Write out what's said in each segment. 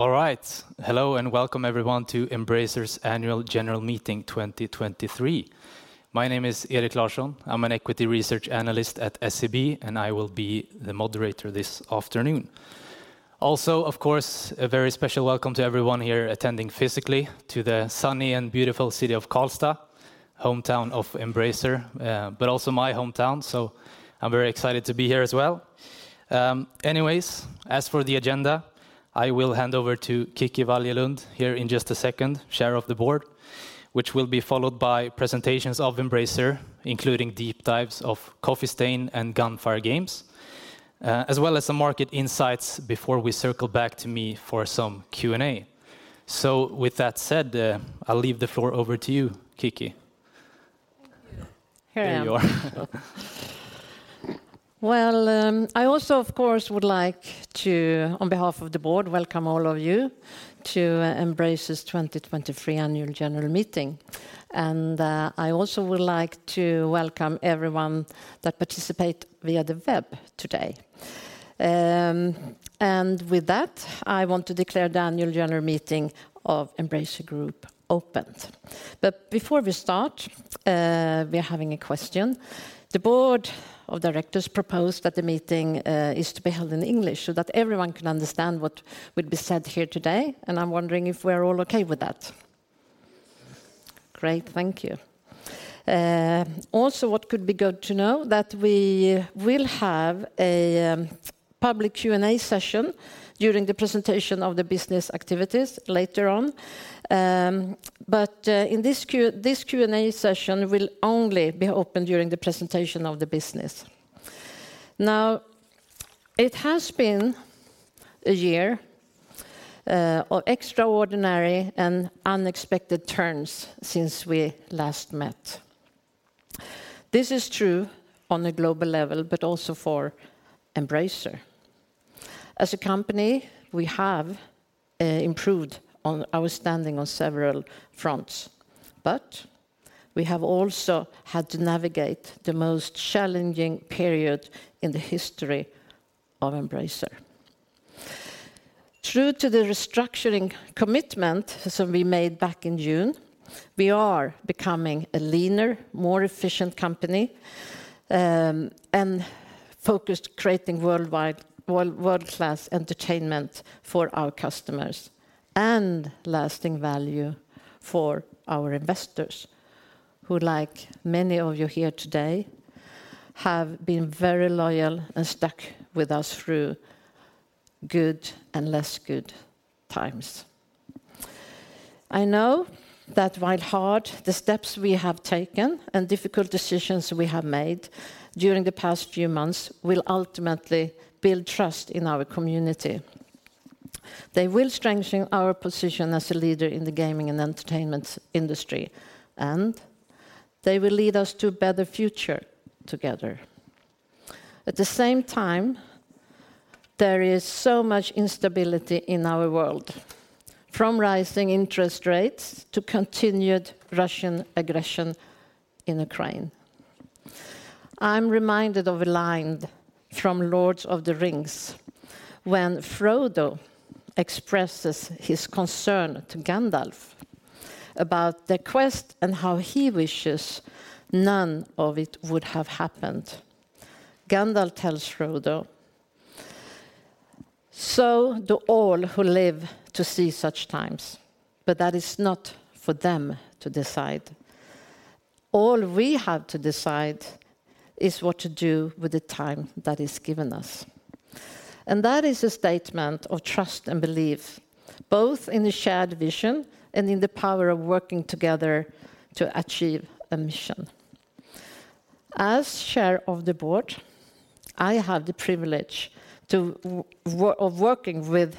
All right. Hello, and welcome everyone to Embracer's Annual General Meeting 2023. My name is Erik Larsson. I'm an equity research analyst at SEB, and I will be the moderator this afternoon. Also, of course, a very special welcome to everyone here attending physically to the sunny and beautiful city of Karlstad, hometown of Embracer, but also my hometown, so I'm very excited to be here as well. Anyways, as for the agenda, I will hand over to Kicki Wallje-Lund here in just a second, Chair of the Board, which will be followed by presentations of Embracer, including deep dives of Coffee Stain and Gunfire Games, as well as some market insights before we circle back to me for some Q&A. So with that said, I'll leave the floor over to you, Kicki. Here I am. There you are. Well, I also, of course, would like to, on behalf of the board, welcome all of you to Embracer's 2023 Annual General Meeting, and I also would like to welcome everyone that participate via the web today. And with that, I want to declare the Annual General Meeting of Embracer Group opened. But before we start, we're having a question. The board of directors proposed that the meeting is to be held in English so that everyone can understand what would be said here today, and I'm wondering if we're all okay with that? Great, thank you. Also, what could be good to know, that we will have a public Q&A session during the presentation of the business activities later on. But in this Q&A session will only be open during the presentation of the business. Now, it has been a year of extraordinary and unexpected turns since we last met. This is true on a global level, but also for Embracer. As a company, we have improved on our standing on several fronts, but we have also had to navigate the most challenging period in the history of Embracer. True to the restructuring commitment that we made back in June, we are becoming a leaner, more efficient company, and focused on creating world-class entertainment for our customers, and lasting value for our investors, who, like many of you here today, have been very loyal and stuck with us through good and less good times. I know that while hard, the steps we have taken and difficult decisions we have made during the past few months will ultimately build trust in our community. They will strengthen our position as a leader in the gaming and entertainment industry, and they will lead us to a better future together. At the same time, there is so much instability in our world, from rising interest rates to continued Russian aggression in Ukraine. I'm reminded of a line from The Lord of the Rings, when Frodo expresses his concern to Gandalf about the quest and how he wishes none of it would have happened. Gandalf tells Frodo: "So do all who live to see such times, but that is not for them to decide. All we have to decide is what to do with the time that is given us." And that is a statement of trust and belief, both in the shared vision and in the power of working together to achieve a mission. As chair of the board, I have the privilege of working with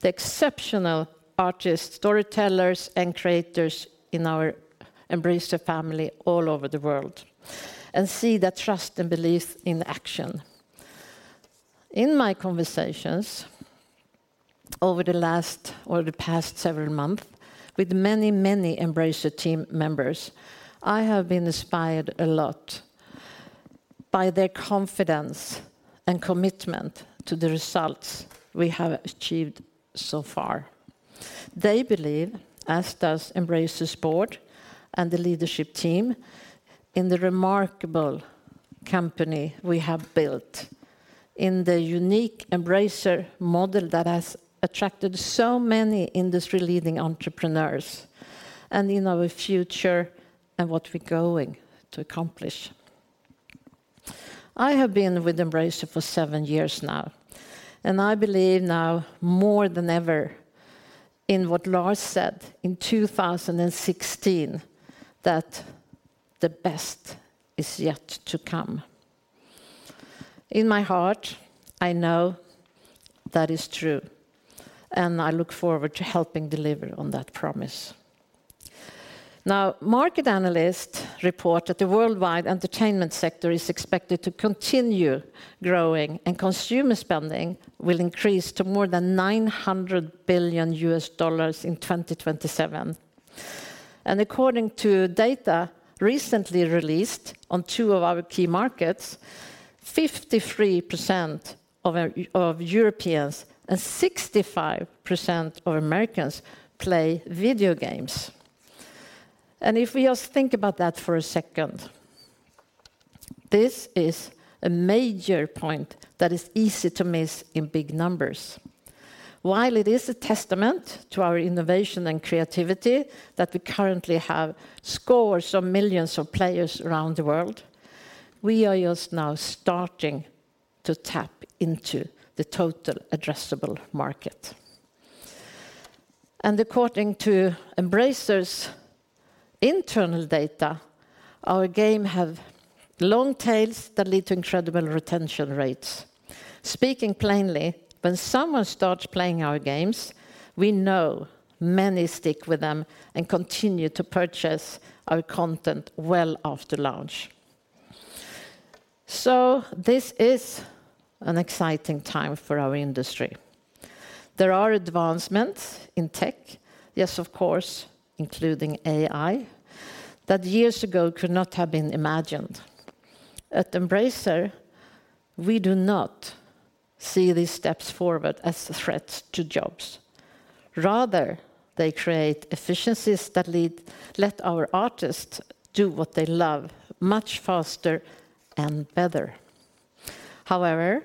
the exceptional artists, storytellers, and creators in our Embracer family all over the world, and see that trust and belief in action. In my conversations over the last, over the past several months with many, many Embracer team members, I have been inspired a lot by their confidence and commitment to the results we have achieved so far. They believe, as does Embracer's board and the leadership team, in the remarkable company we have built, in the unique Embracer model that has attracted so many industry-leading entrepreneurs, and in our future and what we're going to accomplish. I have been with Embracer for seven years now, and I believe now more than ever in what Lars said in 2016, that the best is yet to come. In my heart, I know that is true, and I look forward to helping deliver on that promise. Now, market analysts report that the worldwide entertainment sector is expected to continue growing, and consumer spending will increase to more than $900 billion in 2027. And according to data recently released on two of our key markets, 53% of Europeans and 65% of Americans play video games. And If we just think about that for a second, this is a major point that is easy to miss in big numbers. While it is a testament to our innovation and creativity that we currently have scores of millions of players around the world, we are just now starting to tap into the total addressable market. And according to Embracer's internal data, our game have long tails that lead to incredible retention rates. Speaking plainly, when someone starts playing our games, we know many stick with them and continue to purchase our content well after launch. So this is an exciting time for our industry. There are advancements in tech, yes, of course, including AI, that years ago could not have been imagined. At Embracer, we do not see these steps forward as threats to jobs. Rather, they create efficiencies that let our artists do what they love much faster and better. However,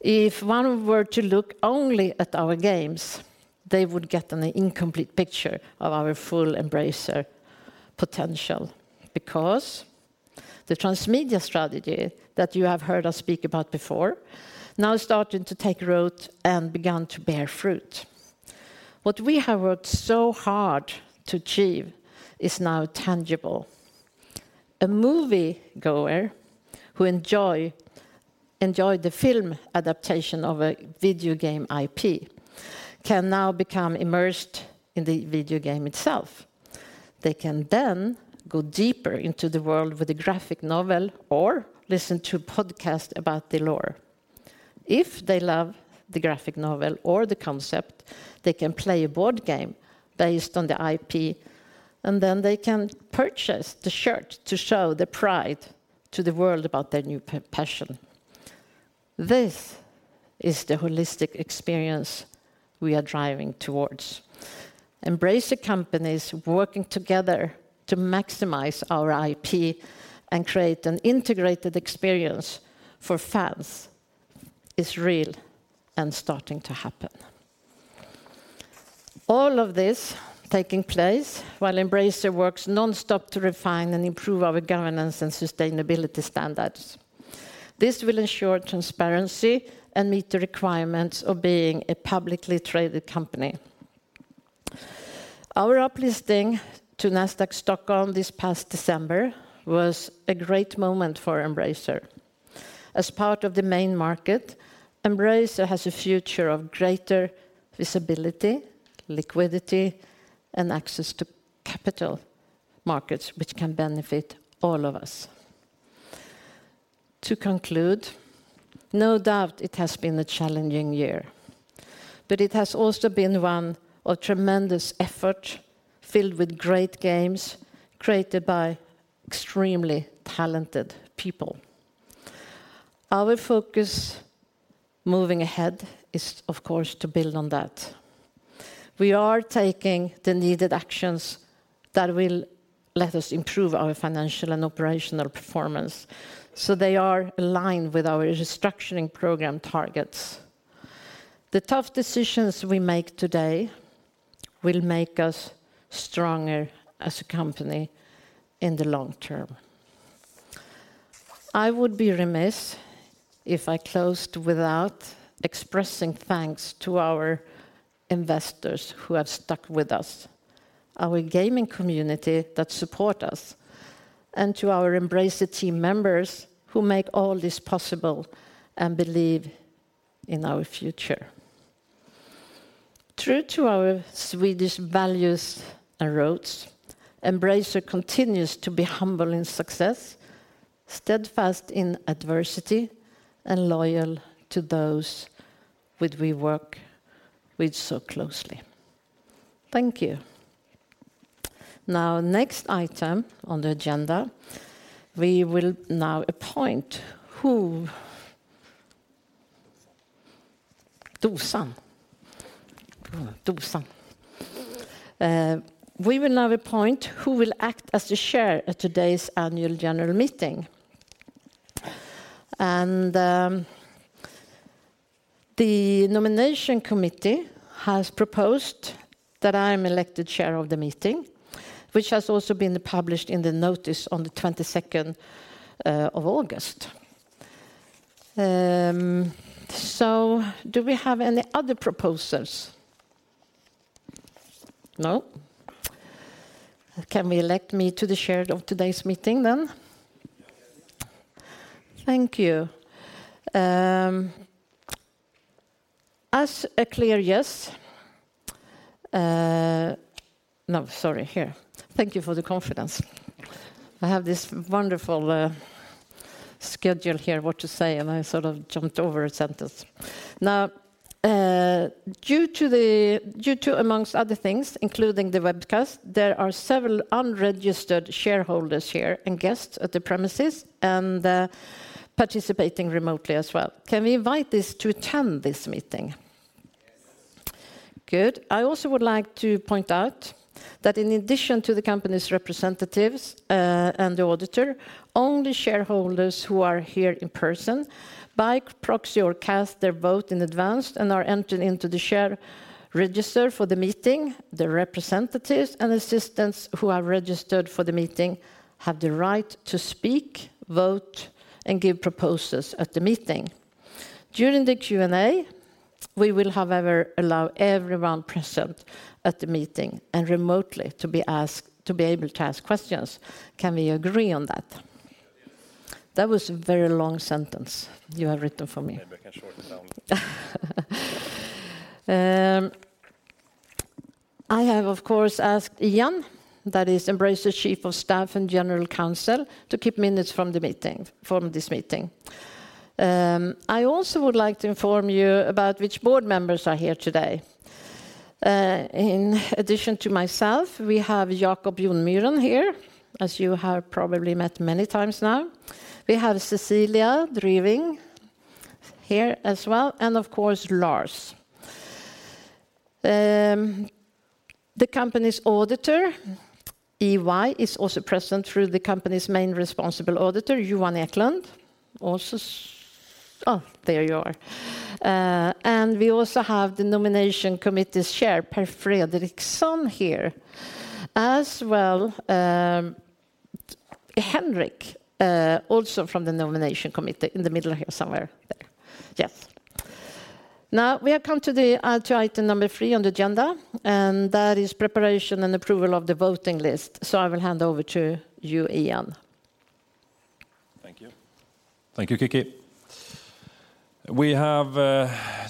if one were to look only at our games, they would get an incomplete picture of our full Embracer potential, because the transmedia strategy that you have heard us speak about before, now is starting to take root and begun to bear fruit. What we have worked so hard to achieve is now tangible. A moviegoer who enjoys the film adaptation of a video game IP can now become immersed in the video game itself. They can then go deeper into the world with a graphic novel or listen to a podcast about the lore. If they love the graphic novel or the concept, they can play a board game based on the IP, and then they can purchase the shirt to show the pride to the world about their new passion. This is the holistic experience we are driving toward. Embracer companies working together to maximize our IP and create an integrated experience for fans is real and starting to happen. All of this taking place while Embracer works nonstop to refine and improve our governance and sustainability standards. This will ensure transparency and meet the requirements of being a publicly traded company. Our uplisting to Nasdaq Stockholm this past December was a great moment for Embracer. As part of the main market, Embracer has a future of greater visibility, liquidity, and access to capital markets, which can benefit all of us. To conclude, no doubt it has been a challenging year, but it has also been one of tremendous effort, filled with great games, created by extremely talented people. Our focus moving ahead is, of course, to build on that. We are taking the needed actions that will let us improve our financial and operational performance, so they are aligned with our restructuring program targets. The tough decisions we make today will make us stronger as a company in the long term. I would be remiss if I closed without expressing thanks to our investors who have stuck with us, our gaming community that support us, and to our Embracer team members who make all this possible and believe in our future. True to our Swedish values and roots, Embracer continues to be humble in success, steadfast in adversity, and loyal to those which we work with so closely. Thank you. Now, next item on the agenda, we will now appoint who will act as the chair at today's annual general meeting. And the nomination committee has proposed that I am elected chair of the meeting, which has also been published in the notice on the August 22nd. So do we have any other proposals? No. Can we elect me to the chair of today's meeting, then? Yes. Thank you. As a clear yes. No, sorry, here. Thank you for the confidence. I have this wonderful schedule here what to say, and I sort of jumped over a sentence. Now, due to, due to among other things, including the webcast, there are several unregistered shareholders here and guests at the premises, and participating remotely as well. Can we invite this to attend this meeting? Yes. Good. I also would like to point out that in addition to the company's representatives and the auditor, only shareholders who are here in person by proxy or cast their vote in advance and are entered into the share register for the meeting, the representatives and assistants who are registered for the meeting have the right to speak, vote, and give proposals at the meeting. During the Q&A, we will, however, allow everyone present at the meeting and remotely to be ask, to be able to ask questions. Can we agree on that? Yes. That was a very long sentence you have written for me. Maybe I can shorten down. I have, of course, asked Ian, that is Embracer's Chief of Staff and General Counsel, to keep minutes from the meeting, from this meeting. I also would like to inform you about which board members are here today. In addition to myself, we have Jacob Jonmyren here, as you have probably met many times now. We have Cecilia Driving here as well, and of course, Lars. The company's auditor, EY, is also present through the company's main responsible auditor, Johan Eklund, also... Oh, there you are. And we also have the Nomination Committee Chair, Per Fredriksson, here. As well, Henrik, also from the Nomination Committee in the middle here, somewhere there. Yes. Now, we have come to the item number three on the agenda, and that is preparation and approval of the voting list, so I will hand over to you, Ian. Thank you. Thank you, Kicki. We have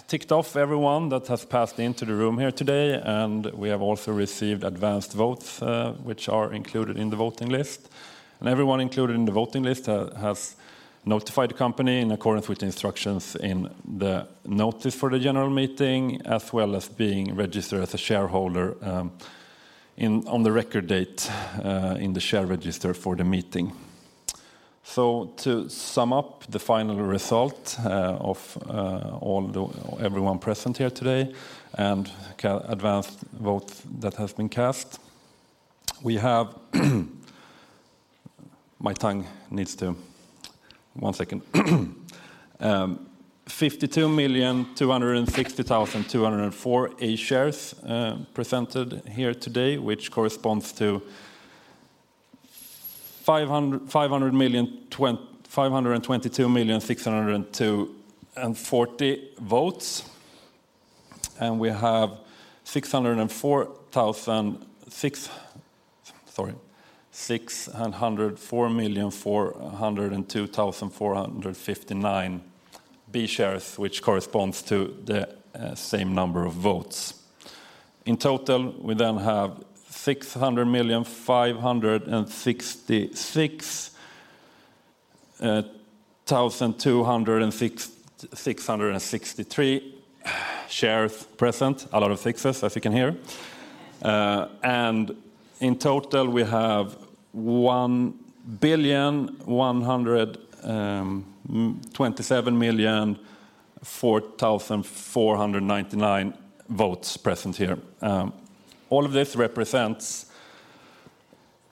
ticked off everyone that has passed into the room here today, and we have also received advanced votes, which are included in the voting list. Everyone included in the voting list has notified the company in accordance with the instructions in the notice for the general meeting, as well as being registered as a shareholder, on the record date, in the share register for the meeting. So to sum up the final result, of all everyone present here today and advanced votes that has been cast, we have, my tongue needs to... One second. 52,260,204 A shares presented here today, which corresponds to 3,022,000,642 votes. We have 604,402,459 B shares, which corresponds to the same number of votes. In total, we then have 600,566,263 shares present. A lot of sixes, as you can hear. In total, we have 1,127,004,499 votes present here. All of this represents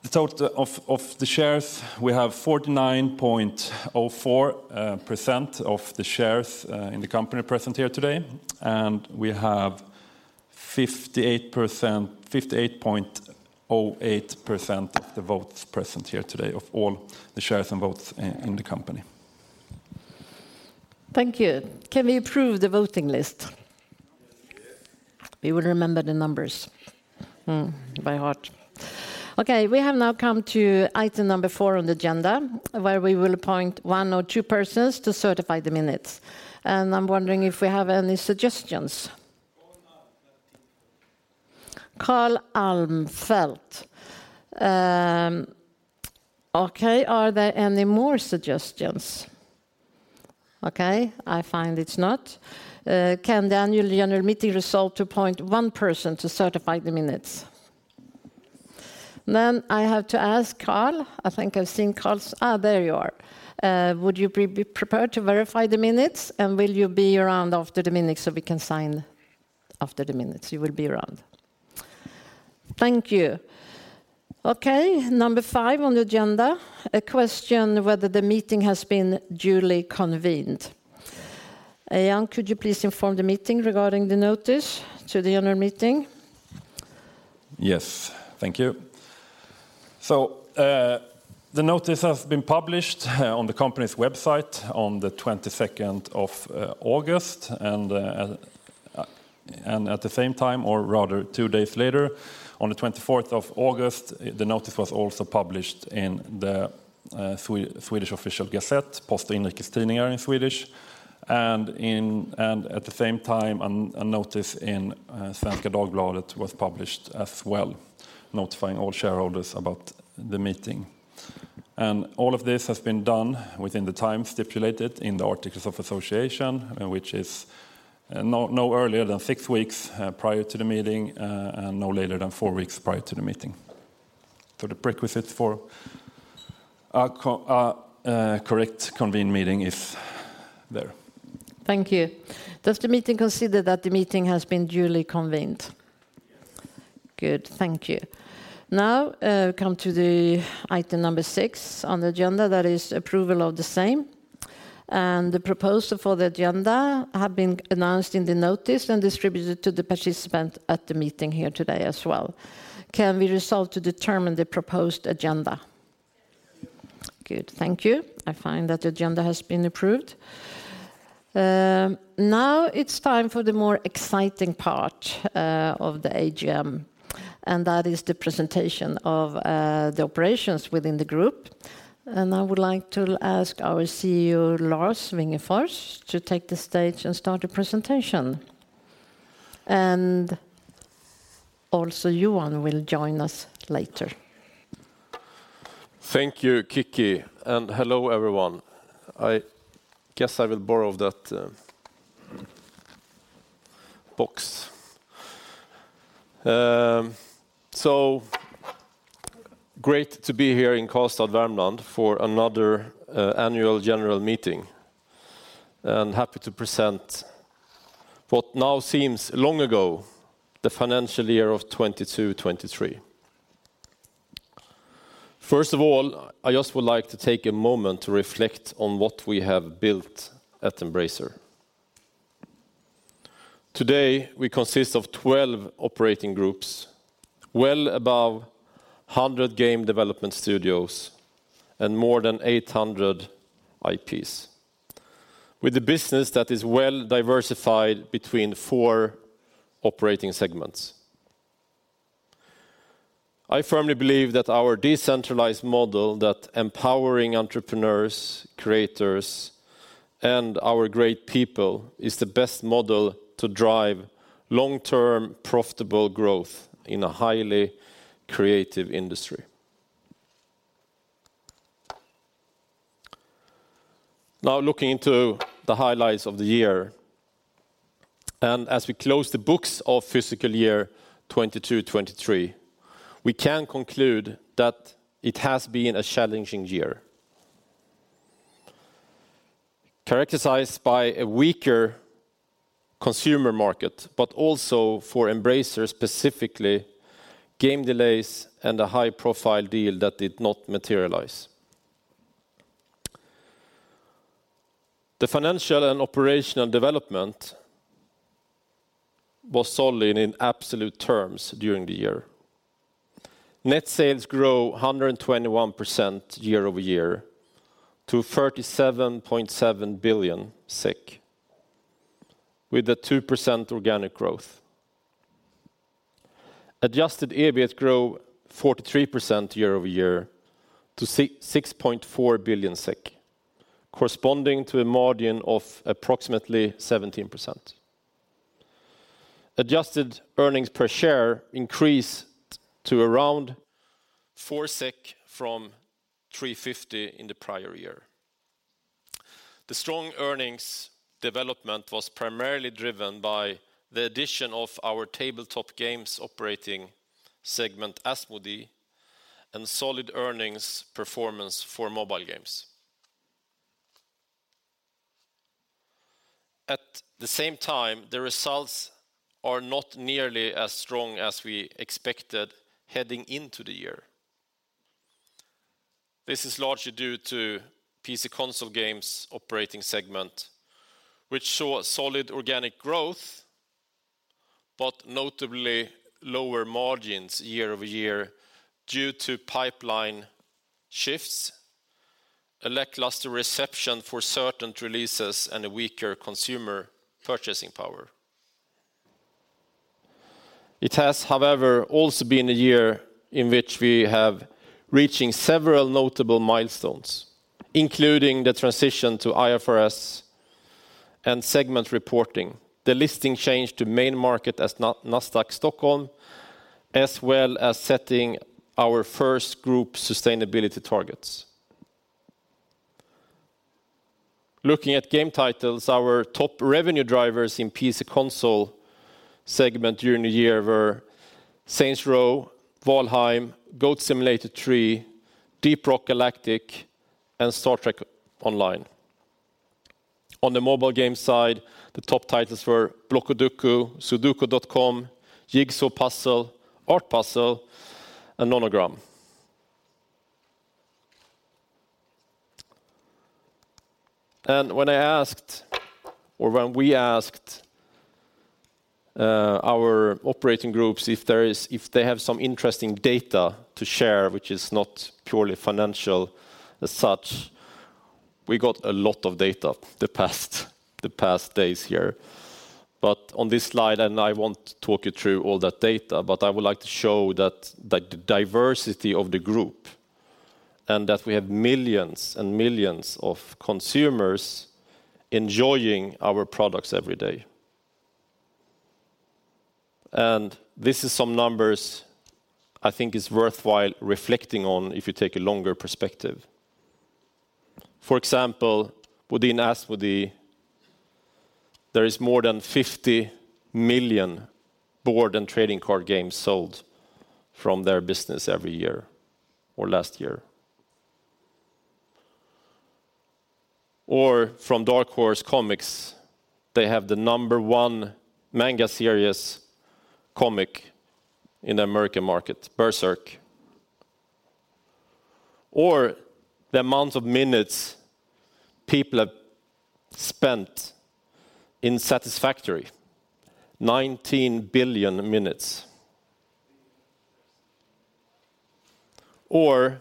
the total of the shares. We have 49.04% of the shares in the company present here today, and we have 58%, 58.08% of the votes present here today of all the shares and votes in the company. Thank you. Can we approve the voting list? Yes. We will remember the numbers by heart. Okay, we have now come to item number 4 on the agenda, where we will appoint one or two persons to certify the minutes. I'm wondering if we have any suggestions? Carl Almfelt. Carl Armfelt. Okay. Are there any more suggestions? Okay, I find it's not. Can the annual general meeting resolve to appoint one person to certify the minutes? Then I have to ask Carl. I think I've seen Carl's... Ah, there you are. Would you be prepared to verify the minutes, and will you be around after the minutes so we can sign after the minutes? You will be around. Thank you. Okay, number five on the agenda, a question whether the meeting has been duly convened. Ian, could you please inform the meeting regarding the notice to the annual general meeting? Yes. Thank you. So the notice has been published on the company's website on the August 22nd, and at the same time, or rather two days later, on the August 24th, the notice was also published in the Swedish Official Gazette, Post- och Inrikes Tidningar in Swedish. At the same time, a notice in Svenska Dagbladet was published as well, notifying all shareholders about the meeting. All of this has been done within the time stipulated in the Articles of Association, which is no earlier than six weeks prior to the meeting, and no later than four weeks prior to the meeting. The prerequisite for a correct convened meeting is there. Thank you. Does the meeting consider that the meeting has been duly convened? Yes. Good, thank you. Now, come to the item number six on the agenda, that is approval of the same. and the proposal for the agenda have been announced in the notice and distributed to the participants at the meeting here today as well. Can we resolve to determine the proposed agenda? Yes. Good, thank you. I find that the agenda has been approved. Now it's time for the more exciting part of the AGM, and that is the presentation of the operations within the group. I would like to ask our CEO, Lars Wingefors, to take the stage and start the presentation. And also, Johan will join us later. Thank you, Kicki, and hello, everyone. I guess I will borrow that box. So great to be here in Karlstad, Värmland, for another annual general meeting, and happy to present what now seems long ago, the financial year of 2022-2023. First of all, I just would like to take a moment to reflect on what we have built at Embracer. Today, we consist of 12 operating groups, well above 100 game development studios, and more than 800 IPs, with a business that is well diversified between four operating segments. I firmly believe that our decentralized model that empowering entrepreneurs, creators, and our great people is the best model to drive long-term, profitable growth in a highly creative industry. Now, looking into the highlights of the year, and as we close the books of fiscal year 2022-2023, we can conclude that it has been a challenging year. Characterized by a weaker consumer market, but also for Embracer, specifically, game delays and a high-profile deal that did not materialize. The financial and operational development was solid in absolute terms during the year. Net sales grew 121% year-over-year to SEK 37.7 billion, with a 2% organic growth. Adjusted EBIT grew 43% year-over-year to 6.4 billion SEK, corresponding to a margin of approximately 17%. Adjusted earnings per share increased to around 4 SEK from 3.50 in the prior year. The strong earnings development was primarily driven by the addition of our tabletop games operating segment, Asmodee, and solid earnings performance for mobile games. At the same time, the results are not nearly as strong as we expected heading into the year. This is largely due to PC console games operating segment, which saw solid organic growth, but notably lower margins year-over-year due to pipeline shifts, a lackluster reception for certain releases, and a weaker consumer purchasing power. It has, however, also been a year in which we have reaching several notable milestones, including the transition to IFRS and segment reporting, the listing change to main market as Nasdaq Stockholm, as well as setting our first group sustainability targets. Looking at game titles, our top revenue drivers in PC console segment during the year were Saints Row, Valheim, Goat Simulator 3, Deep Rock Galactic, and Star Trek Online. On the mobile game side, the top titles were Blockudoku, Sudoku.com, Jigsaw Puzzle, Art Puzzle, and Nonogram. And when I asked, or when we asked, our operating groups if they have some interesting data to share, which is not purely financial as such, we got a lot of data the past, the past days here. On this slide, and I won't talk you through all that data, but I would like to show that the diversity of the group... and that we have millions and millions of consumers enjoying our products every day. And this is some numbers I think is worthwhile reflecting on if you take a longer perspective. For example, within Asmodee, there is more than 50 million board and trading card games sold from their business every year, or last year. Or from Dark Horse Comics, they have the number one manga series comic in the American market, Berserk. Or the amount of minutes people have spent in Satisfactory, 19 billion minutes. Or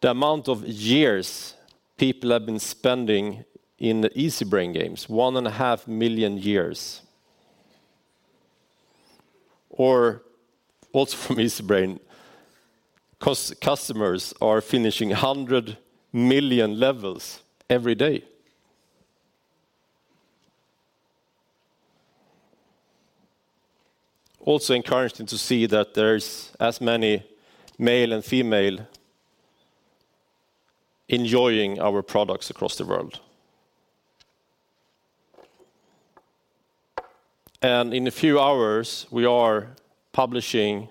the amount of years people have been spending in the Easybrain games, 1.5 million years. Or also from Easybrain, customers are finishing 100 million levels every day. Also encouraging to see that there's as many male and female enjoying our products across the world. And in a few hours, we are publishing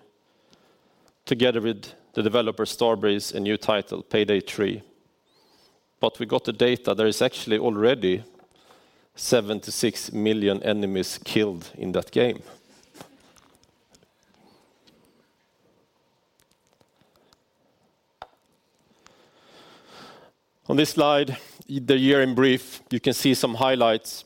together with the developer Starbreeze, a new title, PAYDAY 3. But we got the data, there is actually already 76 million enemies killed in that game. On this slide, the year in brief, you can see some highlights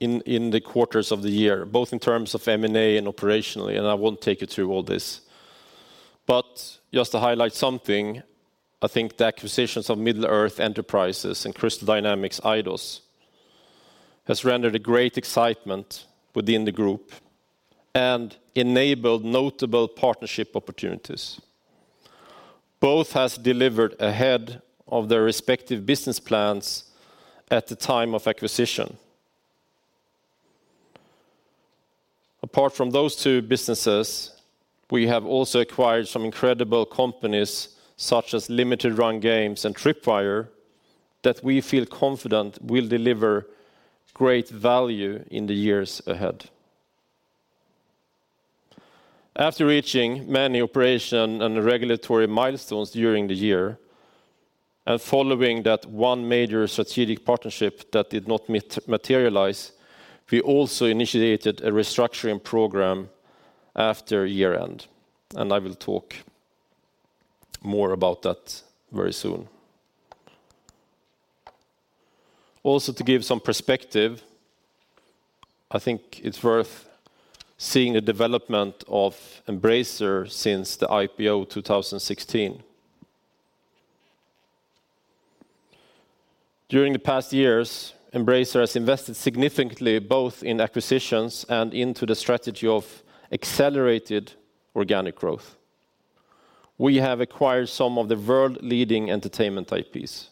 in, in the quarters of the year, both in terms of M&A and operationally, and I won't take you through all this. But just to highlight something, I think the acquisitions of Middle-earth Enterprises and Crystal Dynamics, Eidos, has rendered a great excitement within the group and enabled notable partnership opportunities. Both has delivered ahead of their respective business plans at the time of acquisition. Apart from those two businesses, we have also acquired some incredible companies, such as Limited Run Games and Tripwire, that we feel confident will deliver great value in the years ahead. After reaching many operation and regulatory milestones during the year, and following that one major strategic partnership that did not materialize, we also initiated a restructuring program after year-end, and I will talk more about that very soon. Also, to give some perspective, I think it's worth seeing the development of Embracer since the IPO 2016. During the past years, Embracer has invested significantly, both in acquisitions and into the strategy of accelerated organic growth. We have acquired some of the world-leading entertainment IPs.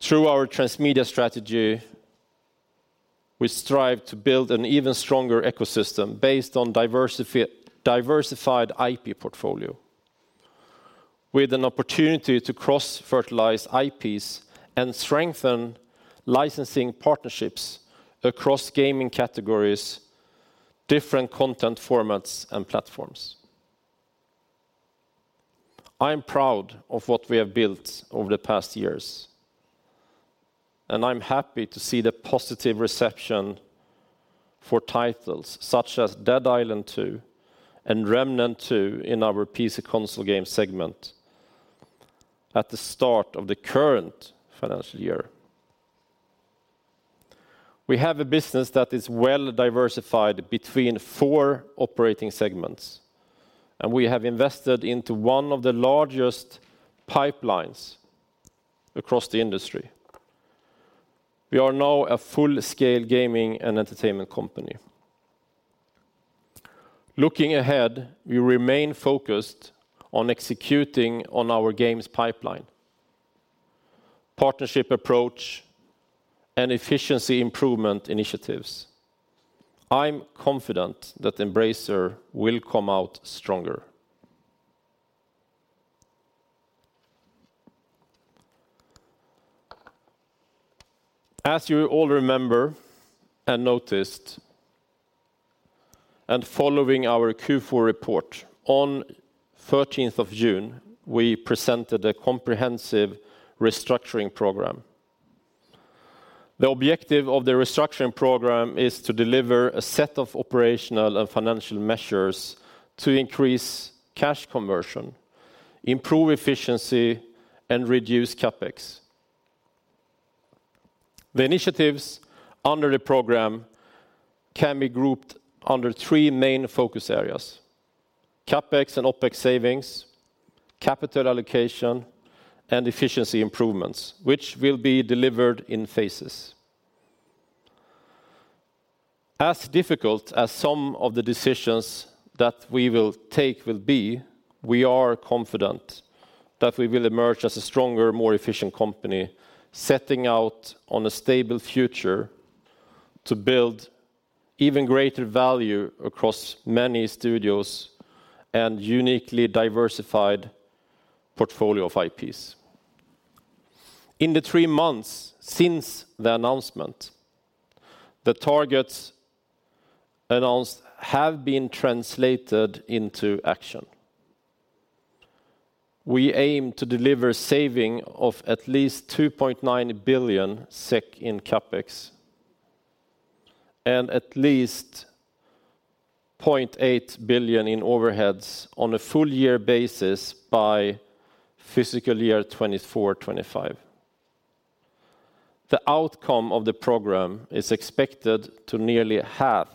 Through our transmedia strategy, we strive to build an even stronger ecosystem based on diversified IP portfolio, with an opportunity to cross-fertilize IPs and strengthen licensing partnerships across gaming categories, different content formats, and platforms. I am proud of what we have built over the past years, and I'm happy to see the positive reception for titles such as Dead Island 2 and Remnant II in our PC console game segment at the start of the current financial year. We have a business that is well diversified between four operating segments, and we have invested into one of the largest pipelines across the industry. We are now a full-scale gaming and entertainment company. Looking ahead, we remain focused on executing on our games pipeline, partnership approach, and efficiency improvement initiatives. I'm confident that Embracer will come out stronger. As you all remember and noticed, and following our Q4 report, on June 13th, we presented a comprehensive restructuring program. The objective of the restructuring program is to deliver a set of operational and financial measures to increase cash conversion, improve efficiency, and reduce CapEx. The initiatives under the program can be grouped under three main focus areas: CapEx and OpEx savings, capital allocation, and efficiency improvements, which will be delivered in phases.... As difficult as some of the decisions that we will take will be, we are confident that we will emerge as a stronger, more efficient company, setting out on a stable future to build even greater value across many studios and uniquely diversified portfolio of IPs. In the three months since the announcement, the targets announced have been translated into action. We aim to deliver savings of at least 2.9 billion SEK in CapEx, and at least 0.8 billion in overheads on a full year basis by fiscal year 2024-2025. The outcome of the program is expected to nearly half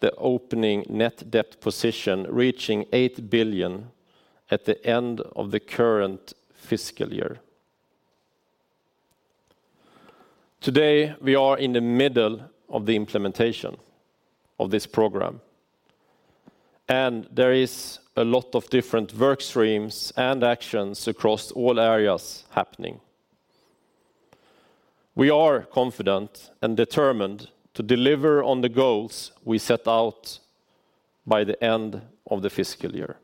the opening net debt position, reaching 8 billion at the end of the current fiscal year. Today, we are in the middle of the implementation of this program, and there is a lot of different work streams and actions across all areas happening. We are confident and determined to deliver on the goals we set out by the end of the fiscal year.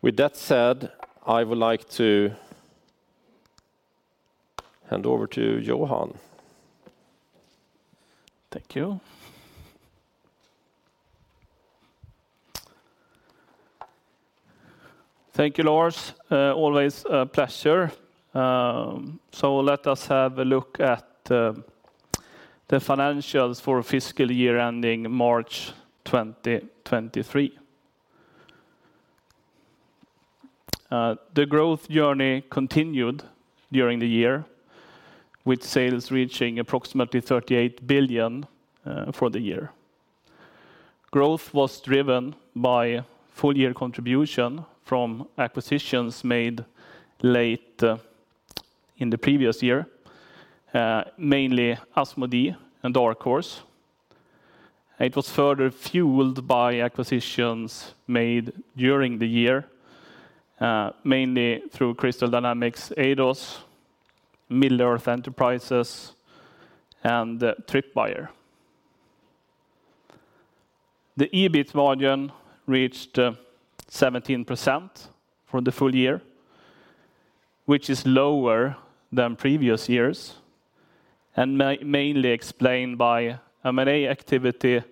With that said, I would like to hand over to Johan. Thank you. Thank you, Lars. Always a pleasure. So let us have a look at the financials for fiscal year ending March 2023. The growth journey continued during the year, with sales reaching approximately 38 billion for the year. Growth was driven by full year contribution from acquisitions made late in the previous year, mainly Asmodee and Dark Horse. It was further fueled by acquisitions made during the year, mainly through Crystal Dynamics, Eidos, Middle-earth Enterprises, and Tripwire. The EBIT margin reached 17% for the full year, which is lower than previous years, and mainly explained by M&A activity,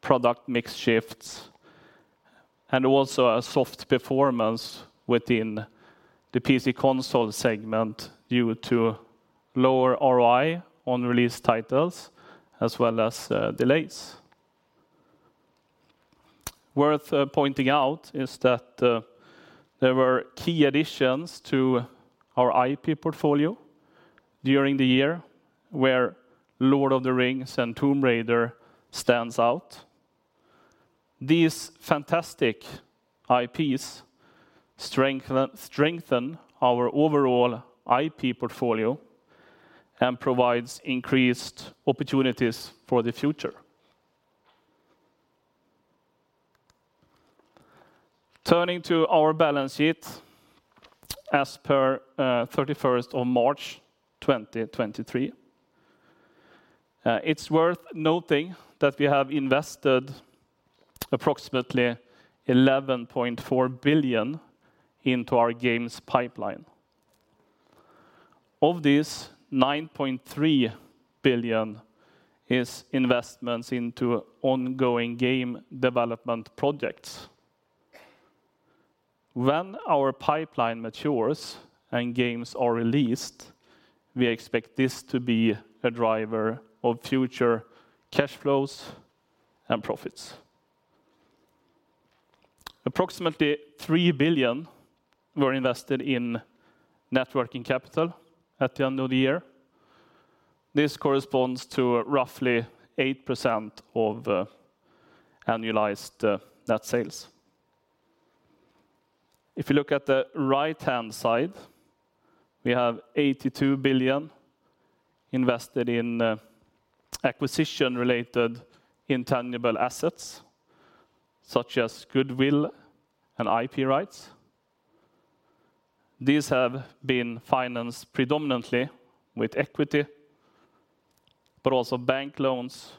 product mix shifts, and also a soft performance within the PC console segment due to lower ROI on release titles, as well as delays. Worth pointing out is that there were key additions to our IP portfolio during the year, where Lord of the Rings and Tomb Raider stands out. These fantastic IPs strengthen, strengthen our overall IP portfolio and provides increased opportunities for the future. Turning to our balance sheet as per March 31st, 2023. It's worth noting that we have invested approximately 11.4 billion into our games pipeline. Of these, 9.3 billion is investments into ongoing game development projects. When our pipeline matures and games are released, we expect this to be a driver of future cash flows and profits. Approximately 3 billion were invested in networking capital at the end of the year. This corresponds to roughly 8% of annualized net sales. If you look at the right-hand side, we have 82 billion invested in acquisition-related intangible assets, such as goodwill and IP rights. These have been financed predominantly with equity, but also bank loans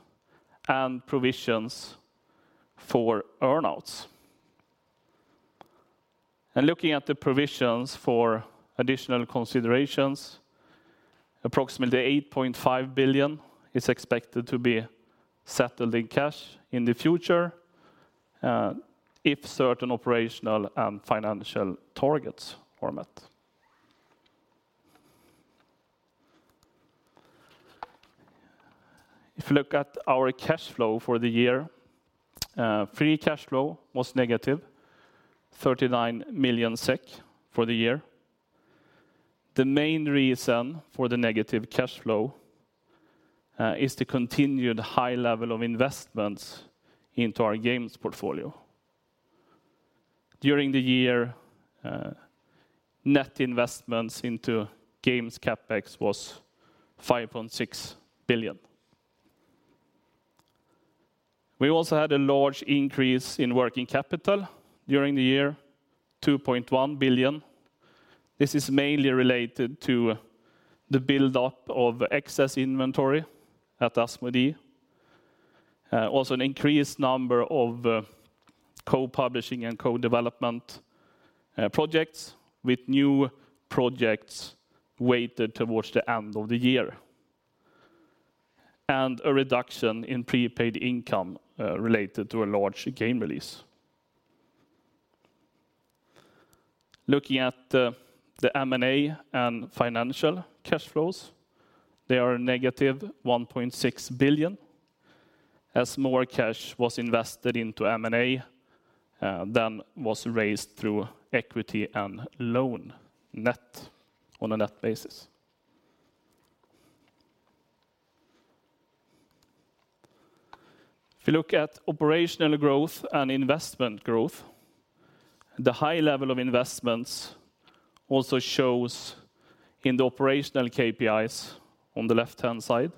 and provisions for earn-outs. And looking at the provisions for additional considerations, approximately 8.5 billion is expected to be settled in cash in the future, if certain operational and financial targets are met. If you look at our cash flow for the year, free cash flow was -39 million SEK for the year. The main reason for the negative cash flow is the continued high level of investments into our games portfolio. During the year, net investments into games CapEx was 5.6 billion. We also had a large increase in working capital during the year, 2.1 billion. This is mainly related to the build-up of excess inventory at Asmodee. Also an increased number of co-publishing and co-development projects, with new projects weighted towards the end of the year, and a reduction in prepaid income related to a large game release. Looking at the M&A and financial cash flows, they are -1.6 billion, as more cash was invested into M&A than was raised through equity and loan, net, on a net basis. If you look at operational growth and investment growth, the high level of investments also shows in the operational KPIs on the left-hand side.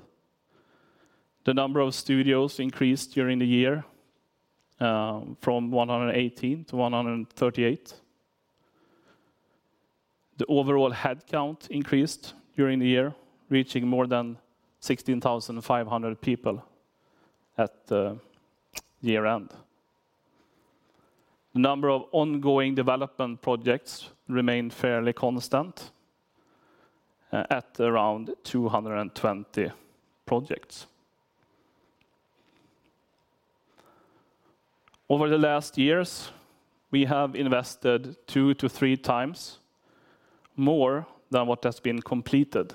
The number of studios increased during the year from 118 to 138. The overall headcount increased during the year, reaching more than 16,500 people at the year-end. The number of ongoing development projects remained fairly constant, at around 220 projects. Over the last years, we have invested 2-3 times more than what has been completed,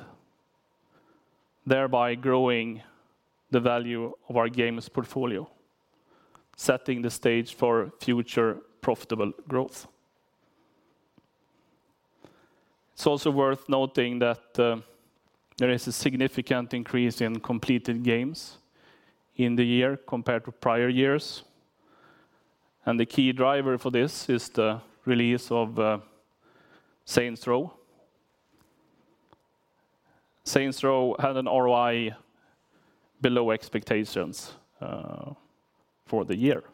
thereby growing the value of our games portfolio, setting the stage for future profitable growth. It's also worth noting that, there is a significant increase in completed games in the year compared to prior years, and the key driver for this is the release of, Saints Row. Saints Row had an ROI below expectations, for the year.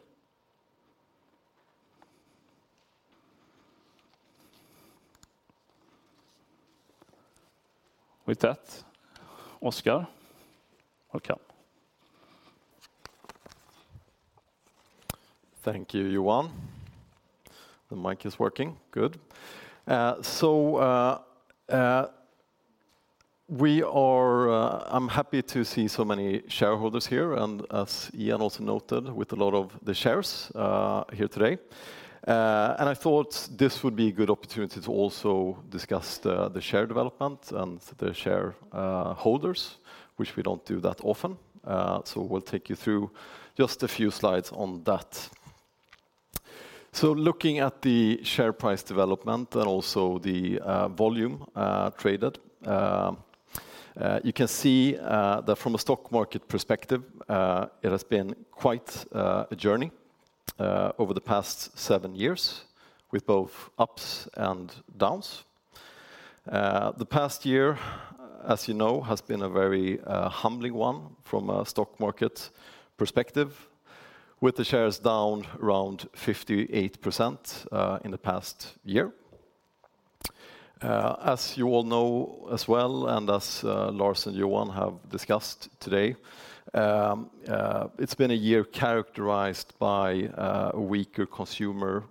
With that, Oscar, welcome. Thank you, Johan. The mic is working, good. So, we are—I'm happy to see so many shareholders here, and as Ian also noted, with a lot of the shares here today. I thought this would be a good opportunity to also discuss the share development and the shareholders, which we don't do that often. So we'll take you through just a few slides on that. So looking at the share price development and also the volume traded, you can see that from a stock market perspective, it has been quite a journey over the past seven years, with both ups and downs. The past year, as you know, has been a very humbling one from a stock market perspective, with the shares down around 58% in the past year. As you all know as well, and as Lars and Johan have discussed today, it's been a year characterized by a weaker consumer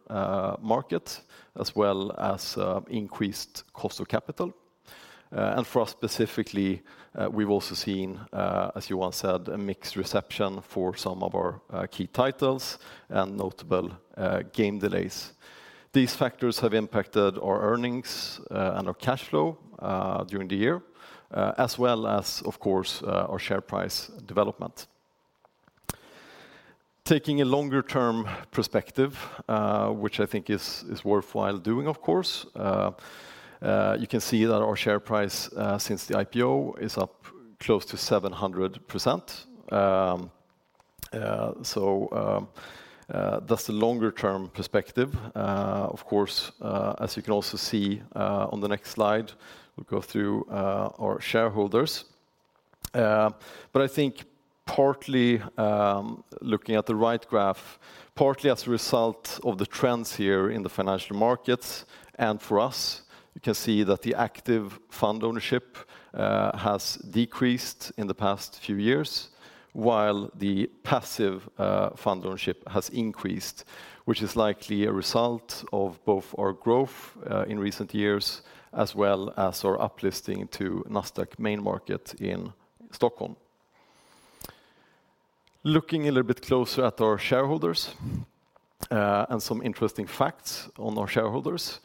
market, as well as increased cost of capital. And for us specifically, we've also seen, as Johan said, a mixed reception for some of our key titles and notable game delays. These factors have impacted our earnings and our cash flow during the year, as well as, of course, our share price development. Taking a longer-term perspective, which I think is worthwhile doing, of course, you can see that our share price since the IPO is up close to 700%. So, that's the longer-term perspective. Of course, as you can also see on the next slide, we'll go through our shareholders. But I think partly, looking at the right graph, partly as a result of the trends here in the financial markets, and for us, you can see that the active fund ownership has decreased in the past few years, while the passive fund ownership has increased, which is likely a result of both our growth in recent years, as well as our uplisting to Nasdaq main market in Stockholm. Looking a little bit closer at our shareholders, and some interesting facts on our shareholders,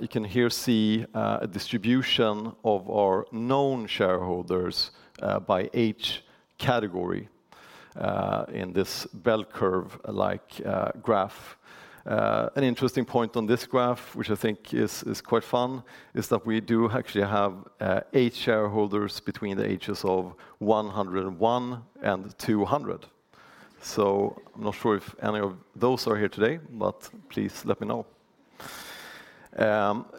you can here see a distribution of our known shareholders by age category in this bell curve-like graph. An interesting point on this graph, which I think is quite fun, is that we do actually have eight shareholders between the ages of 101 and 200. So I'm not sure if any of those are here today, but please let me know.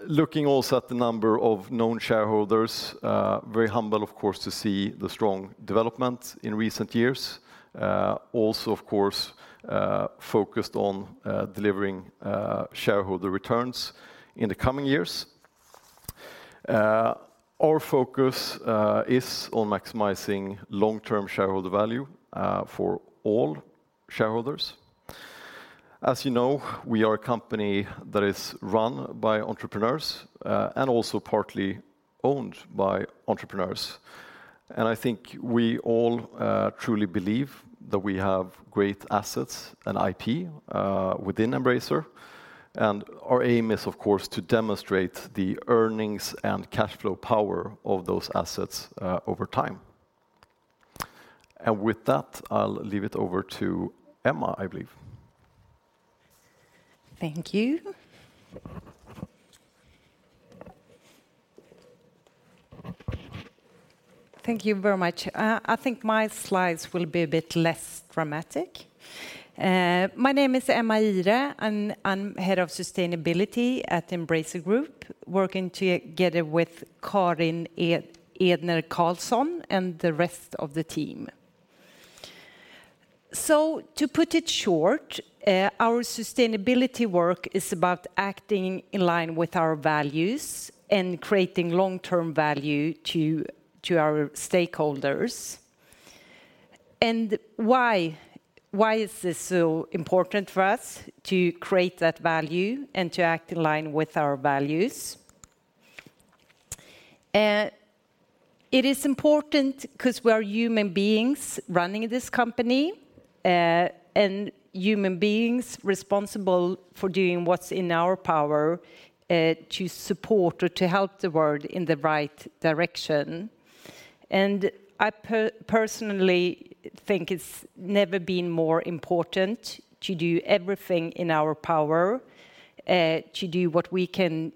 Looking also at the number of known shareholders, very humble, of course, to see the strong development in recent years. Also, of course, focused on delivering shareholder returns in the coming years. Our focus is on maximizing long-term shareholder value for all shareholders. As you know, we are a company that is run by entrepreneurs, and also partly owned by entrepreneurs. And I think we all truly believe that we have great assets and IP within Embracer, and our aim is, of course, to demonstrate the earnings and cash flow power of those assets over time. And with that, I'll leave it over to Emma, I believe. Thank you. Thank you very much. I think my slides will be a bit less dramatic. My name is Emma Ihre, and I'm Head of Sustainability at Embracer Group, working together with Karin Edner-Karlsson and the rest of the team. So to put it short, our sustainability work is about acting in line with our values and creating long-term value to, to our stakeholders. And why? Why is this so important for us to create that value and to act in line with our values? It is important because we are human beings running this company, and human beings responsible for doing what's in our power, to support or to help the world in the right direction. And I personally think it's never been more important to do everything in our power to do what we can,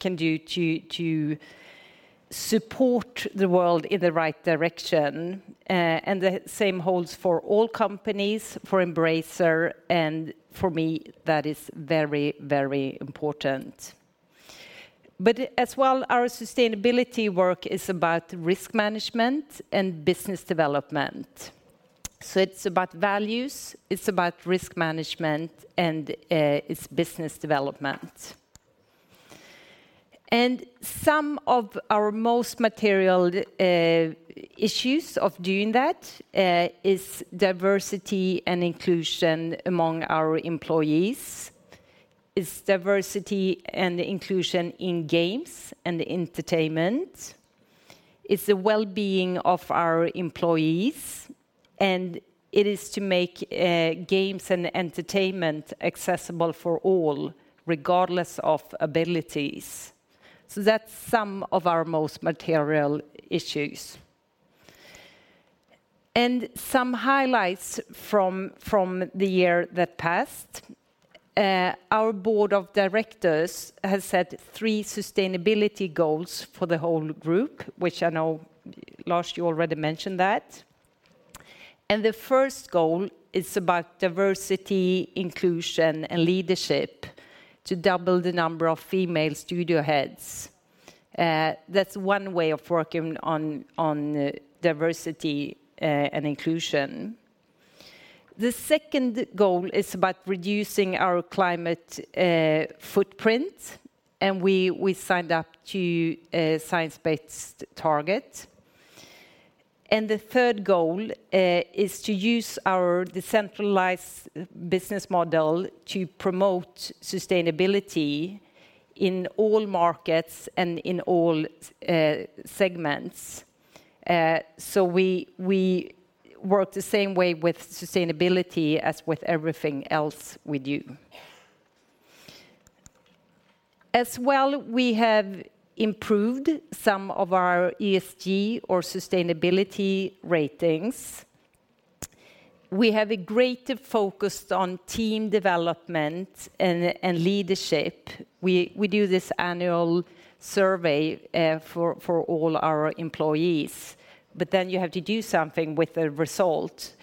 can do to support the world in the right direction. And the same holds for all companies, for Embracer, and for me, that is very, very important. But as well, our sustainability work is about risk management and business development. So it's about values, it's about risk management, and it's business development. And some of our most material issues of doing that is diversity and inclusion among our employees. It's diversity and inclusion in games and entertainment. It's the well-being of our employees, and it is to make games and entertainment accessible for all, regardless of abilities. So that's some of our most material issues. And some highlights from from the year that passed. Our board of directors has set three sustainability goals for the whole group, which I know, Lars, you already mentioned that. And the first goal is about diversity, inclusion, and leadership, to double the number of female studio heads. That's one way of working on diversity and inclusion. The second goal is about reducing our climate footprint, and we signed up to a science-based target. And the third goal is to use our decentralized business model to promote sustainability in all markets and in all segments. So we we work the same way with sustainability as with everything else we do. As well, we have improved some of our ESG or sustainability ratings. We have a greater focus on team development and leadership. We do this annual survey for all our employees, but then you have to do something with the result.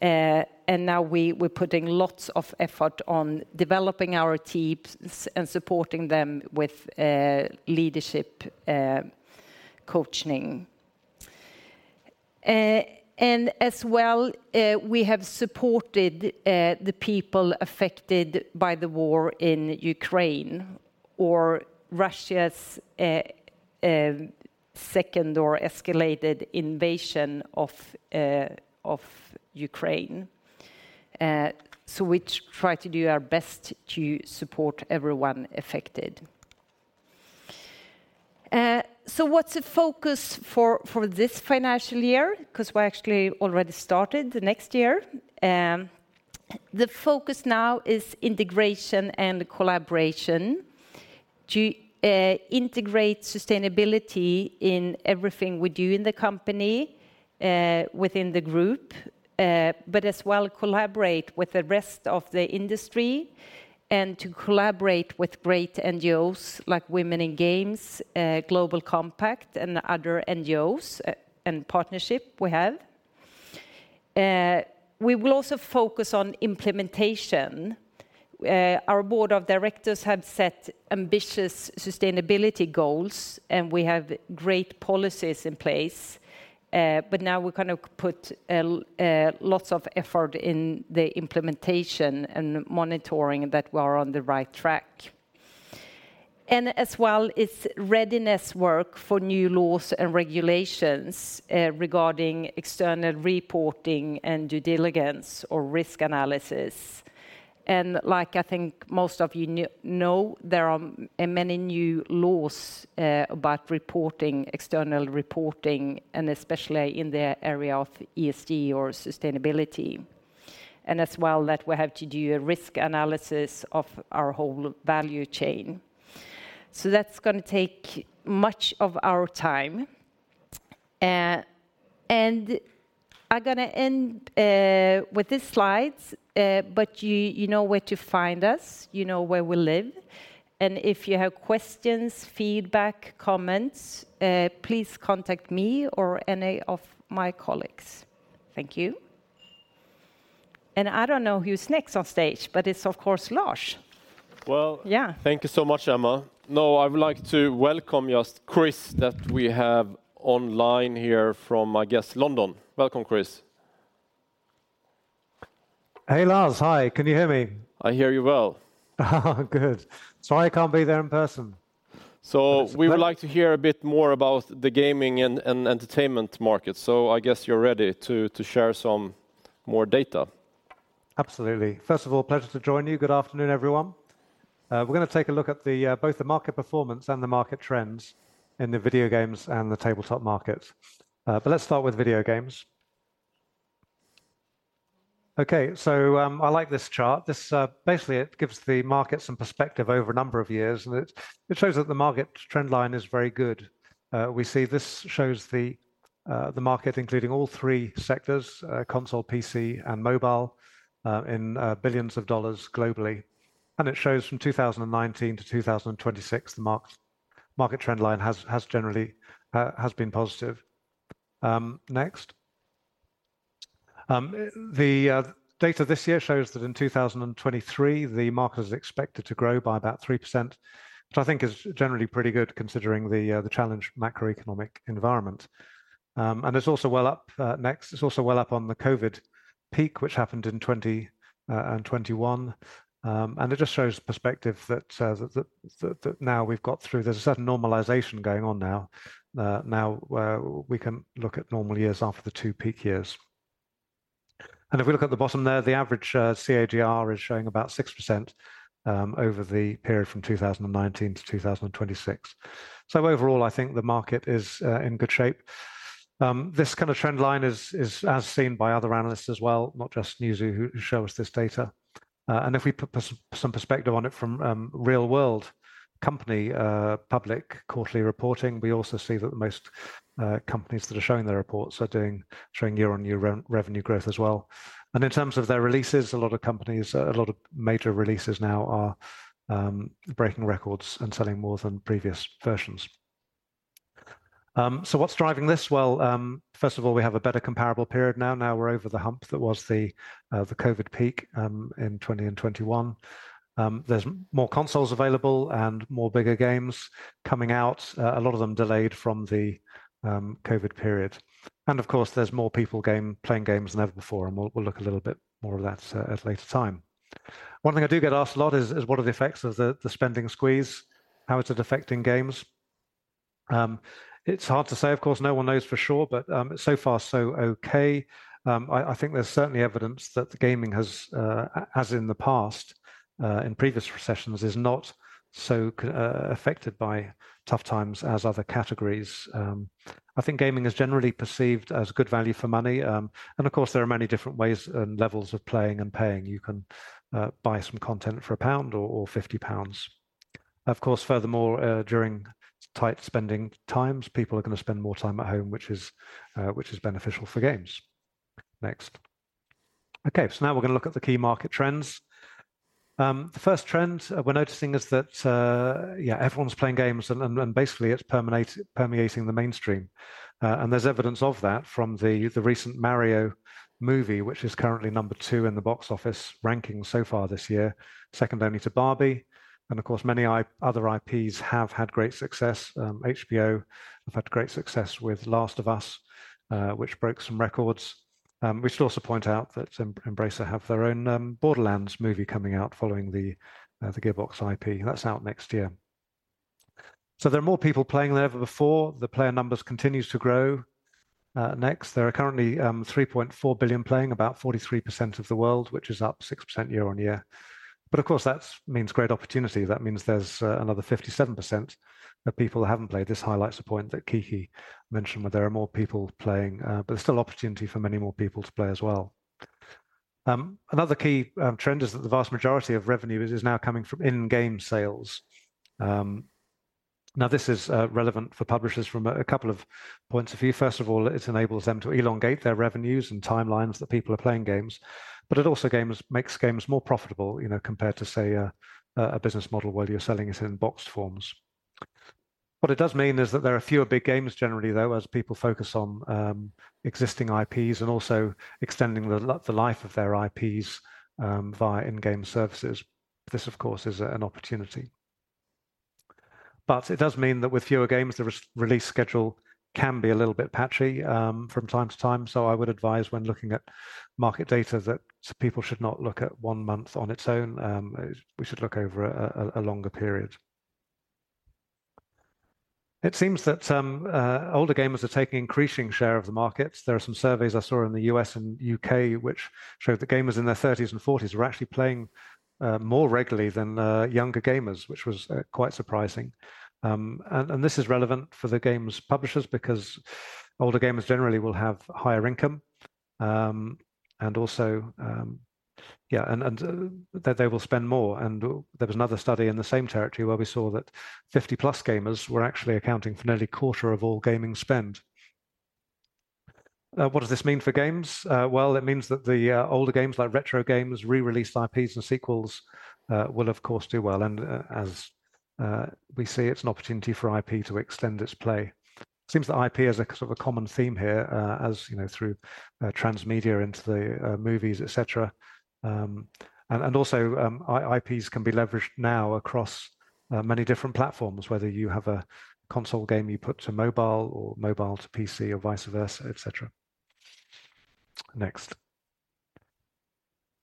And now we're putting lots of effort on developing our teams and supporting them with leadership coaching. And as well, we have supported the people affected by the war in Ukraine, or Russia's second or escalated invasion of Ukraine. So we try to do our best to support everyone affected. So what's the focus for this financial year? Because we actually already started the next year. The focus now is integration and collaboration to integrate sustainability in everything we do in the company, within the group, but as well, collaborate with the rest of the industry and to collaborate with great NGOs like Women in Games, Global Compact, and other NGOs, and partnership we have. We will also focus on implementation. Our board of directors have set ambitious sustainability goals, and we have great policies in place, but now we kind of put lots of effort in the implementation and monitoring that we are on the right track. And as well, it's readiness work for new laws and regulations, regarding external reporting and due diligence or risk analysis. And like, I think most of you know, there are many new laws about reporting, external reporting, and especially in the area of ESG or sustainability, and as well, that we have to do a risk analysis of our whole value chain. So that's gonna take much of our time. And I'm gonna end with these slides, but you know where to find us, you know where we live, and if you have questions, feedback, comments, please contact me or any of my colleagues. Thank you. And I don't know who's next on stage, but it's of course, Lars. Well- Yeah. Thank you so much, Emma. Now, I would like to welcome just Chris, that we have online here from, I guess, London. Welcome, Chris. Hey, Lars. Hi. Can you hear me? I hear you well. Good. Sorry, I can't be there in person. We would like to hear a bit more about the gaming and entertainment market. So I guess you're ready to share some more data. Absolutely. First of all, pleasure to join you. Good afternoon, everyone. We're gonna take a look at the both the market performance and the market trends in the video games and the tabletop market. But let's start with video games. Okay, so, I like this chart. This basically, it gives the market some perspective over a number of years, and it shows that the market trend line is very good. We see this shows the the market, including all three sectors, console, PC, and mobile, in $ billions globally, and it shows from 2019 to 2026, the market trend line has generally been positive. Next. The data this year shows that in 2023, the market is expected to grow by about 3%, which I think is generally pretty good, considering the challenged macroeconomic environment. And it's also well up on the COVID peak, which happened in 2020 and 2021. And it just shows perspective that now we've got through—there's a certain normalization going on now, we can look at normal years after the two peak years. And if we look at the bottom there, the average CAGR is showing about 6% over the period from 2019 to 2026. So overall, I think the market is in good shape. This kind of trend line is as seen by other analysts as well, not just Newzoo, who show us this data. And if we put some perspective on it from real-world company public quarterly reporting, we also see that most companies that are showing their reports are showing year-on-year revenue growth as well. And in terms of their releases, a lot of companies, a lot of major releases now are breaking records and selling more than previous versions. So what's driving this? First of all, we have a better comparable period now. Now we're over the hump that was the COVID peak in 2020 and 2021. There's more consoles available and more bigger games coming out, a lot of them delayed from the COVID period. And of course, there's more people gaming, playing games than ever before, and we'll look a little bit more of that at a later time. One thing I do get asked a lot is what are the effects of the spending squeeze? How is it affecting games? It's hard to say, of course. No one knows for sure, but so far, so okay. I think there's certainly evidence that the gaming has, as in the past, in previous recessions, is not so affected by tough times as other categories. I think gaming is generally perceived as good value for money, and of course, there are many different ways and levels of playing and paying. You can buy some content for GBP 1 or 50 pounds. Of course, furthermore, during tight spending times, people are gonna spend more time at home, which is, which is beneficial for games. Next. Okay, so now we're gonna look at the key market trends. The first trend we're noticing is that yeah, everyone's playing games, and basically, it's permeating the mainstream, and there's evidence of that from the recent Mario movie, which is currently number two in the box office rankings so far this year, second only to Barbie, and of course, many other IPs have had great success. HBO have had great success with Last of Us, which broke some records. We should also point out that Embracer have their own Borderlands movie coming out following the Gearbox IP, and that's out next year. So there are more people playing than ever before. The player numbers continues to grow. Next, there are currently 3.4 billion playing, about 43% of the world, which is up 6% year-on-year. But of course, that's means great opportunity. That means there's another 57% of people who haven't played. This highlights the point that Kicki mentioned, where there are more people playing, but there's still opportunity for many more people to play as well. Another key trend is that the vast majority of revenue is now coming from in-game sales. Now, this is relevant for publishers from a couple of points of view. First of all, it enables them to elongate their revenues and timelines that people are playing games, but it also makes games more profitable, you know, compared to, say, a business model where you're selling it in boxed forms. What it does mean is that there are fewer big games generally, though, as people focus on existing IPs and also extending the life of their IPs via in-game services. This, of course, is an opportunity. But it does mean that with fewer games, the re-release schedule can be a little bit patchy from time to time. So I would advise when looking at market data, that people should not look at one month on its own; we should look over a longer period. It seems that older gamers are taking increasing share of the market. There are some surveys I saw in the U.S. and U.K., which showed that gamers in their 30s and 40s were actually playing more regularly than younger gamers, which was quite surprising. And this is relevant for the games publishers because older gamers generally will have higher income, and also, yeah, and that they will spend more. There was another study in the same territory where we saw that 50+ gamers were actually accounting for nearly a quarter of all gaming spend. What does this mean for games? Well, it means that the older games, like retro games, re-released IPs and sequels, will of course, do well. As we see, it's an opportunity for IP to extend its play. Seems that IP is a sort of a common theme here, as, you know, through transmedia into the movies, et cetera. And also, IPs can be leveraged now across many different platforms. Whether you have a console game you put to mobile or mobile to PC or vice versa, et cetera. Next.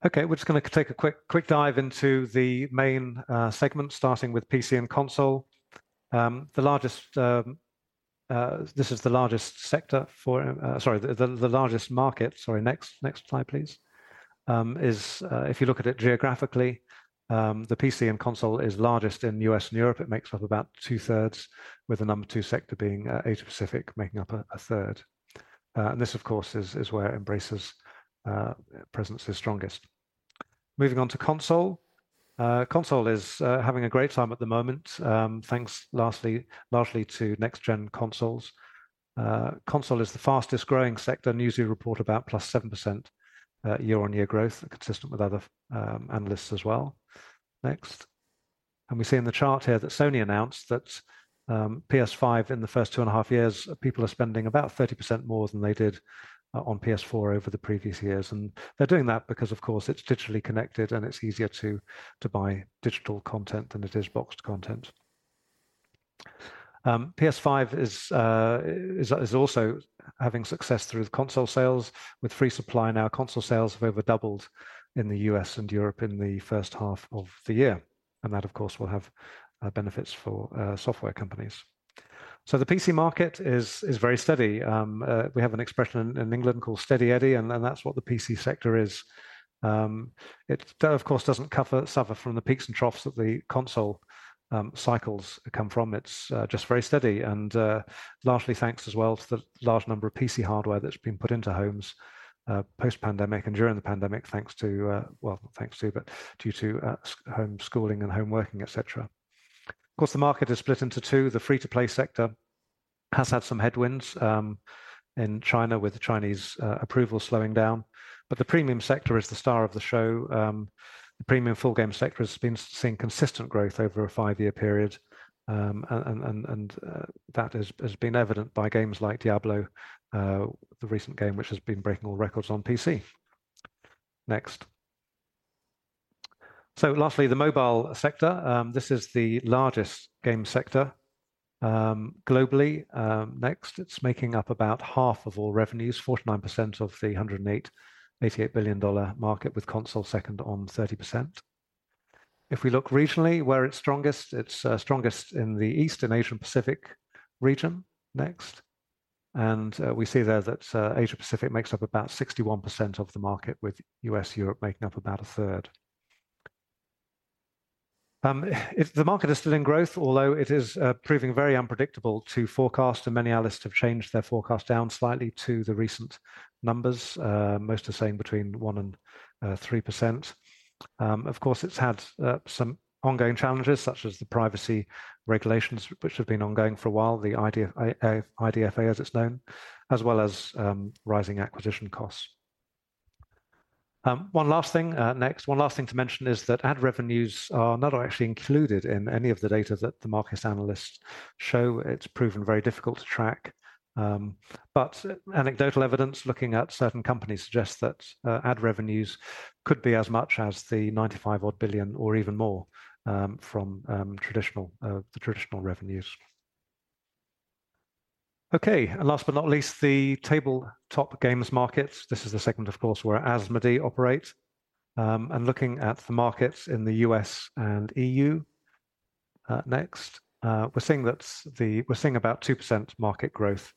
Okay, we're just gonna take a quick dive into the main segment, starting with PC and console. The largest, this is the largest sector for, sorry, the largest market. Sorry. Next, next slide, please. If you look at it geographically, the PC and console is largest in U.S. and Europe. It makes up about 2/3, with the number two sector being Asia-Pacific, making up a 1/3. And this, of course, is where Embracer's presence is strongest. Moving on to console. Console is having a great time at the moment, thanks largely, largely to next-gen consoles. Console is the fastest-growing sector, and usually report about plus 7% year-on-year growth, consistent with other analysts as well. Next. And we see in the chart here that Sony announced that PS5, in the first 2.5 years, people are spending about 30% more than they did on PS4 over the previous years. And they're doing that because, of course, it's digitally connected, and it's easier to buy digital content than it is boxed content. PS5 is also having success through console sales. With free supply now, console sales have over doubled in the US and Europe in the first half of the year, and that, of course, will have benefits for software companies. So the PC market is very steady. We have an expression in England called Steady Eddie, and that's what the PC sector is. That, of course, doesn't suffer from the peaks and troughs that the console cycles come from. It's just very steady, and largely thanks as well to the large number of PC hardware that's been put into homes post-pandemic and during the pandemic, thanks to, well, not thanks to, but due to homeschooling and home working, et cetera. Of course, the market is split into two. The free-to-play sector has had some headwinds in China, with the Chinese approval slowing down, but the premium sector is the star of the show. The premium full game sector has been seeing consistent growth over a five-year period, and that has been evident by games like Diablo, the recent game, which has been breaking all records on PC. Next. So lastly, the mobile sector. This is the largest game sector globally. Next. It's making up about half of all revenues, 49% of the $188 billion market, with console second on 30%. If we look regionally, where it's strongest, it's strongest in the Asia-Pacific region. Next. And we see there that Asia-Pacific makes up about 61% of the market, with U.S., Europe making up about a 1/3. If the market is still in growth, although it is proving very unpredictable to forecast, and many analysts have changed their forecast down slightly to the recent numbers, most are saying between 1% and 3%. And of course, it's had some ongoing challenges, such as the privacy regulations, which have been ongoing for a while, the IDFA, as it's known, as well as rising acquisition costs. One last thing to mention is that ad revenues are not actually included in any of the data that the market analysts show. It's proven very difficult to track, but anecdotal evidence, looking at certain companies, suggests that, ad revenues could be as much as the 95 billion or even more, from, the traditional revenues. Okay, and last but not least, the tabletop games market. This is the segment, of course, where Asmodee operates, and looking at the markets in the US and EU. Next. We're seeing that the-- we're seeing about 2% market growth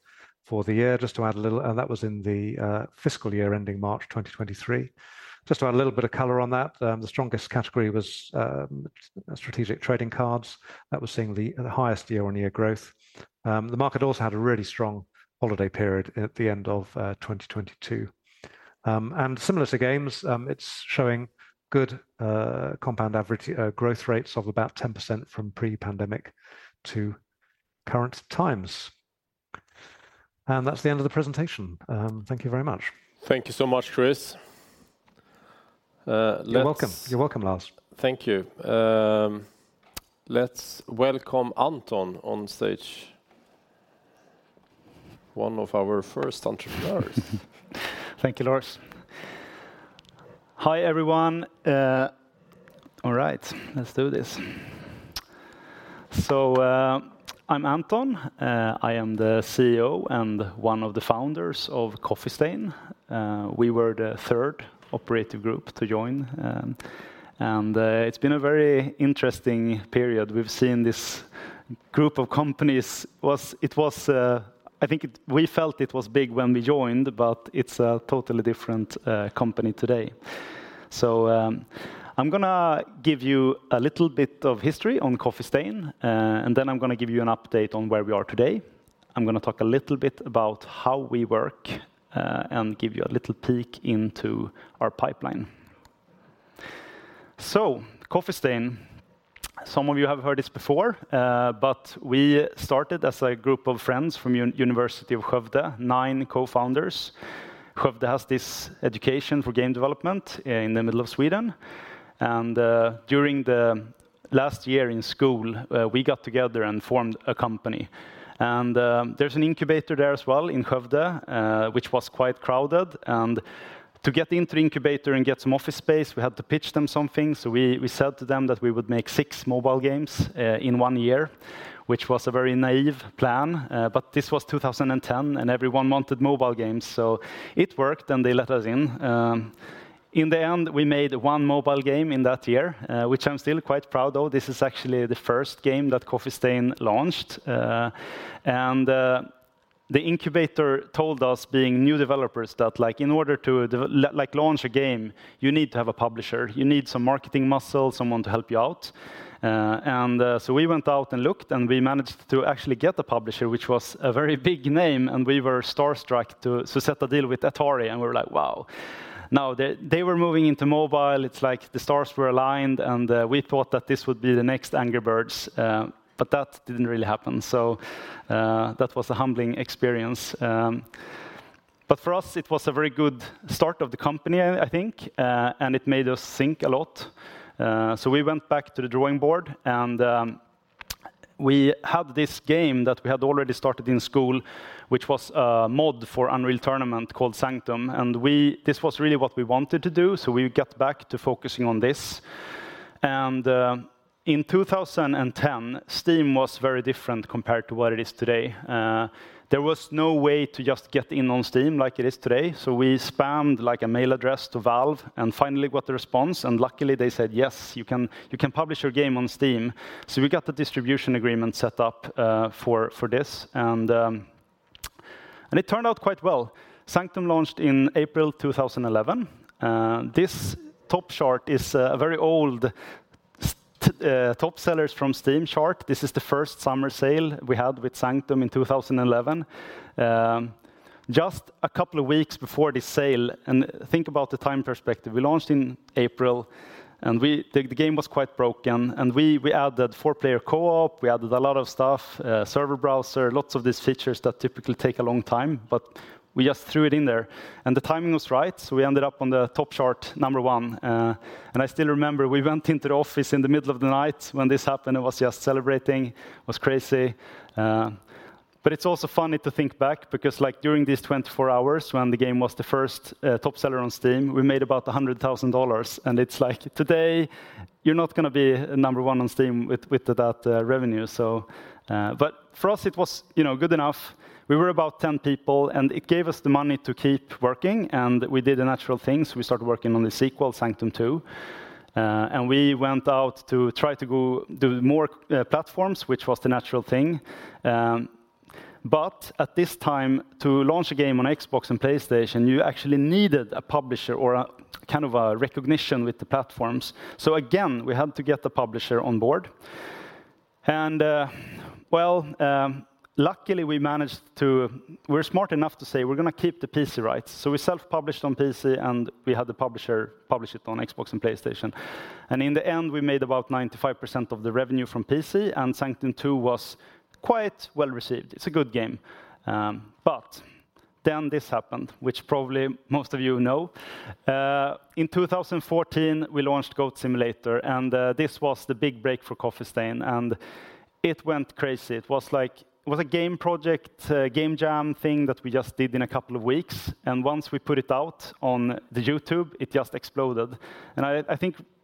for the year. Just to add a little... That was in the, fiscal year ending March 2023. Just to add a little bit of color on that, the strongest category was, strategic trading cards. That was seeing the, the highest year-on-year growth. The market also had a really strong holiday period at the end of, 2022. And similar to games, it's showing good compound average growth rates of about 10% from pre-pandemic to current times. And that's the end of the presentation. Thank you very much. Thank you so much, Chris. You're welcome. You're welcome, Lars. Thank you. Let's welcome Anton on stage. One of our first entrepreneurs. Thank you, Lars. Hi, everyone. All right, let's do this. So, I'm Anton. I am the CEO and one of the founders of Coffee Stain. We were the third operative group to join, and it's been a very interesting period. We've seen this group of companies. It was, I think, we felt it was big when we joined, but it's a totally different company today. So, I'm gonna give you a little bit of history on Coffee Stain, and then I'm gonna give you an update on where we are today. I'm gonna talk a little bit about how we work, and give you a little peek into our pipeline. So Coffee Stain, some of you have heard this before, but we started as a group of friends from University of Skövde, nine co-founders. Skövde has this education for game development in the middle of Sweden, and, during the last year in school, we got together and formed a company. And there's an incubator there as well in Skövde, which was quite crowded, and to get into the incubator and get some office space, we had to pitch them something, so we said to them that we would make six mobile games in one year, which was a very naive plan, but this was 2010, and everyone wanted mobile games, so it worked, and they let us in. In the end, we made one mobile game in that year, which I'm still quite proud of. This is actually the first game that Coffee Stain launched. And the incubator told us, being new developers, that, like, in order to devel—like, launch a game, you need to have a publisher. You need some marketing muscle, someone to help you out. So we went out and looked, and we managed to actually get a publisher, which was a very big name, and we were starstruck to set a deal with Atari, and we were like, "Wow!" Now, they were moving into mobile. It's like the stars were aligned, and we thought that this would be the next Angry Birds, but that didn't really happen, so that was a humbling experience. But for us, it was a very good start of the company, I think, and it made us think a lot. So we went back to the drawing board, and we had this game that we had already started in school, which was a mod for Unreal Tournament called Sanctum, and this was really what we wanted to do, so we got back to focusing on this. And in 2010, Steam was very different compared to what it is today. There was no way to just get in on Steam like it is today, so we spammed, like, a mail address to Valve and finally got a response, and luckily they said, "Yes, you can, you can publish your game on Steam." So we got the distribution agreement set up, for this, and it turned out quite well. Sanctum launched in April 2011, and this top chart is a very old top sellers from Steam chart. This is the first summer sale we had with Sanctum in 2011. Just a couple of weeks before the sale, and think about the time perspective, we launched in April, and we... The game was quite broken, and we added four-player co-op, we added a lot of stuff, server browser, lots of these features that typically take a long time, but we just threw it in there. And the timing was right, so we ended up on the top chart, number one, and I still remember we went into the office in the middle of the night when this happened, and was just celebrating. It was crazy, but it's also funny to think back because, like, during these 24 hours, when the game was the first top seller on Steam, we made about $100,000, and it's like today, you're not gonna be number one on Steam with that revenue, so. But for us, it was, you know, good enough. We were about 10 people, and it gave us the money to keep working, and we did the natural things. We started working on the sequel, Sanctum 2, and we went out to try to go do more platforms, which was the natural thing. But at this time, to launch a game on Xbox and PlayStation, you actually needed a publisher or a kind of a recognition with the platforms. So again, we had to get the publisher on board, and, well, luckily, we managed to-- we were smart enough to say, "We're gonna keep the PC rights." So we self-published on PC, and we had the publisher publish it on Xbox and PlayStation. And in the end, we made about 95% of the revenue from PC, and Sanctum 2 was quite well-received. It's a good game. But then this happened, which probably most of you know. In 2014, we launched Goat Simulator, and this was the big break for Coffee Stain, and it went crazy. It was like, it was a game project, game jam thing that we just did in a couple of weeks, and once we put it out on YouTube, it just exploded. And I, I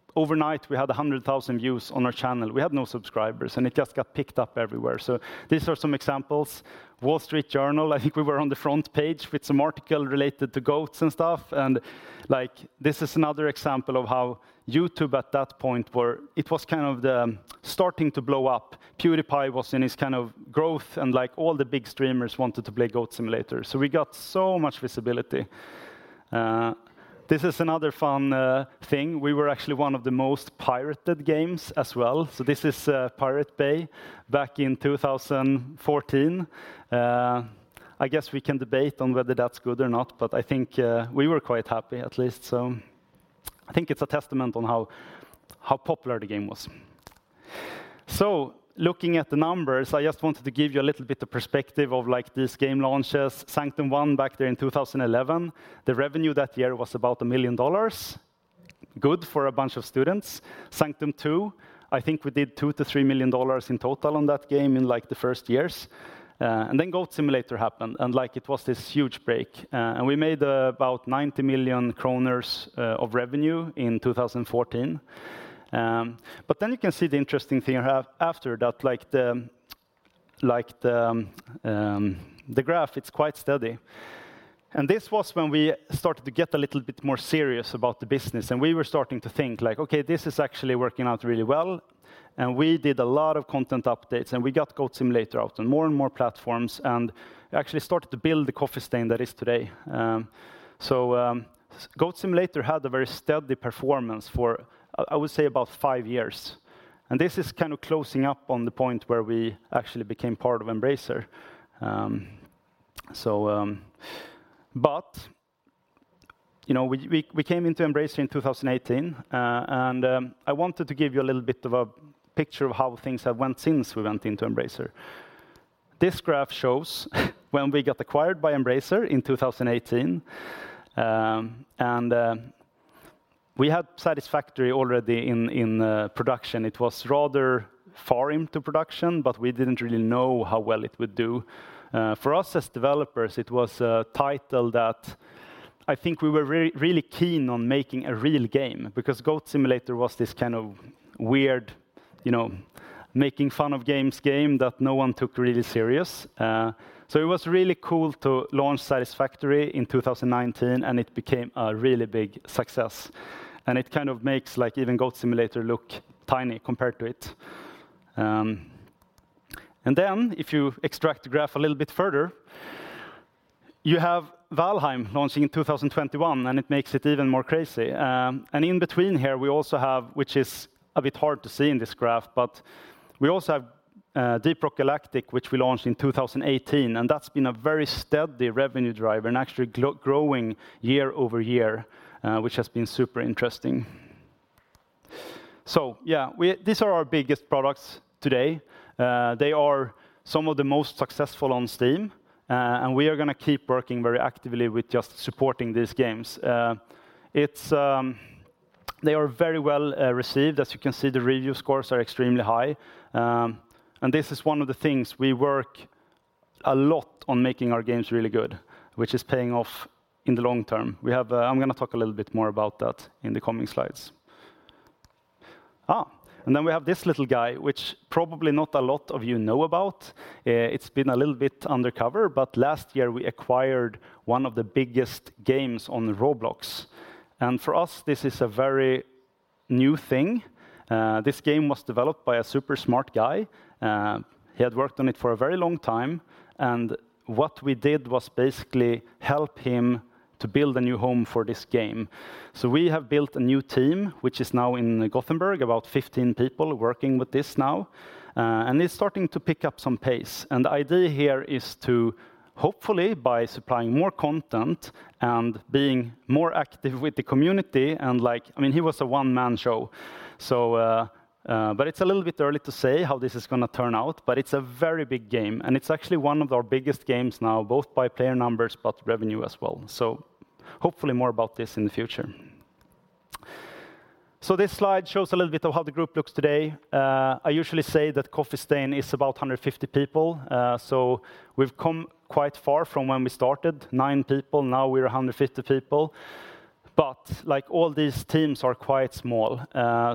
think overnight, we had 100,000 views on our channel. We had no subscribers, and it just got picked up everywhere. So these are some examples. Wall Street Journal, I think we were on the front page with some article related to goats and stuff, and, like, this is another example of how YouTube at that point it was kind of starting to blow up. PewDiePie was in his kind of growth, and, like, all the big streamers wanted to play Goat Simulator, so we got so much visibility. This is another fun thing. We were actually one of the most pirated games as well. So this is Pirate Bay back in 2014. I guess we can debate on whether that's good or not, but I think we were quite happy at least, so I think it's a testament on how, how popular the game was. So looking at the numbers, I just wanted to give you a little bit of perspective of, like, these game launches. Sanctum, back there in 2011, the revenue that year was about $1 million. Good for a bunch of students. Sanctum 2, I think we did SEK 2 million-SEK 3 million in total on that game in, like, the first years. And then Goat Simulator happened, and, like, it was this huge break. And we made about 90 million kronor of revenue in 2014. But then you can see the interesting thing here after that, like the, like the graph, it's quite steady. This was when we started to get a little bit more serious about the business, and we were starting to think, like, "Okay, this is actually working out really well." And we did a lot of content updates, and we got Goat Simulator out on more and more platforms, and actually started to build the Coffee Stain that is today. So Goat Simulator had a very steady performance for, I would say, about five years, and this is kind of closing up on the point where we actually became part of Embracer. So but, you know, we came into Embracer in 2018. And I wanted to give you a little bit of a picture of how things have went since we went into Embracer. This graph shows when we got acquired by Embracer in 2018. And we had Satisfactory already in production. It was rather far into production, but we didn't really know how well it would do. For us as developers, it was a title that I think we were really keen on making a real game, because Goat Simulator was this kind of weird, you know, making fun of games game, that no one took really serious. So it was really cool to launch Satisfactory in 2019, and it became a really big success. And it kind of makes, like, even Goat Simulator look tiny compared to it. And then, if you extract the graph a little bit further, you have Valheim launching in 2021, and it makes it even more crazy. And in between here, we also have, which is a bit hard to see in this graph, but we also have, Deep Rock Galactic, which we launched in 2018, and that's been a very steady revenue driver, and actually growing year over year, which has been super interesting. So yeah, these are our biggest products today. They are some of the most successful on Steam, and we are gonna keep working very actively with just supporting these games. It's... They are very well received. As you can see, the review scores are extremely high. And this is one of the things we work a lot on making our games really good, which is paying off in the long term. We have... I'm gonna talk a little bit more about that in the coming slides. And then we have this little guy, which probably not a lot of you know about. It's been a little bit undercover, but last year, we acquired one of the biggest games on Roblox, and for us, this is a very new thing. This game was developed by a super smart guy. He had worked on it for a very long time, and what we did was basically help him to build a new home for this game. So we have built a new team, which is now in Gothenburg, about 15 people working with this now. And it's starting to pick up some pace. And the idea here is to, hopefully, by supplying more content and being more active with the community, and like... I mean, he was a one-man show, so but it's a little bit early to say how this is gonna turn out, but it's a very big game, and it's actually one of our biggest games now, both by player numbers, but revenue as well. So hopefully more about this in the future. So this slide shows a little bit of how the group looks today. I usually say that Coffee Stain is about 150 people. So we've come quite far from when we started, nine people, now we're 150 people. Like, all these teams are quite small.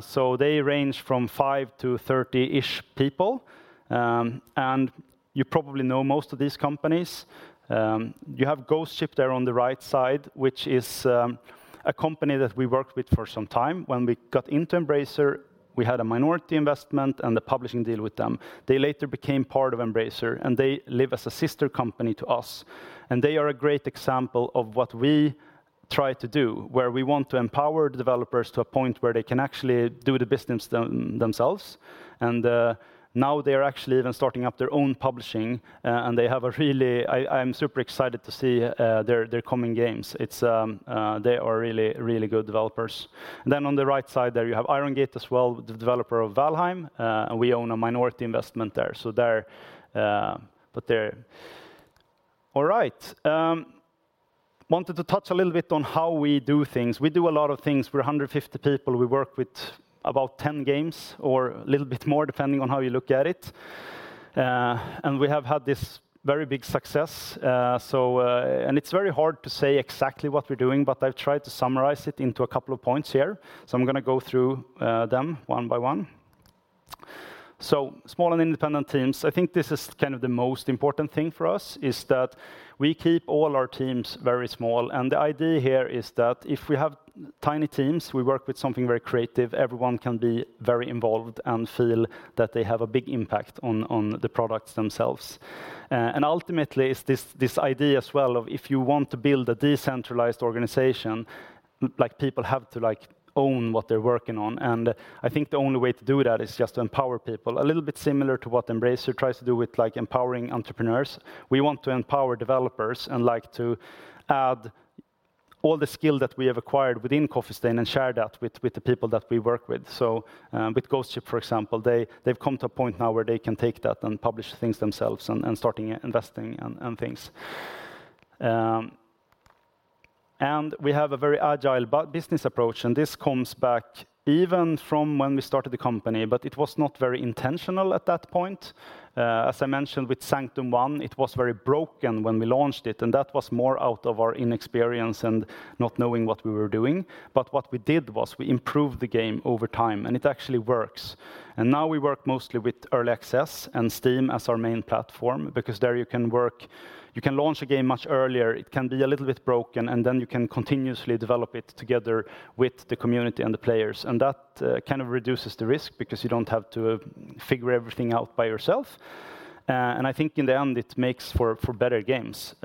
So they range from five to 30-ish people. And you probably know most of these companies. You have Ghost Ship there on the right side, which is a company that we worked with for some time. When we got into Embracer, we had a minority investment and a publishing deal with them. They later became part of Embracer, and they live as a sister company to us. And they are a great example of what we try to do, where we want to empower the developers to a point where they can actually do the business themselves. And now they are actually even starting up their own publishing, and they have a really... I am super excited to see their coming games. It's they are really, really good developers. And then on the right side there, you have Iron Gate as well, the developer of Valheim, and we own a minority investment there. So they're. All right, wanted to touch a little bit on how we do things. We do a lot of things. We're 150 people. We work with about 10 games or a little bit more, depending on how you look at it. And we have had this very big success. So, it's very hard to say exactly what we're doing, but I've tried to summarize it into a couple of points here. So I'm gonna go through them one by one. So small and independent teams, I think this is kind of the most important thing for us, is that we keep all our teams very small. And the idea here is that if we have tiny teams, we work with something very creative, everyone can be very involved and feel that they have a big impact on the products themselves. And ultimately, it's this idea as well of if you want to build a decentralized organization, like, people have to, like, own what they're working on. And I think the only way to do that is just to empower people, a little bit similar to what Embracer tries to do with, like, empowering entrepreneurs. We want to empower developers, and, like, to add all the skill that we have acquired within Coffee Stain and share that with the people that we work with. So, with Ghost Ship, for example, they've come to a point now where they can take that and publish things themselves, and starting investing and things. And we have a very agile business approach, and this comes back even from when we started the company, but it was not very intentional at that point. As I mentioned with Sanctum 1, it was very broken when we launched it, and that was more out of our inexperience and not knowing what we were doing. But what we did was we improved the game over time, and it actually works. And now we work mostly with Early Access and Steam as our main platform, because there you can launch a game much earlier. It can be a little bit broken, and then you can continuously develop it together with the community and the players. And that kind of reduces the risk, because you don't have to figure everything out by yourself. And I think in the end, it makes for better games.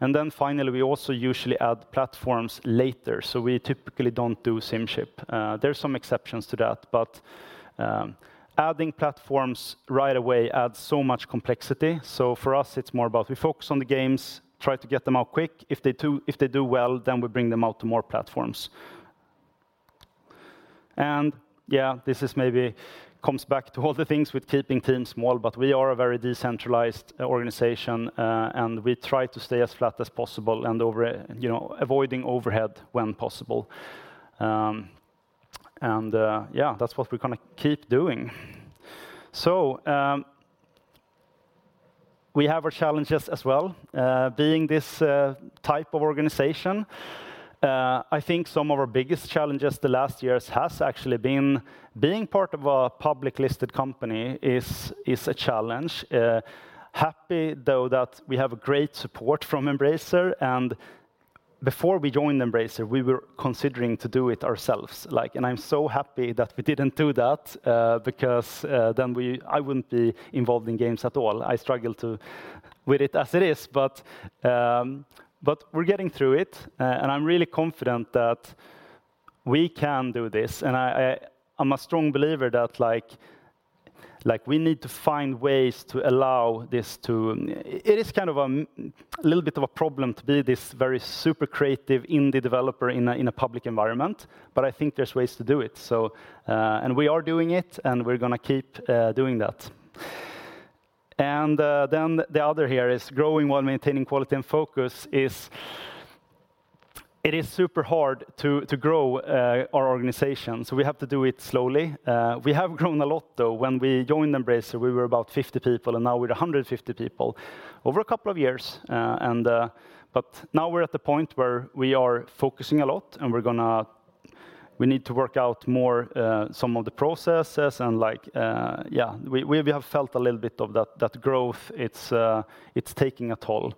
And then finally, we also usually add platforms later, so we typically don't do sim-ship. There are some exceptions to that, but adding platforms right away adds so much complexity. So for us, it's more about we focus on the games, try to get them out quick. If they do, if they do well, then we bring them out to more platforms. And yeah, this is maybe comes back to all the things with keeping teams small, but we are a very decentralized organization, and we try to stay as flat as possible and over, you know, avoiding overhead when possible. And yeah, that's what we're gonna keep doing. So we have our challenges as well. Being this type of organization, I think some of our biggest challenges the last years has actually been, being part of a public listed company is, is a challenge. Happy, though, that we have great support from Embracer, and before we joined Embracer, we were considering to do it ourselves. Like, and I'm so happy that we didn't do that, because then I wouldn't be involved in games at all. I struggle with it as it is, but, but we're getting through it, and I'm really confident that we can do this. And I'm a strong believer that, like, we need to find ways to allow this to... it is kind of a little bit of a problem to be this very super creative indie developer in a, in a public environment, but I think there's ways to do it. So, and we are doing it, and we're gonna keep doing that. Then the other here is growing while maintaining quality and focus. It is super hard to grow our organization, so we have to do it slowly. We have grown a lot, though. When we joined Embracer, we were about 50 people, and now we're 150 people, over a couple of years. But now we're at the point where we are focusing a lot, and we're gonna... We need to work out more some of the processes, and like, yeah, we have felt a little bit of that that growth. It's taking a toll.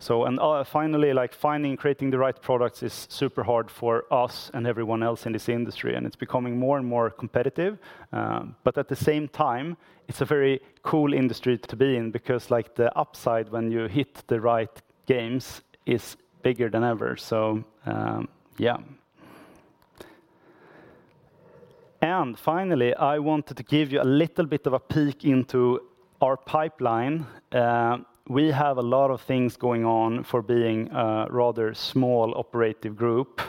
So and finally, like, finding, creating the right products is super hard for us and everyone else in this industry, and it's becoming more and more competitive. But at the same time, it's a very cool industry to be in because, like, the upside when you hit the right games is bigger than ever. So, yeah. And finally, I wanted to give you a little bit of a peek into our pipeline. We have a lot of things going on for being a rather small operative group.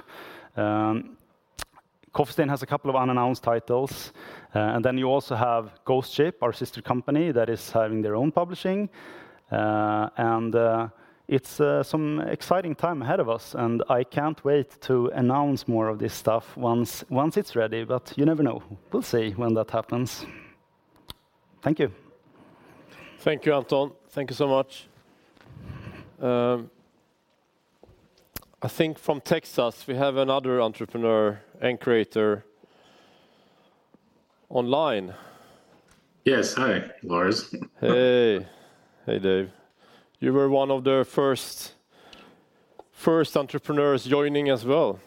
Coffee Stain has a couple of unannounced titles, and then you also have Ghost Ship, our sister company, that is having their own publishing. And it's some exciting time ahead of us, and I can't wait to announce more of this stuff once once it's ready, but you never know. We'll see when that happens. Thank you. Thank you, Anton. Thank you so much. I think from Texas, we have another entrepreneur and creator online. Yes. Hi, Lars. Hey. Hey, Dave. You were one of the first, first entrepreneurs joining as well,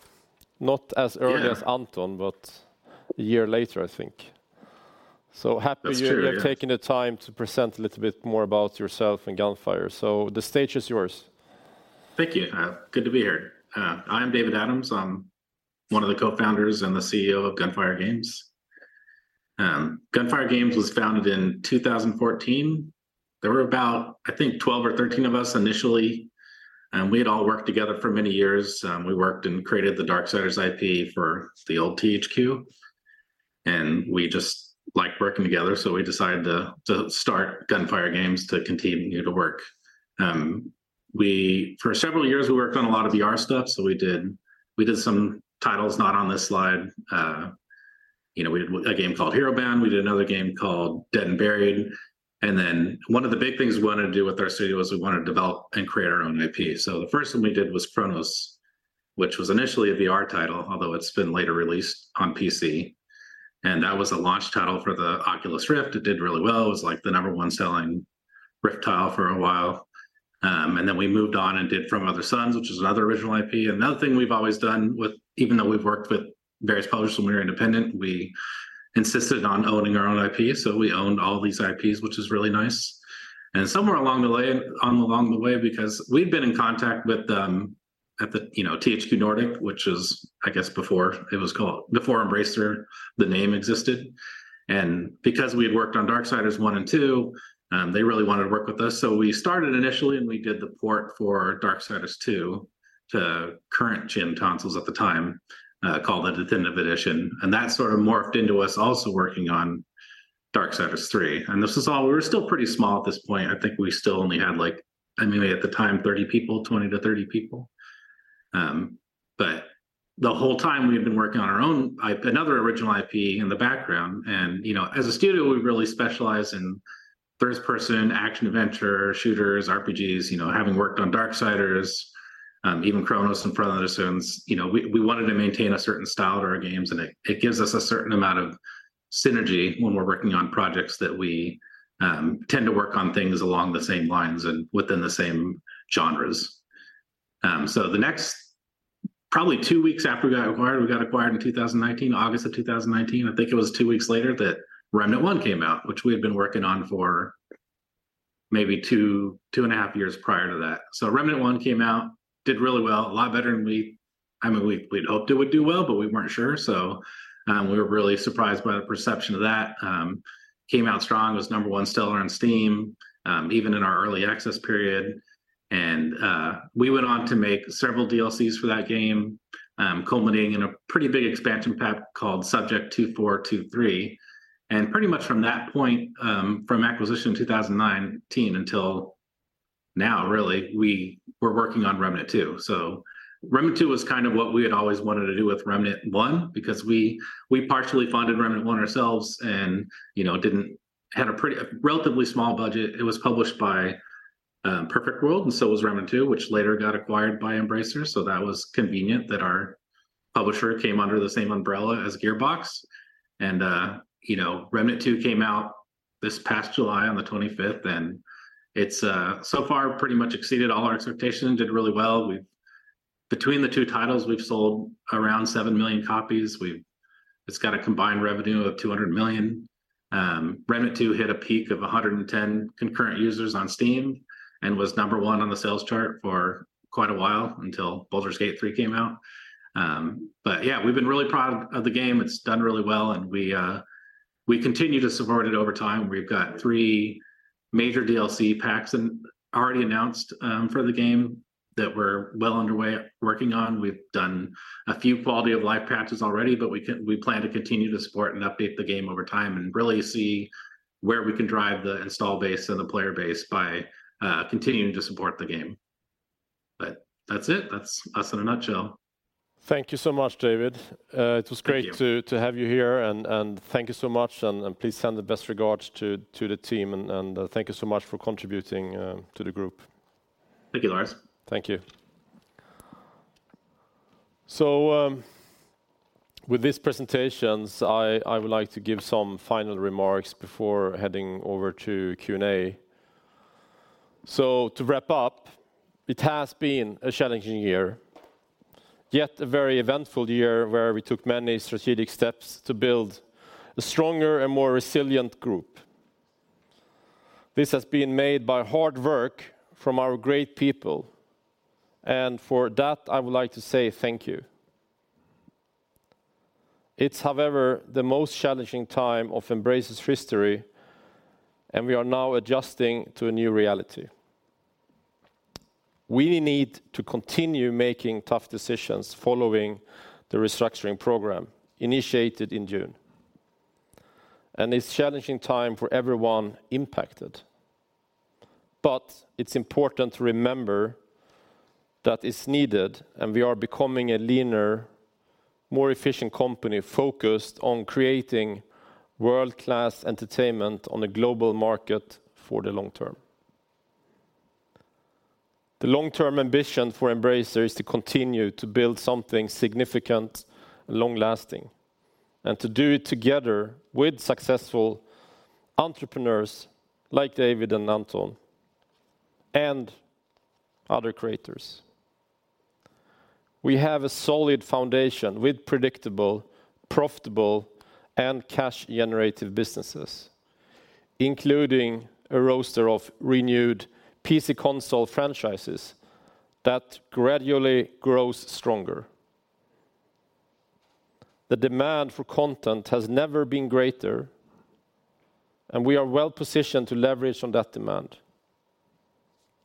not as- Yeah... early as Anton, but a year later, I think. So happy- That's true, yeah. You're taking the time to present a little bit more about yourself and Gunfire, so the stage is yours. Thank you. Good to be here. I'm David Adams. I'm one of the co-founders and the CEO of Gunfire Games. Gunfire Games was founded in 2014. There were about, I think, 12 or 13 of us initially, and we had all worked together for many years. We worked and created the Darksiders IP for the old THQ, and we just liked working together, so we decided to start Gunfire Games to continue to work. For several years, we worked on a lot of VR stuff, so we did some titles not on this slide. You know, we did a game called Herobound. We did another game called Dead and Buried, and then one of the big things we wanted to do with our studio was we wanted to develop and create our own IP. So the first one we did was Chronos, which was initially a VR title, although it's been later released on PC, and that was a launch title for the Oculus Rift. It did really well. It was, like, the number one selling Rift title for a while. And then we moved on and did From Other Suns, which is another original IP. Another thing we've always done with... Even though we've worked with various publishers when we were independent, we insisted on owning our own IP, so we owned all these IPs, which is really nice. And somewhere along the way, along the way because we'd been in contact with, you know, THQ Nordic, which is, I guess, before it was called, before Embracer, the name existed, and because we had worked on Darksiders I and II, they really wanted to work with us. So we started initially, and we did the port for Darksiders II to current-gen consoles at the time, called the Definitive Edition, and that sort of morphed into us also working on Darksiders III. And this is all. We were still pretty small at this point. I think we still only had, like, I mean, at the time, 30 people, 20-30 people. But the whole time we had been working on our own IP, another original IP in the background, and, you know, as a studio, we really specialize in first-person, action-adventure, shooters, RPGs, you know, having worked on Darksiders, even Chronos and other VR scenes. You know, we wanted to maintain a certain style to our games, and it gives us a certain amount of synergy when we're working on projects that we tend to work on things along the same lines and within the same genres. So the next probably two weeks after we got acquired, we got acquired in 2019, August of 2019. I think it was two weeks later that Remnant I came out, which we had been working on for maybe two, 2.5 years prior to that. So Remnant I came out, did really well, a lot better than we - I mean, we, we'd hoped it would do well, but we weren't sure, so we were really surprised by the perception of that. Came out strong, was number one seller on Steam, even in our early access period, and we went on to make several DLCs for that game, culminating in a pretty big expansion pack called Subject 2423. And pretty much from that point, from acquisition in 2019 until now, really, we were working on Remnant II. So Remnant II was kind of what we had always wanted to do with Remnant I, because we partially funded Remnant I ourselves, and, you know, it had a pretty, a relatively small budget. It was published by Perfect World, and so was Remnant II, which later got acquired by Embracer, so that was convenient that our publisher came under the same umbrella as Gearbox. And you know, Remnant II came out this past July 25th, and it's so far pretty much exceeded all our expectations, did really well. Between the two titles, we've sold around 7 million copies. It's got a combined revenue of $200 million. Remnant II hit a peak of 110 concurrent users on Steam and was number one on the sales chart for quite a while until Baldur's Gate III came out. But yeah, we've been really proud of the game. It's done really well, and we continue to support it over time. We've got three major DLC packs already announced for the game that we're well underway working on. We've done a few quality-of-life patches already, but we plan to continue to support and update the game over time and really see where we can drive the install base and the player base by continuing to support the game. But that's it. That's us in a nutshell. Thank you so much, David. Thank you. It was great to have you here, and thank you so much, and please send best regards to the team and thank you so much for contributing to the group. Thank you, Lars. Thank you. So, with these presentations, I would like to give some final remarks before heading over to Q&A. So to wrap up, it has been a challenging year, yet a very eventful year where we took many strategic steps to build a stronger and more resilient group. This has been made by hard work from our great people, and for that, I would like to say thank you. It's, however, the most challenging time of Embracer's history, and we are now adjusting to a new reality. We need to continue making tough decisions following the restructuring program initiated in June, and it's challenging time for everyone impacted. But it's important to remember that it's needed, and we are becoming a leaner, more efficient company, focused on creating world-class entertainment on a global market for the long term. The long-term ambition for Embracer is to continue to build something significant and long-lasting, and to do it together with successful entrepreneurs like David and Anton and other creators. We have a solid foundation with predictable, profitable, and cash-generative businesses, including a roster of renewed PC console franchises that gradually grows stronger. The demand for content has never been greater, and we are well positioned to leverage on that demand.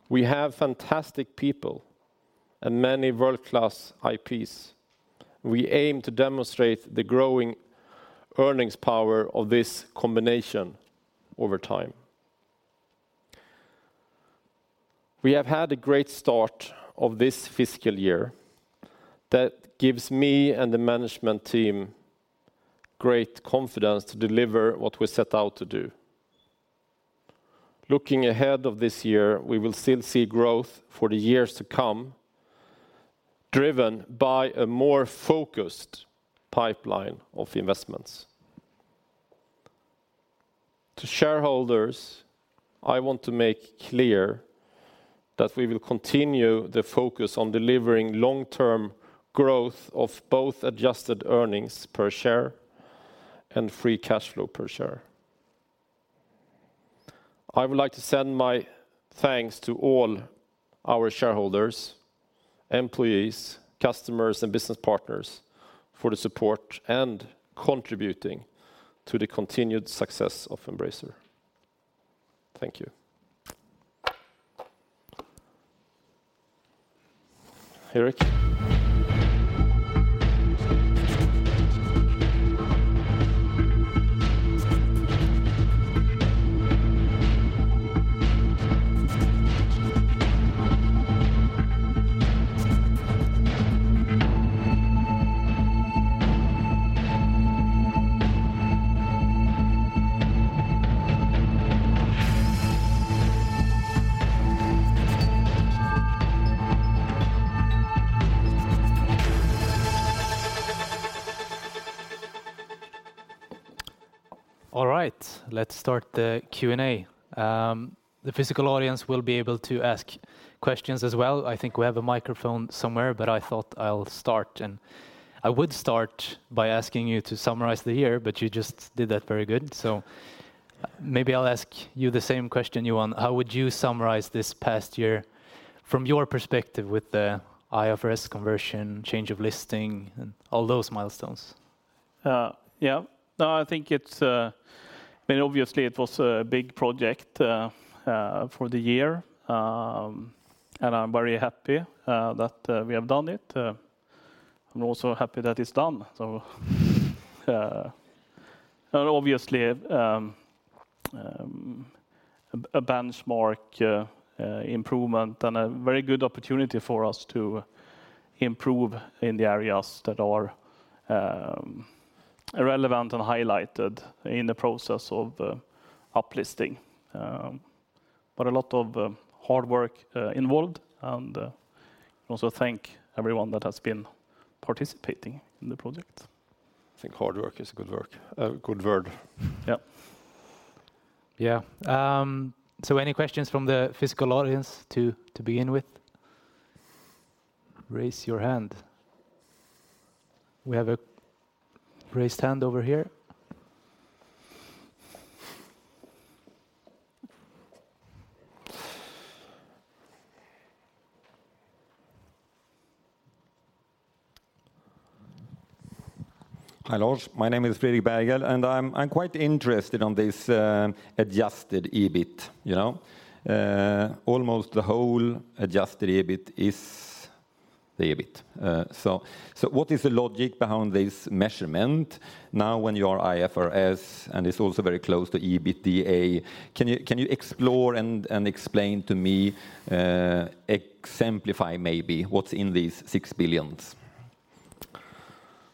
We have fantastic people and many world-class IPs. We aim to demonstrate the growing earnings power of this combination over time. We have had a great start of this fiscal year that gives me and the management team great confidence to deliver what we set out to do. Looking ahead of this year, we will still see growth for the years to come, driven by a more focused pipeline of investments. To shareholders, I want to make clear that we will continue the focus on delivering long-term growth of both adjusted earnings per share and free cash flow per share. I would like to send my thanks to all our shareholders, employees, customers, and business partners for the support and contributing to the continued success of Embracer.... Thank you. Erik? All right, let's start the Q&A. The physical audience will be able to ask questions as well. I think we have a microphone somewhere, but I thought I'll start, and I would start by asking you to summarize the year, but you just did that very good. So maybe I'll ask you the same question, Johan: how would you summarize this past year from your perspective with the IFRS conversion, change of listing, and all those milestones? Yeah. No, I think it's... I mean, obviously, it was a big project for the year, and I'm very happy that we have done it. I'm also happy that it's done. So, and obviously, a benchmark improvement and a very good opportunity for us to improve in the areas that are relevant and highlighted in the process of uplisting. But a lot of hard work involved, and I also thank everyone that has been participating in the project. I think hard work is good work, good word. Yeah. Yeah. So any questions from the physical audience to, to begin with? Raise your hand. We have a raised hand over here. Hi, Lars. My name is Fredrik Berghel, and I'm quite interested on this Adjusted EBIT, you know? Almost the whole Adjusted EBIT is the EBIT. So what is the logic behind this measurement now when you are IFRS, and it's also very close to EBITDA? Can you explore and explain to me, exemplify maybe what's in these 6 billion?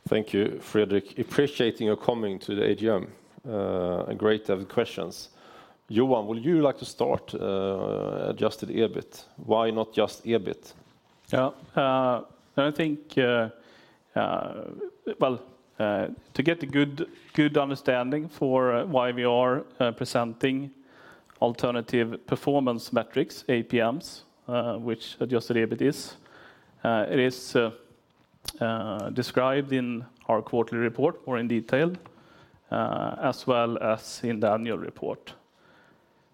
Thank you, Fredrik. Appreciating your coming to the AGM. Great to have questions. Johan, would you like to start, adjusted EBIT? Why not just EBIT? Yeah, I think, well, to get a good, good understanding for why we are presenting alternative performance metrics, APMs, which Adjusted EBIT is, it is described in our quarterly report more in detail, as well as in the annual report.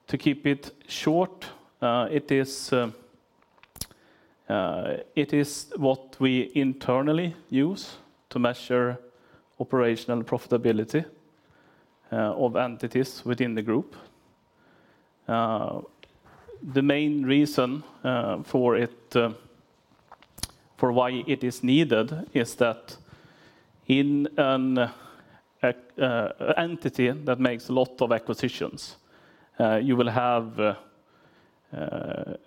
To keep it short, it is, it is what we internally use to measure operational profitability of entities within the group. The main reason for it, for why it is needed is that in an entity that makes a lot of acquisitions, you will have the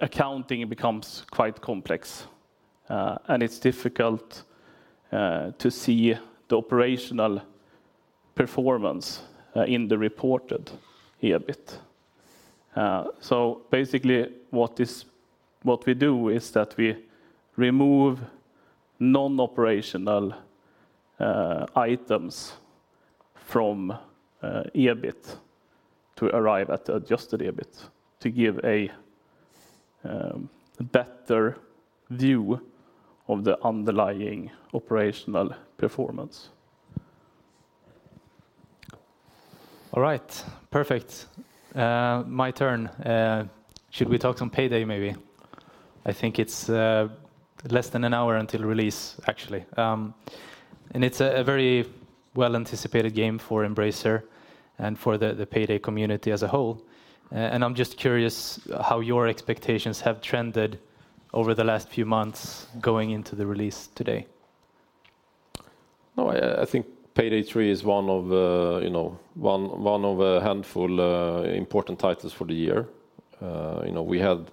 accounting becomes quite complex, and it's difficult to see the operational performance in the reported EBIT. So basically, what this, what we do is that we remove non-operational items from EBIT to arrive at the Adjusted EBIT, to give a better view of the underlying operational performance. All right. Perfect. My turn. Should we talk some PAYDAY, maybe? I think it's less than an hour until release, actually. And it's a very well-anticipated game for Embracer and for the PAYDAY community as a whole. And I'm just curious how your expectations have trended over the last few months going into the release today. No, I think PAYDAY 3 is one of, you know, one of a handful, important titles for the year. You know, we had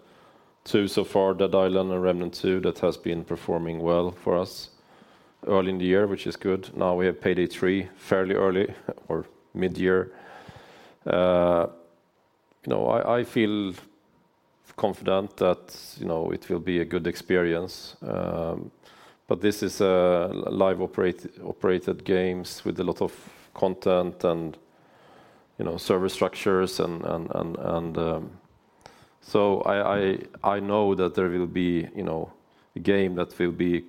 2 so far, Dead Island and Remnant II, that has been performing well for us early in the year, which is good. Now, we have PAYDAY 3, fairly early or mid-year. You know, I feel confident that, you know, it will be a good experience, but this is a live operated games with a lot of content and, you know, service structures and. So I know that there will be, you know, a game that will be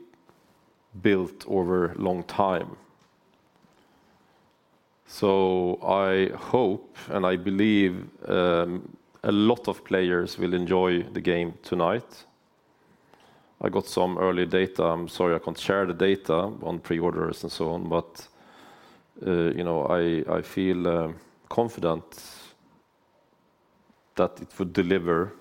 built over long time. So I hope, and I believe, a lot of players will enjoy the game tonight. I got some early data. I'm sorry I can't share the data on pre-orders and so on, but, you know, I, I feel confident that it would deliver.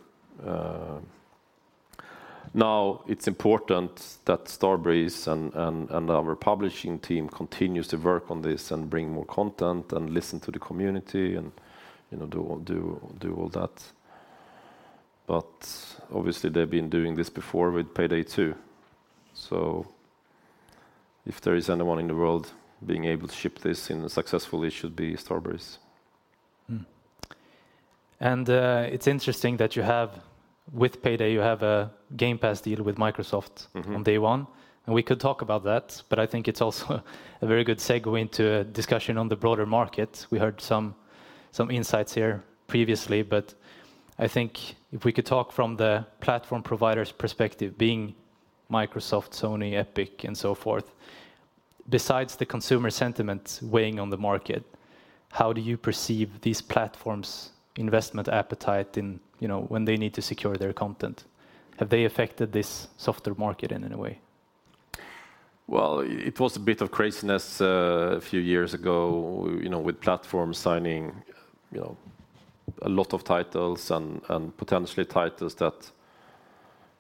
Now, it's important that Starbreeze and, and, and our publishing team continues to work on this, and bring more content, and listen to the community, and, you know, do all, do, do all that. But obviously, they've been doing this before with PAYDAY 2. So if there is anyone in the world being able to ship this and successfully, it should be Starbreeze. And it's interesting that you have with PAYDAY, you have a Game Pass deal with Microsoft- Mm-hmm... on day one, and we could talk about that, but I think it's also a very good segue into a discussion on the broader market. We heard some insights here previously, but I think if we could talk from the platform provider's perspective, being Microsoft, Sony, Epic, and so forth. Besides the consumer sentiment weighing on the market, how do you perceive these platforms' investment appetite in, you know, when they need to secure their content? Have they affected this software market in any way? Well, it was a bit of craziness, a few years ago, you know, with platforms signing, you know, a lot of titles and and potentially titles that,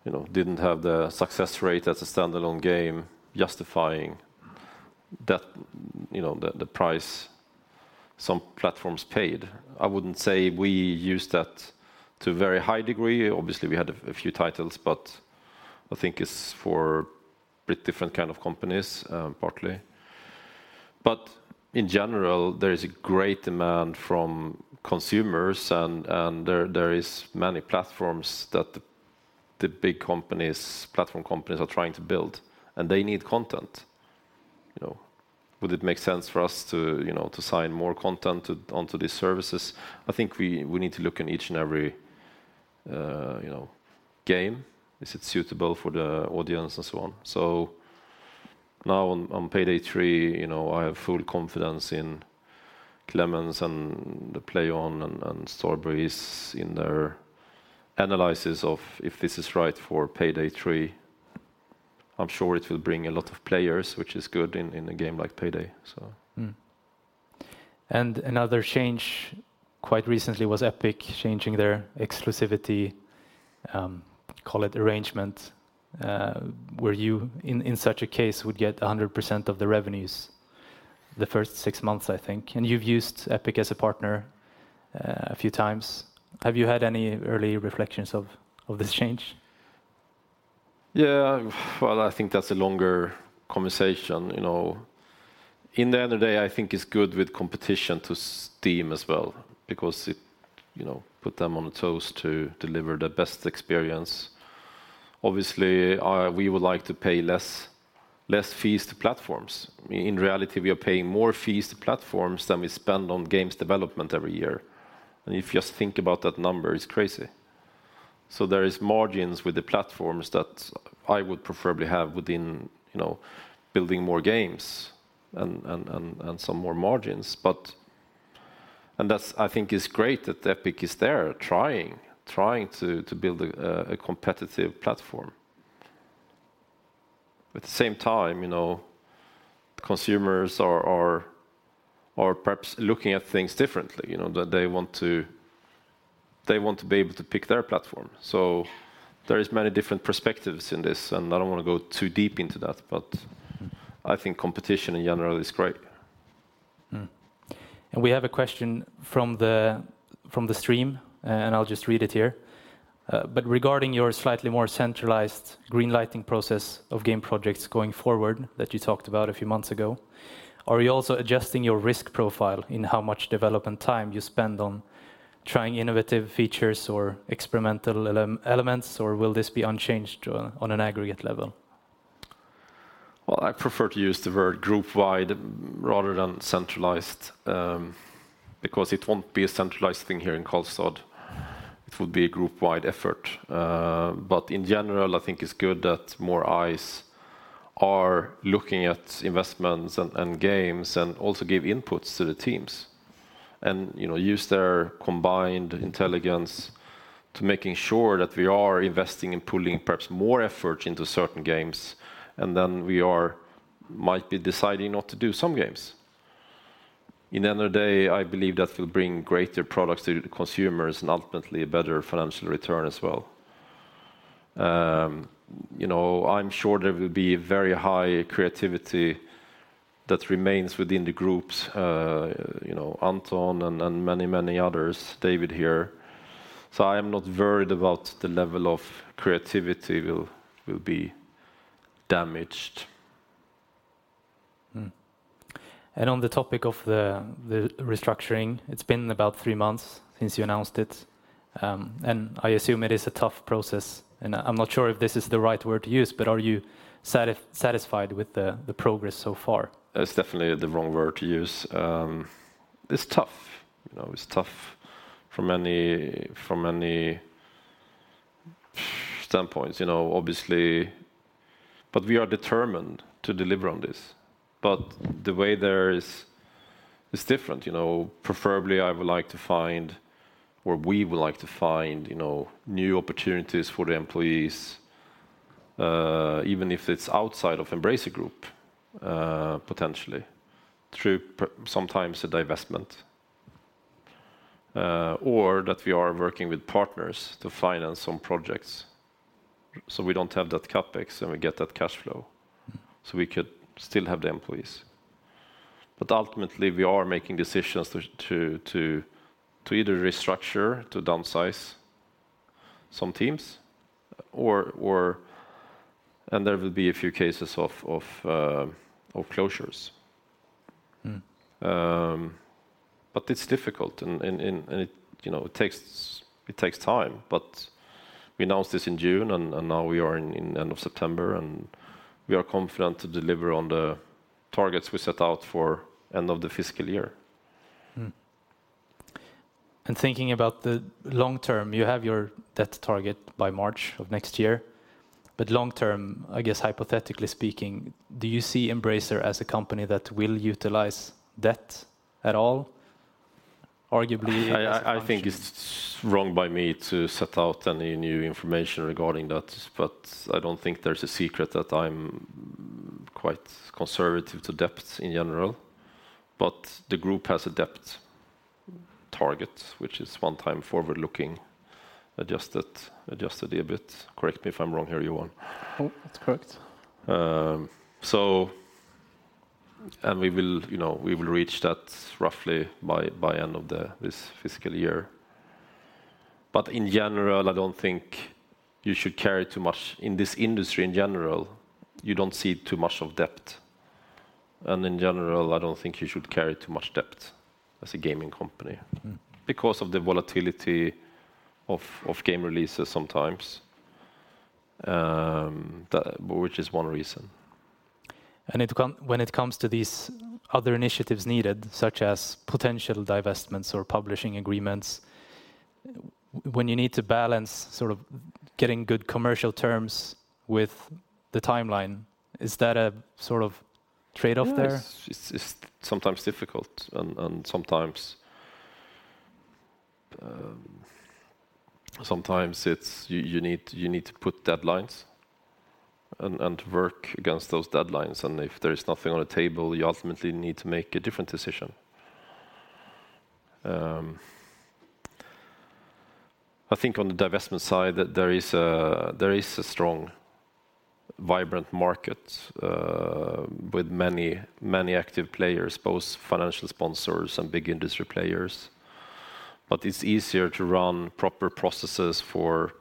you know, didn't have the success rate as a standalone game, justifying that, you know, the price some platforms paid. I wouldn't say we used that to a very high degree. Obviously, we had a few titles, but I think it's for pretty different kind of companies, partly. But in general, there is a great demand from consumers, and there is many platforms that the big companies, platform companies, are trying to build, and they need content, you know. Would it make sense for us to, you know, to sign more content onto these services? I think we need to look in each and every, you know, game. Is it suitable for the audience, and so on. So now on, on PAYDAY 3, you know, I have full confidence in Klemens and the PLAION and, and Starbreeze in their analysis of if this is right for PAYDAY 3. I'm sure it will bring a lot of players, which is good in, in a game like PAYDAY, so. And another change quite recently was Epic changing their exclusivity, call it arrangement, where you, in such a case, would get 100% of the revenues the first six months, I think. You've used Epic as a partner a few times. Have you had any early reflections of this change? Yeah. Well, I think that's a longer conversation, you know. In the end of the day, I think it's good with competition to Steam as well, because it, you know, put them on their toes to deliver the best experience. Obviously, we would like to pay less, less fees to platforms. I mean, in reality, we are paying more fees to platforms than we spend on games development every year, and if you just think about that number, it's crazy. So there is margins with the platforms that I would preferably have within, you know, building more games and, and, and, and some more margins, but... And that's, I think, is great that Epic is there, trying, trying to, to build a, a competitive platform. At the same time, you know, consumers are, are, are perhaps looking at things differently. You know, that they want to, they want to be able to pick their platform. So there is many different perspectives in this, and I don't wanna go too deep into that, but- Mm... I think competition in general is great. Mm. And we have a question from the, from the stream, and I'll just read it here. "But regarding your slightly more centralized green-lighting process of game projects going forward, that you talked about a few months ago, are you also adjusting your risk profile in how much development time you spend on trying innovative features or experimental elements, or will this be unchanged on, on an aggregate level? Well, I prefer to use the word group-wide rather than centralized, because it won't be a centralized thing here in Karlstad. It would be a group-wide effort. But in general, I think it's good that more eyes are looking at investments and games, and also give inputs to the teams and, you know, use their combined intelligence to making sure that we are investing and putting perhaps more effort into certain games, and then we might be deciding not to do some games. In the end of the day, I believe that will bring greater products to the consumers and ultimately a better financial return as well. You know, I'm sure there will be very high creativity that remains within the groups, you know, Anton and many, many others, David here. So I am not worried about the level of creativity will be damaged. Hmm. And on the topic of the restructuring, it's been about three months since you announced it, and I assume it is a tough process, and I'm not sure if this is the right word to use, but are you satisfied with the progress so far? It's definitely the wrong word to use. It's tough. You know, it's tough from many, from many, standpoints. You know, obviously. But we are determined to deliver on this. But the way there is, is different, you know. Preferably, I would like to find, or we would like to find, you know, new opportunities for the employees, even if it's outside of Embracer Group, potentially through sometimes a divestment. Or that we are working with partners to finance some projects, so we don't have that CapEx, and we get that cash flow, so we could still have the employees. But ultimately, we are making decisions to either restructure, to downsize some teams, or and there will be a few cases of closures. Mm. But it's difficult, and it, you know, it takes time. But we announced this in June, and now we are in end of September, and we are confident to deliver on the targets we set out for end of the fiscal year. Mm. And thinking about the long term, you have your debt target by March of next year. But long term, I guess, hypothetically speaking, do you see Embracer as a company that will utilize debt at all, arguably as a function? I think it's wrong by me to set out any new information regarding that, but I don't think there's a secret that I'm quite conservative to debt in general. But the group has a debt target, which is one time forward-looking, adjusted a bit. Correct me if I'm wrong here, Johan. No, that's correct. So and we will, you know, we will reach that roughly by end of this fiscal year. But in general, I don't think you should carry too much... In this industry, in general, you don't see too much of debt. And in general, I don't think you should carry too much debt as a gaming company. Mm... because of the volatility of game releases sometimes, which is one reason. And it come, when it comes to these other initiatives needed, such as potential divestments or publishing agreements, when you need to balance sort of getting good commercial terms with the timeline, is that a sort of trade-off there? Yes. It's sometimes difficult, and sometimes, sometimes it's you need, you need to put deadlines and work against those deadlines, and if there is nothing on the table, you ultimately need to make a different decision. I think on the divestment side, that there is a, there is a strong, vibrant market with many many active players, both financial sponsors and big industry players. But it's easier to run proper processes for,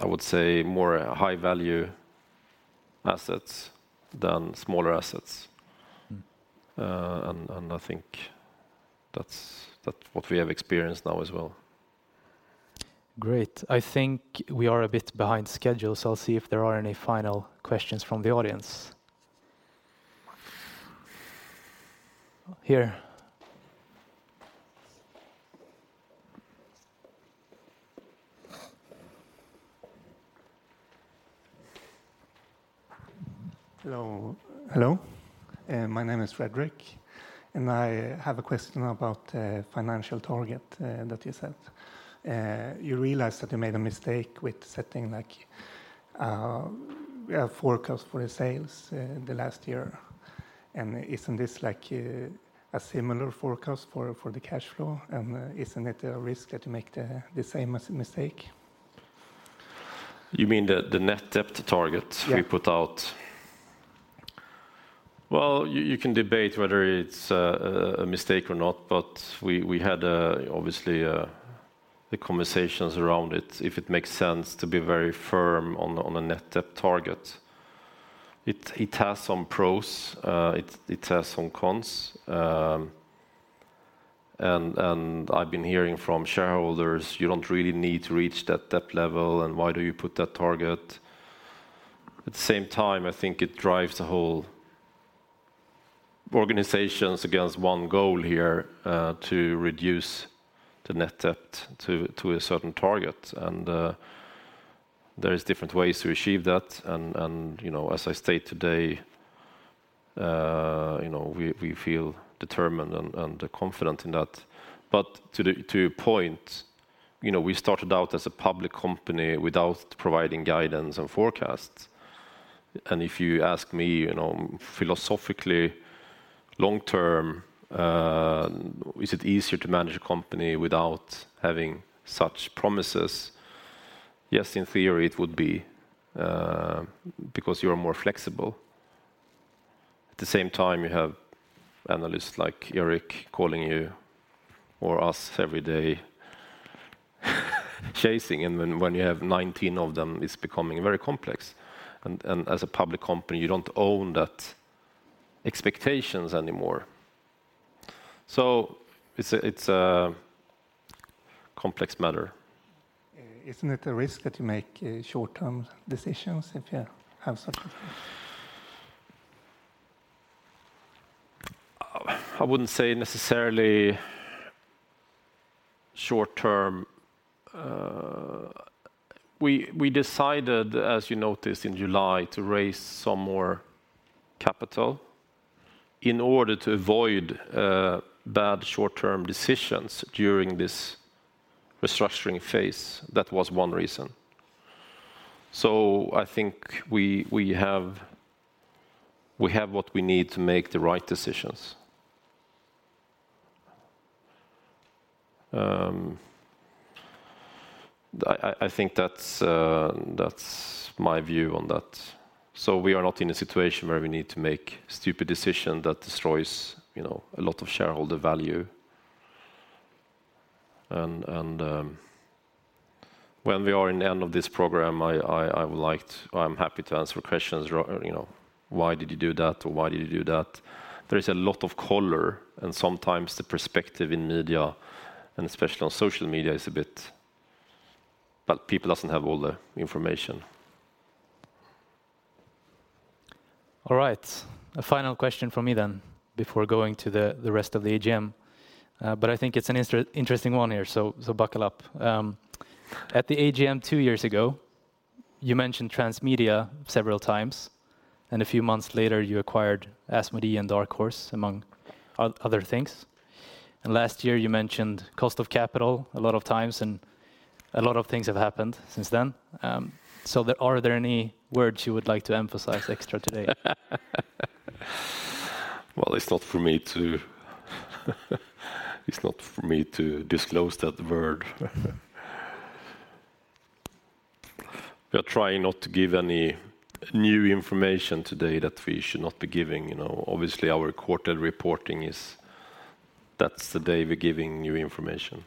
I would say, more high-value assets than smaller assets. Mm. And I think that's what we have experienced now as well. Great. I think we are a bit behind schedule, so I'll see if there are any final questions from the audience. Here. Hello, hello. My name is Fredrick, and I have a question about the financial target that you set. You realized that you made a mistake with setting, like, a forecast for the sales the last year, and isn't this like a similar forecast for the cash flow, and isn't it a risk that you make the same mistake? You mean the net debt target- Yeah... we put out? Well, you can debate whether it's a mistake or not, but we had obviously the conversations around it, if it makes sense to be very firm on a net debt target. It has some pros, it has some cons. And and I've been hearing from shareholders, "You don't really need to reach that debt level, and why do you put that target?" At the same time, I think it drives the whole organization against one goal here, to reduce the net debt to a certain target, and there is different ways to achieve that. And you know, as I state today, you know, we feel determined and confident in that. But to your point, you know, we started out as a public company without providing guidance and forecasts. And if you ask me, you know, philosophically, long term, is it easier to manage a company without having such promises? Yes, in theory, it would be, because you are more flexible. At the same time, you have analysts like Erik calling you or us every day, chasing, and when you have 19 of them, it's becoming very complex. And as a public company, you don't own that expectations anymore. So it's a complex matter. Isn't it a risk that you make short-term decisions if you have such a thing? I wouldn't say necessarily short term. We, we decided, as you noticed in July, to raise some more capital in order to avoid bad short-term decisions during this restructuring phase. That was one reason. So I think we, we have, we have what we need to make the right decisions. I, I, I think that's that's my view on that. So we are not in a situation where we need to make stupid decision that destroys, you know, a lot of shareholder value. And, and when we are in the end of this program, I, I, I would like to. I'm happy to answer questions, you know, why did you do that, or why did you do that? There is a lot of color, and sometimes the perspective in media, and especially on social media, is a bit, but people doesn't have all the information. All right. A final question from me then, before going to the, the rest of the AGM. But I think it's an interesting one here, so buckle up. At the AGM two years ago, you mentioned transmedia several times, and a few months later, you acquired Asmodee and Dark Horse, among other things. And last year, you mentioned cost of capital a lot of times, and a lot of things have happened since then. So are there any words you would like to emphasize extra today? Well, it's not for me to, it's not for me to disclose that word. We are trying not to give any new information today that we should not be giving, you know. Obviously, our quarter reporting is, that's the day we're giving new information.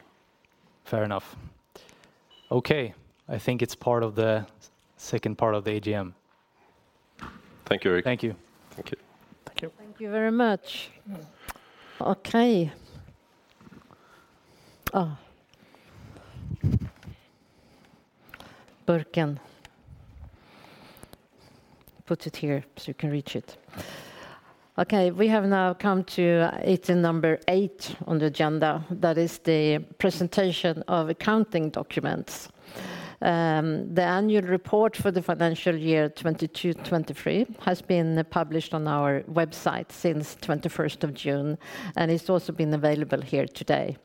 Fair enough. Okay, I think it's part of the second part of the AGM. Thank you, Erik. Thank you. Thank you. Thank you. Thank you very much. Okay. Oh, Burken. Put it here, so you can reach it. Okay, we have now come to item number eight on the agenda. That is the presentation of accounting documents. The annual report for the financial year 2022-2023 has been published on our website since June 21st, and it's also been available here today.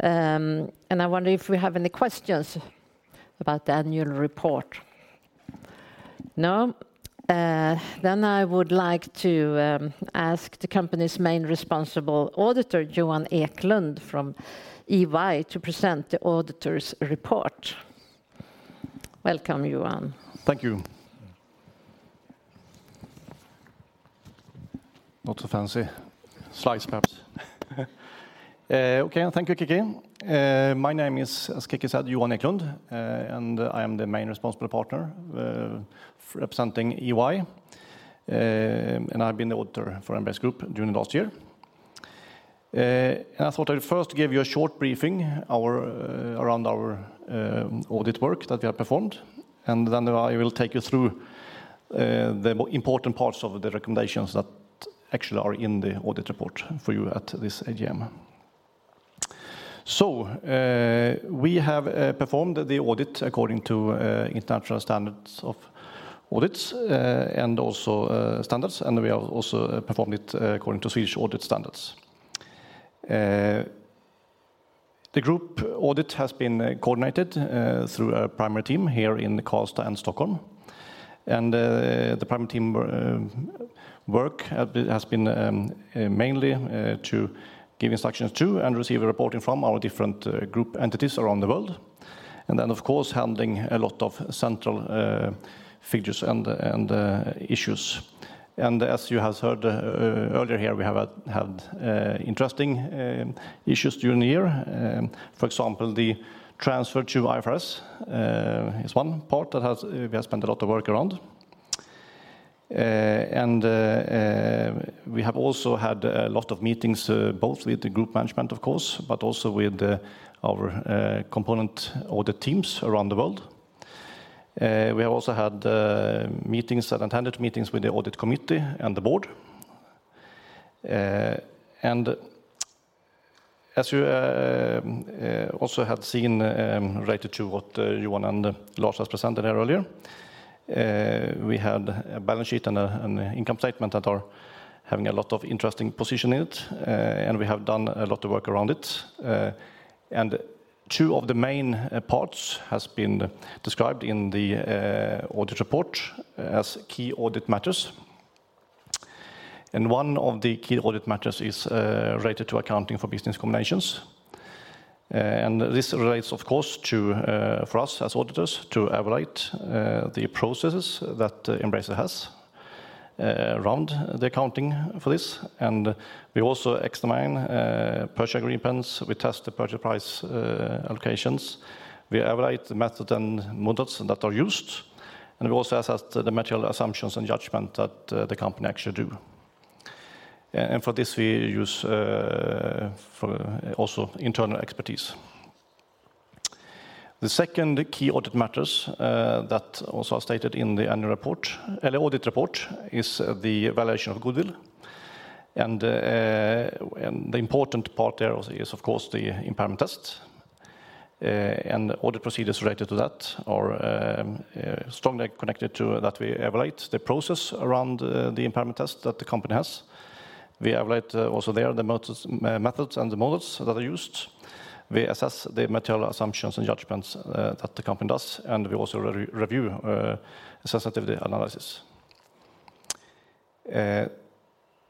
And I wonder if we have any questions about the annual report? No. Then I would like to ask the company's main responsible auditor, Johan Eklund, from EY, to present the auditor's report. Welcome, Johan. Thank you. Not so fancy slides, perhaps. Okay, thank you, Kicki. My name is, as Kicki said, Johan Eklund, and I am the main responsible partner, representing EY. I've been the auditor for Embracer Group during the last year. I thought I'd first give you a short briefing around our audit work that we have performed, and then I will take you through the most important parts of the recommendations that actually are in the audit report for you at this AGM. So, we have performed the audit according to international standards of audits, and also standards, and we have also performed it according to Swedish audit standards. The group audit has been coordinated through a primary team here in Karlstad and Stockholm. And the primary team work has been mainly to give instructions to and receive reporting from our different group entities around the world. And of course, handling a lot of central figures and issues. And as you have heard earlier here, we have had interesting issues during the year. For example, the transfer to IFRS is one part that we have spent a lot of work around. And we have also had a lot of meetings, both with the group management, of course, but also with our component audit teams around the world. We have also had meetings and attended meetings with the audit committee and the board. And as you also have seen, related to what Johan and Lars has presented here earlier, we had a balance sheet and an income statement that are having a lot of interesting position in it, and we have done a lot of work around it. And two of the main parts has been described in the audit report as key audit matters. And one of the key audit matters is related to accounting for business combinations. And this relates, of course, to, for us as auditors, to evaluate the processes that Embracer has around the accounting for this. And we also examine purchase agreements, we test the purchase price allocations, we evaluate the method and models that are used, and we also assess the material assumptions and judgment that the company actually do. And for this, we use for also internal expertise. The second key audit matters that also are stated in the annual report, or the audit report, is the valuation of goodwill. And and the important part there is of course, the impairment test. And audit procedures related to that are strongly connected to that we evaluate the process around the impairment test that the company has. We evaluate also there the methods and the models that are used. We assess the material assumptions and judgments that the company does, and we also review sensitivity analysis.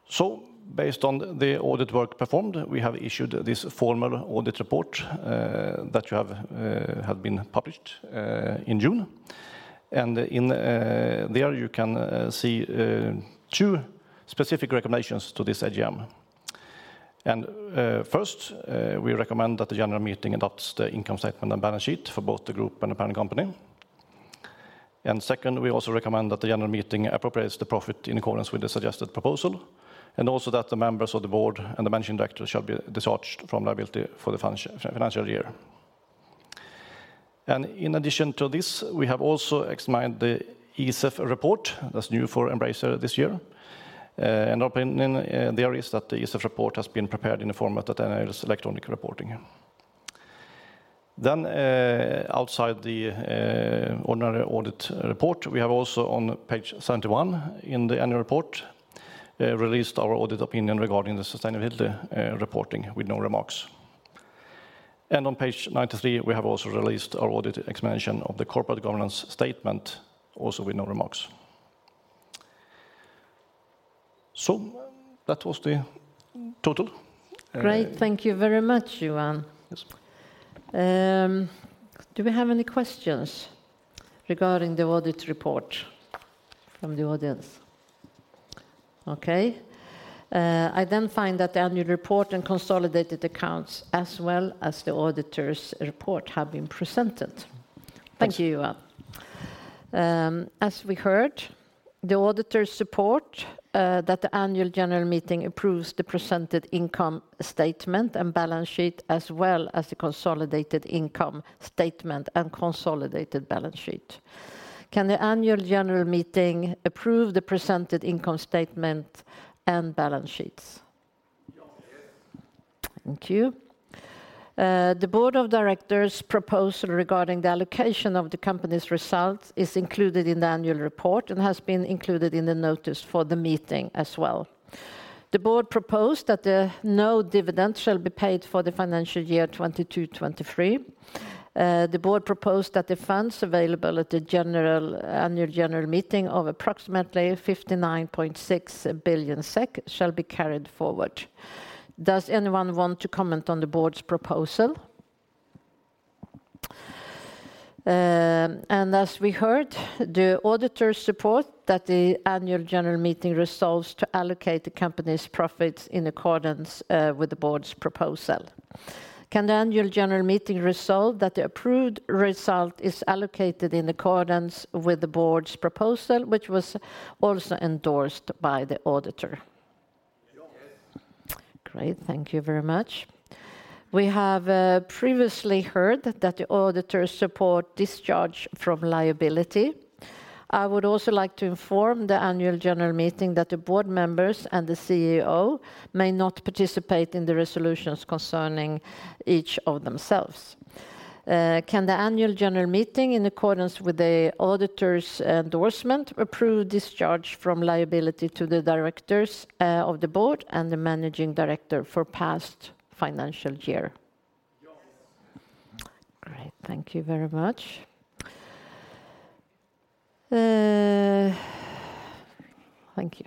So based on the audit work performed, we have issued this formal audit report that you have had been published in June. In there, you can see two specific recommendations to this AGM. And first, we recommend that the general meeting adopts the income statement and balance sheet for both the group and the parent company. And second, we also recommend that the annual meeting appropriates the profit in accordance with the suggested proposal, and also that the members of the board and the managing director shall be discharged from liability for the financial year. And in addition to this, we have also examined the ESEF report that's new for Embracer this year. Our opinion there is that the ESEF report has been prepared in a format that enables electronic reporting. Then, outside the ordinary audit report, we have also, on page 71 in the annual report, released our audit opinion regarding the sustainability reporting with no remarks. And on page 93, we have also released our audit explanation of the corporate governance statement, also with no remarks. So that was the total. Great. Thank you very much, Johan. Yes. Do we have any questions regarding the audit report from the audience? Okay. I then find that the annual report and consolidated accounts, as well as the auditor's report, have been presented. Thank you. As we heard, the auditors support that the annual general meeting approves the presented income statement and balance sheet, as well as the consolidated income statement and consolidated balance sheet. Can the annual general meeting approve the presented income statement and balance sheets? Yes. Thank you. The board of directors' proposal regarding the allocation of the company's results is included in the annual report and has been included in the notice for the meeting as well. The board proposed that no dividend shall be paid for the financial year 2022-2023. The board proposed that the funds available at the annual general meeting of approximately 59.6 billion SEK shall be carried forward. Does anyone want to comment on the board's proposal? And as we heard, the auditors support that the annual general meeting resolves to allocate the company's profits in accordance with the board's proposal. Can the annual general meeting resolve that the approved result is allocated in accordance with the board's proposal, which was also endorsed by the auditor? Yes. Great. Thank you very much. We have previously heard that the auditors support discharge from liability. I would also like to inform the Annual General Meeting that the Board members and the CEO may not participate in the resolutions concerning each of themselves. Can the Annual General Meeting, in accordance with the auditor's endorsement, approve discharge from liability to the directors of the Board and the managing director for the past financial year? Yes. Great. Thank you very much. Thank you.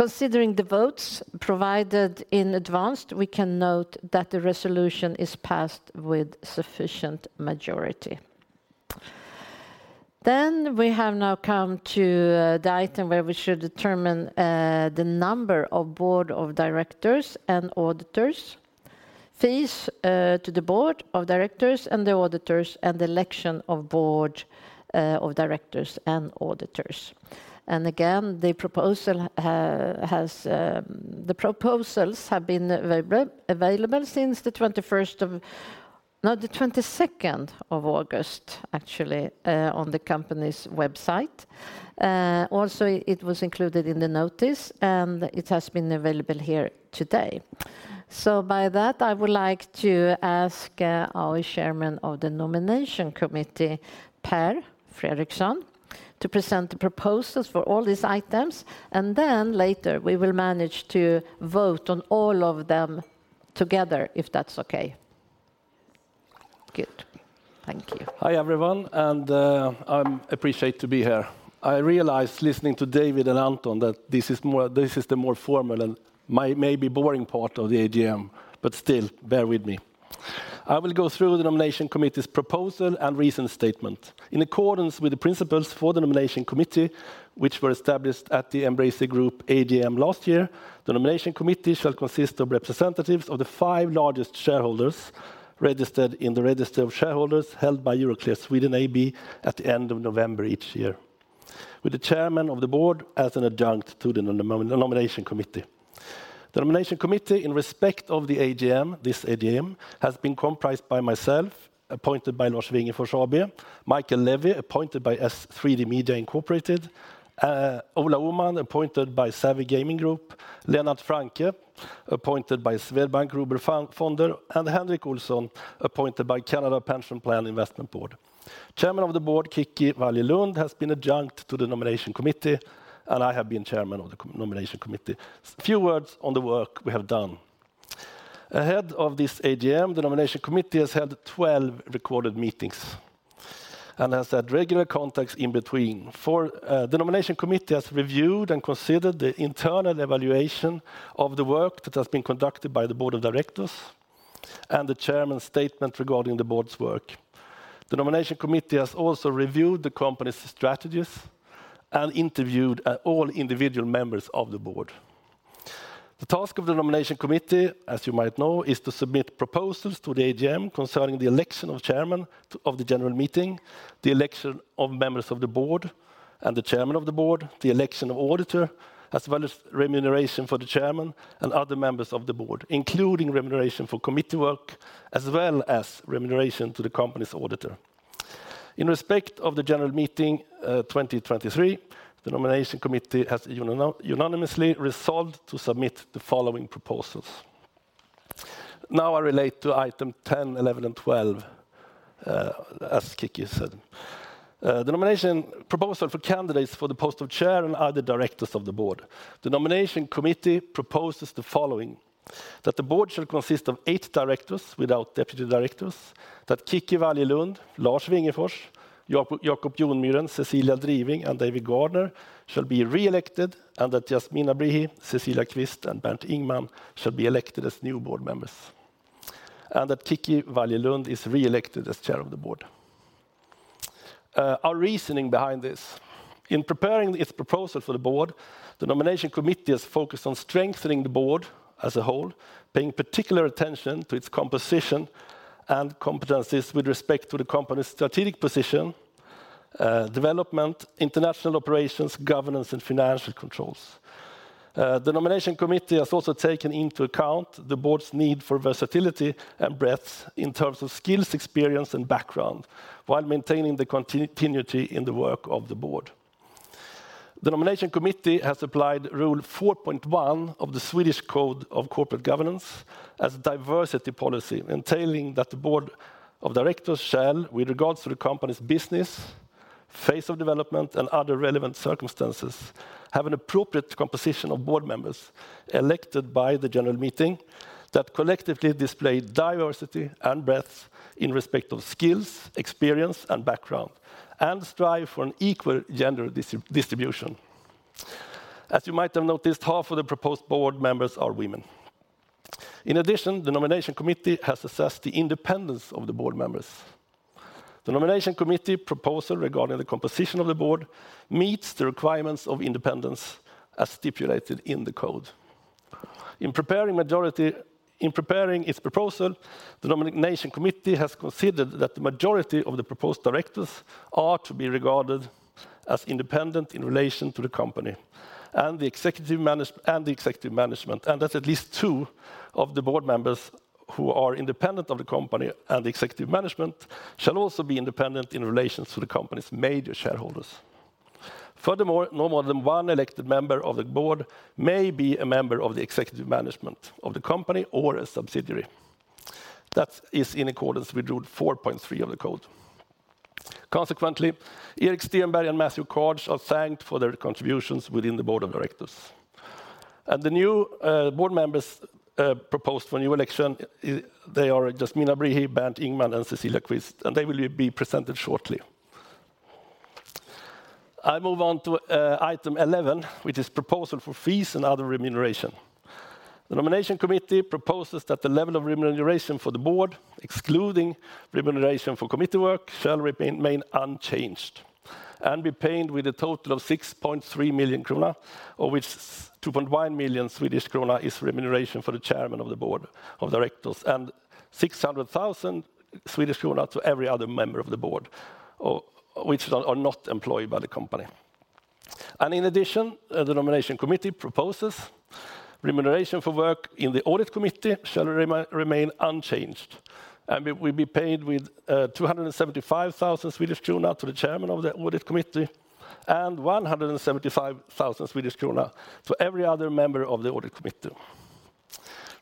Considering the votes provided in advance, we can note that the resolution is passed with sufficient majority. Then we have now come to the item where we should determine the number of Board of Directors and auditors, fees to the Board of Directors and the auditors, and the election of Board of Directors and auditors. And again, the proposal has, the proposals have been available, available since the 21st of—no, the August 22nd, actually, on the company's website. Also, it was included in the notice, and it has been available here today. So by that, I would like to ask our Chairman of the Nomination Committee, Per Fredriksson, to present the proposals for all these items, and then later we will manage to vote on all of them together, if that's okay. Good. Thank you. Hi, everyone, and I appreciate to be here. I realized, listening to David and Anton, that this is the more formal and may be boring part of the AGM, but still bear with me. I will go through the Nomination Committee's proposal and recent statement. In accordance with the principles for the Nomination Committee, which were established at the Embracer Group AGM last year, the Nomination Committee shall consist of representatives of the five largest shareholders registered in the register of shareholders held by Euroclear Sweden AB at the end of November each year, with the chairman of the board as an adjunct to the Nomination Committee. The nomination committee in respect of the AGM, this AGM, has been comprised by myself, appointed by Lars Wingefors AB, Michael Levy, appointed by S3D Media Inc., Ola Åhman, appointed by Savvy Games Group, Lennart Francke, appointed by Swedbank Robur Fonder, and Henrik Olsson, appointed by Canada Pension Plan Investment Board. Chairman of the board, Kicki Wallje-Lund, has been adjunct to the nomination committee, and I have been chairman of the nomination committee. A few words on the work we have done. Ahead of this AGM, the nomination committee has held 12 recorded meetings and has had regular contacts in between. The nomination committee has reviewed and considered the internal evaluation of the work that has been conducted by the board of directors and the chairman's statement regarding the board's work. The nomination committee has also reviewed the company's strategies and interviewed all individual members of the board. The task of the nomination committee, as you might know, is to submit proposals to the AGM concerning the election of chairman of the general meeting, the election of members of the board and the chairman of the board, the election of auditor, as well as remuneration for the chairman and other members of the board, including remuneration for committee work, as well as remuneration to the company's auditor. In respect of the general meeting, 2023, the nomination committee has unanimously resolved to submit the following proposals. Now, I relate to item 10, 11, and 12, as Kicki said. The nomination proposal for candidates for the post of chair and other directors of the board. The nomination committee proposes the following: that the board shall consist of eight directors without deputy directors, that Kicki Wallje-Lund, Lars Wingefors, Jacob Jonmyren, Cecilia Driving, and David Gardner shall be reelected, and that Yasmina Brihi, Cecilia Qvist, and Bernt Ingman shall be elected as new board members, and that Kicki Wallje-Lund is reelected as chair of the board. Our reasoning behind this. In preparing its proposal for the board, the nomination committee is focused on strengthening the board as a whole, paying particular attention to its composition and competencies with respect to the company's strategic position, development, international operations, governance, and financial controls. The nomination committee has also taken into account the board's need for versatility and breadth in terms of skills, experience, and background, while maintaining the continuity in the work of the board. The nomination committee has applied rule 4.1 of the Swedish Code of Corporate Governance as diversity policy, entailing that the board of directors shall, with regards to the company's business, phase of development, and other relevant circumstances, have an appropriate composition of board members elected by the general meeting that collectively display diversity and breadth in respect of skills, experience, and background, and strive for an equal gender distribution. As you might have noticed, half of the proposed board members are women. In addition, the nomination committee has assessed the independence of the board members. The nomination committee proposal regarding the composition of the board meets the requirements of independence as stipulated in the code. In preparing its proposal, the nomination committee has considered that the majority of the proposed directors are to be regarded as independent in relation to the company and the executive management, and that at least two of the board members who are independent of the company and the executive management shall also be independent in relation to the company's major shareholders. Furthermore, no more than one elected member of the board may be a member of the executive management of the company or a subsidiary. That is in accordance with rule 4.3 of the code. Consequently, Erik Stenberg and Matthew Karch are thanked for their contributions within the board of directors. And the new board members proposed for new election, they are Yasmina Brihi, Bernt Ingman, and Cecilia Qvist, and they will be presented shortly. I move on to item 11, which is proposal for fees and other remuneration. The nomination committee proposes that the level of remuneration for the board, excluding remuneration for committee work, shall remain unchanged and be paid with a total of 6.3 million krona, of which 2.1 million Swedish krona is remuneration for the Chairman of the Board of Directors, and 600,000 Swedish krona to every other member of the board which are not employed by the company. And in addition, the nomination committee proposes remuneration for work in the Audit Committee shall remain unchanged and will be paid with 275,000 Swedish kronor to the Chairman of the Audit Committee and 175,000 Swedish kronor to every other member of the Audit Committee.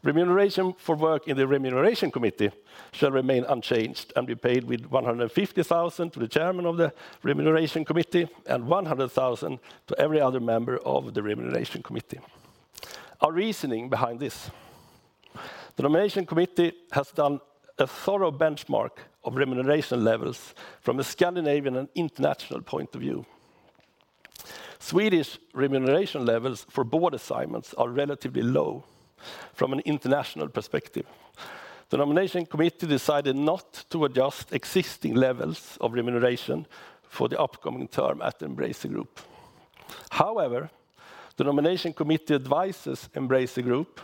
Remuneration for work in the Remuneration Committee shall remain unchanged and be paid with 150,000 to the chairman of the Remuneration Committee and 100,000 to every other member of the Remuneration Committee. Our reasoning behind this: the Nomination Committee has done a thorough benchmark of remuneration levels from a Scandinavian and international point of view. Swedish remuneration levels for board assignments are relatively low from an international perspective. The Nomination Committee decided not to adjust existing levels of remuneration for the upcoming term at Embracer Group. However, the Nomination Committee advises Embracer Group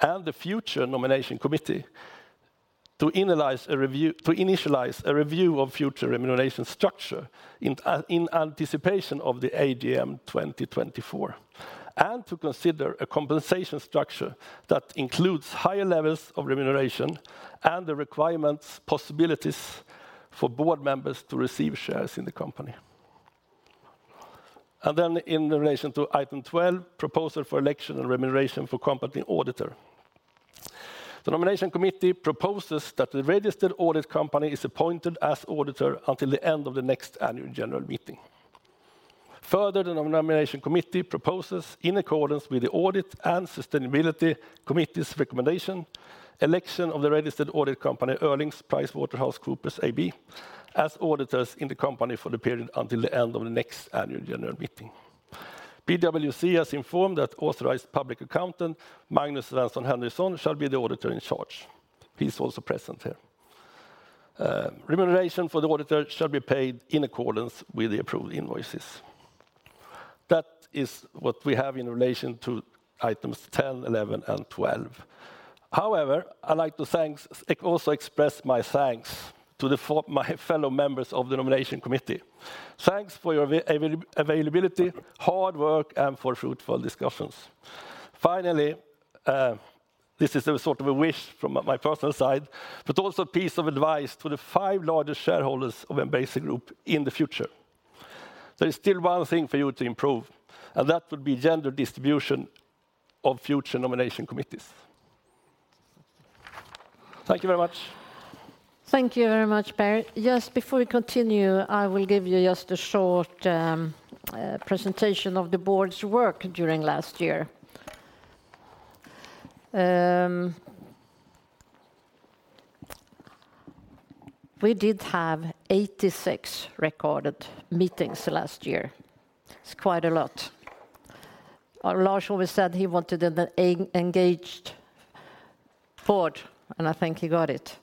and the future nomination committee to initialize a review, to initialize a review of future remuneration structure in anticipation of the AGM 2024, and to consider a compensation structure that includes higher levels of remuneration and the requirements, possibilities for board members to receive shares in the company. And then in the relation to item 12, proposal for election and remuneration for company auditor. The Nomination Committee proposes that the registered audit company is appointed as auditor until the end of the next Annual General Meeting. Further, the Nomination Committee proposes, in accordance with the Audit and Sustainability Committee's recommendation, election of the registered audit company, PricewaterhouseCoopers AB, as auditors in the company for the period until the end of the next Annual General Meeting. PwC has informed that authorized public accountant, Magnus Svensson Henryson, shall be the auditor in charge. He's also present here. Remuneration for the auditor shall be paid in accordance with the approved invoices. That is what we have in relation to items 10, 11, and 12. However, I'd like to also express my thanks to my fellow members of the Nomination Committee. Thanks for your availability, hard work, and for fruitful discussions. Finally, this is a sort of a wish from my personal side, but also a piece of advice to the five largest shareholders of Embracer Group in the future. There is still one thing for you to improve, and that would be gender distribution of future nomination committees. Thank you very much. Thank you very much, Per. Just before we continue, I will give you just a short presentation of the board's work during last year. We did have 86 recorded meetings last year. It's quite a lot. Lars always said he wanted an engaged board, and I think he got it.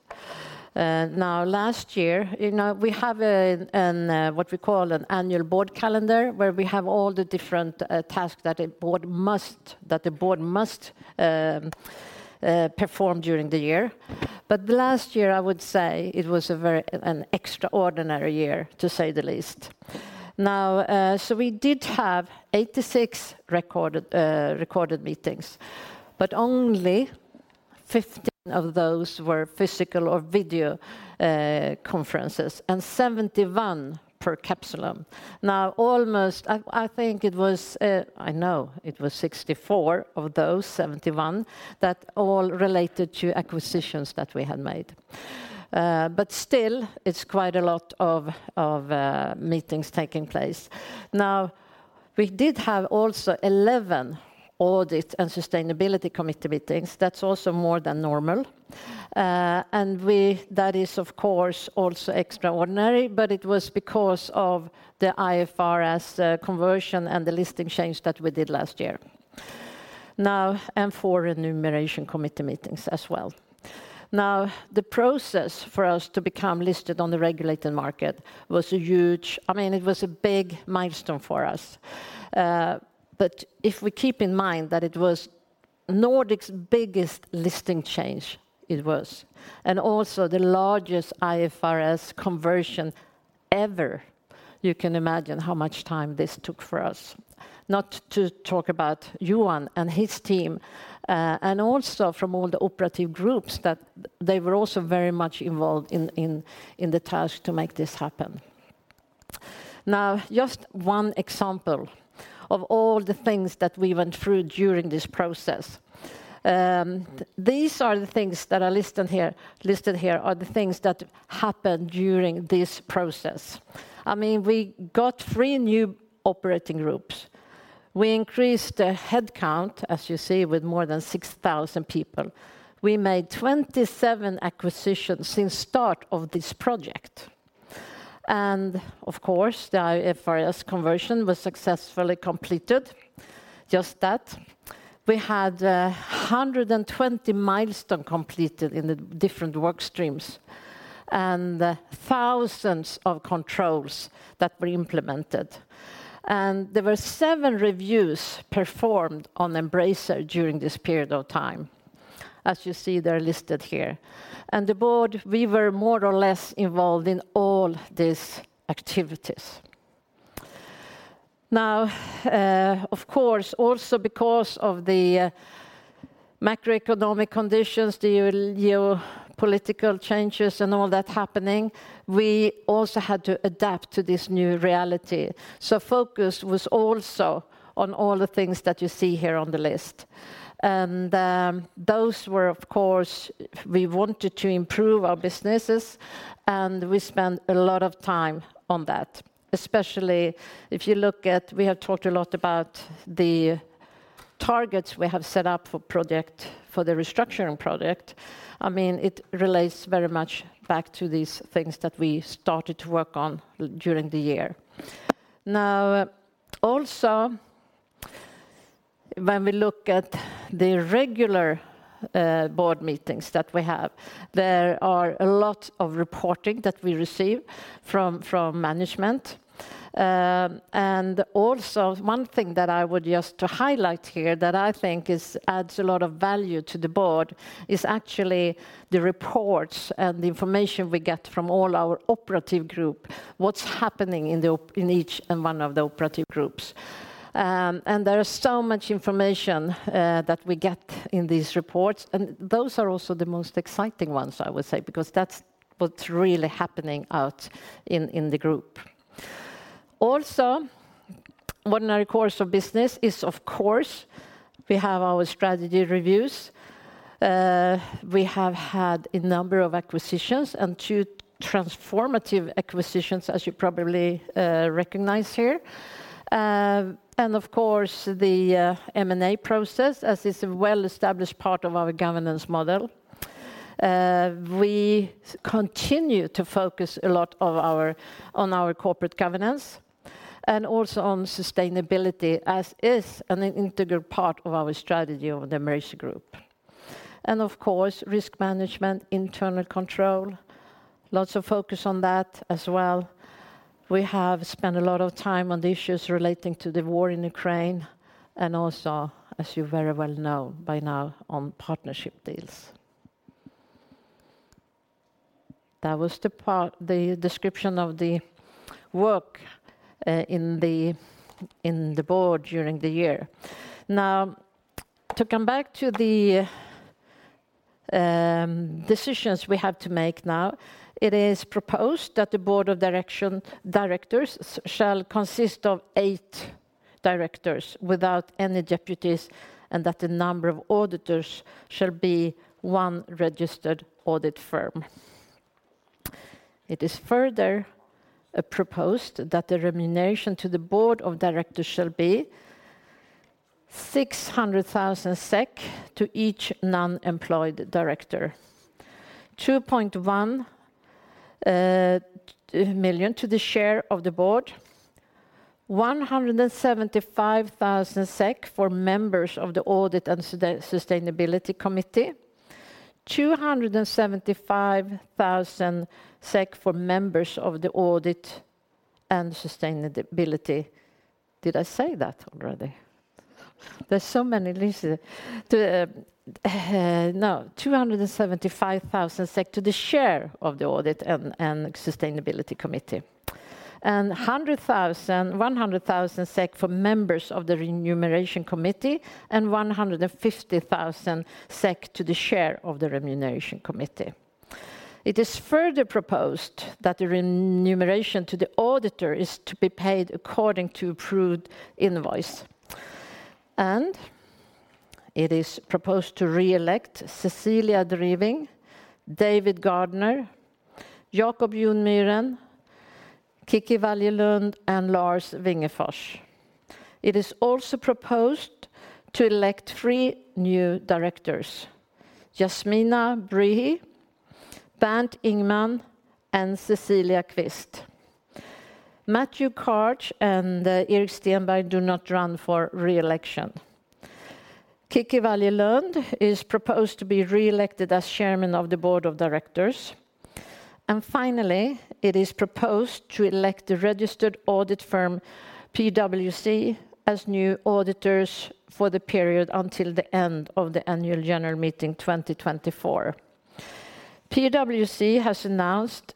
Now, last year, you know, we have a what we call an annual board calendar, where we have all the different tasks that a board must, that the board must perform during the year. But the last year, I would say, it was a very an extraordinary year, to say the least. Now, so we did have 86 recorded meetings, but only 15 of those were physical or video conferences, and 71 per capsulam. Now, almost... I think it was, I know it was 64 of those 71 that all related to acquisitions that we had made. But still, it's quite a lot of meetings taking place. Now, we did have also 11 Audit and Sustainability Committee meetings. That's also more than normal. We-- that is, of course, also extraordinary, but it was because of the IFRS conversion and the listing change that we did last year. Now, and four Remuneration Committee meetings as well. The process for us to become listed on the regulated market was a huge, I mean, it was a big milestone for us. But if we keep in mind that it was Nordic's biggest listing change, it was, and also the largest IFRS conversion ever, you can imagine how much time this took for us. Not to talk about Johan and his team, and also from all the operative groups, that they were also very much involved in the task to make this happen. Now, just one example of all the things that we went through during this process. These are the things that are listed here, are the things that happened during this process. I mean, we got three new operating groups. We increased the headcount, as you see, with more than 6,000 people. We made 27 acquisitions since start of this project. And, of course, the IFRS conversion was successfully completed, just that. We had 120 milestones completed in the different work streams, and thousands of controls that were implemented. And there were seven reviews performed on Embracer during this period of time. As you see, they're listed here. And the board, we were more or less involved in all these activities. Now, of course, also because of the macroeconomic conditions, the geopolitical changes and all that happening, we also had to adapt to this new reality. So focus was also on all the things that you see here on the list. And those were, of course, we wanted to improve our businesses, and we spent a lot of time on that. Especially if you look at... We have talked a lot about the targets we have set up for project, for the restructuring project. I mean, it relates very much back to these things that we started to work on during the year. Now, also, when we look at the regular board meetings that we have, there are a lot of reporting that we receive from management. and also one thing I would just like to highlight here that I think adds a lot of value to the board, is actually the reports and the information we get from all our operative group. What's happening in each and one of the operative groups. There is so much information that we get in these reports, and those are also the most exciting ones, I would say, because that's what's really happening out in the group. Also, ordinary course of business is, of course, we have our strategy reviews. We have had a number of acquisitions and two transformative acquisitions, as you probably recognize here. And of course, the M&A process is a well-established part of our governance model. We continue to focus a lot on our on our corporate governance, and also on sustainability, as it is an integral part of our strategy of the Embracer Group. And of course, risk management, internal control, lots of focus on that as well. We have spent a lot of time on the issues relating to the war in Ukraine, and also, as you very well know by now, on partnership deals. That was the part, the description of the work in the, in the board during the year. Now, to come back to the decisions we have to make now, it is proposed that the board of directors shall consist of eight directors without any deputies, and that the number of auditors shall be one registered audit firm. It is further proposed that the remuneration to the board of directors shall be 600,000 SEK to each non-employed director. 2.1 million to the chair of the board. 175,000 SEK for members of the Audit and Sustainability Committee. 275,000 SEK for members of the Audit and Sustainability... Did I say that already? There's so many lists. No. 275,000 SEK to the chair of the Audit and Sustainability Committee. 100,000 SEK for members of the Remuneration Committee, and 150,000 SEK to the chair of the Remuneration Committee. It is further proposed that the remuneration to the auditor is to be paid according to approved invoice. And it is proposed to re-elect Cecilia Driving, David Gardner, Jacob Jonmyren, Kicki Wallje-Lund, and Lars Wingefors. It is also proposed to elect three new directors: Yasmina Brihi, Bernt Ingman, and Cecilia Qvist. Matthew Karch and Erik Stenberg do not run for re-election. Kicki Wallje-Lund is proposed to be re-elected as Chairman of the Board of Directors. And finally, it is proposed to elect the registered audit firm, PwC, as new auditors for the period until the end of the Annual General Meeting, 2024. PwC has announced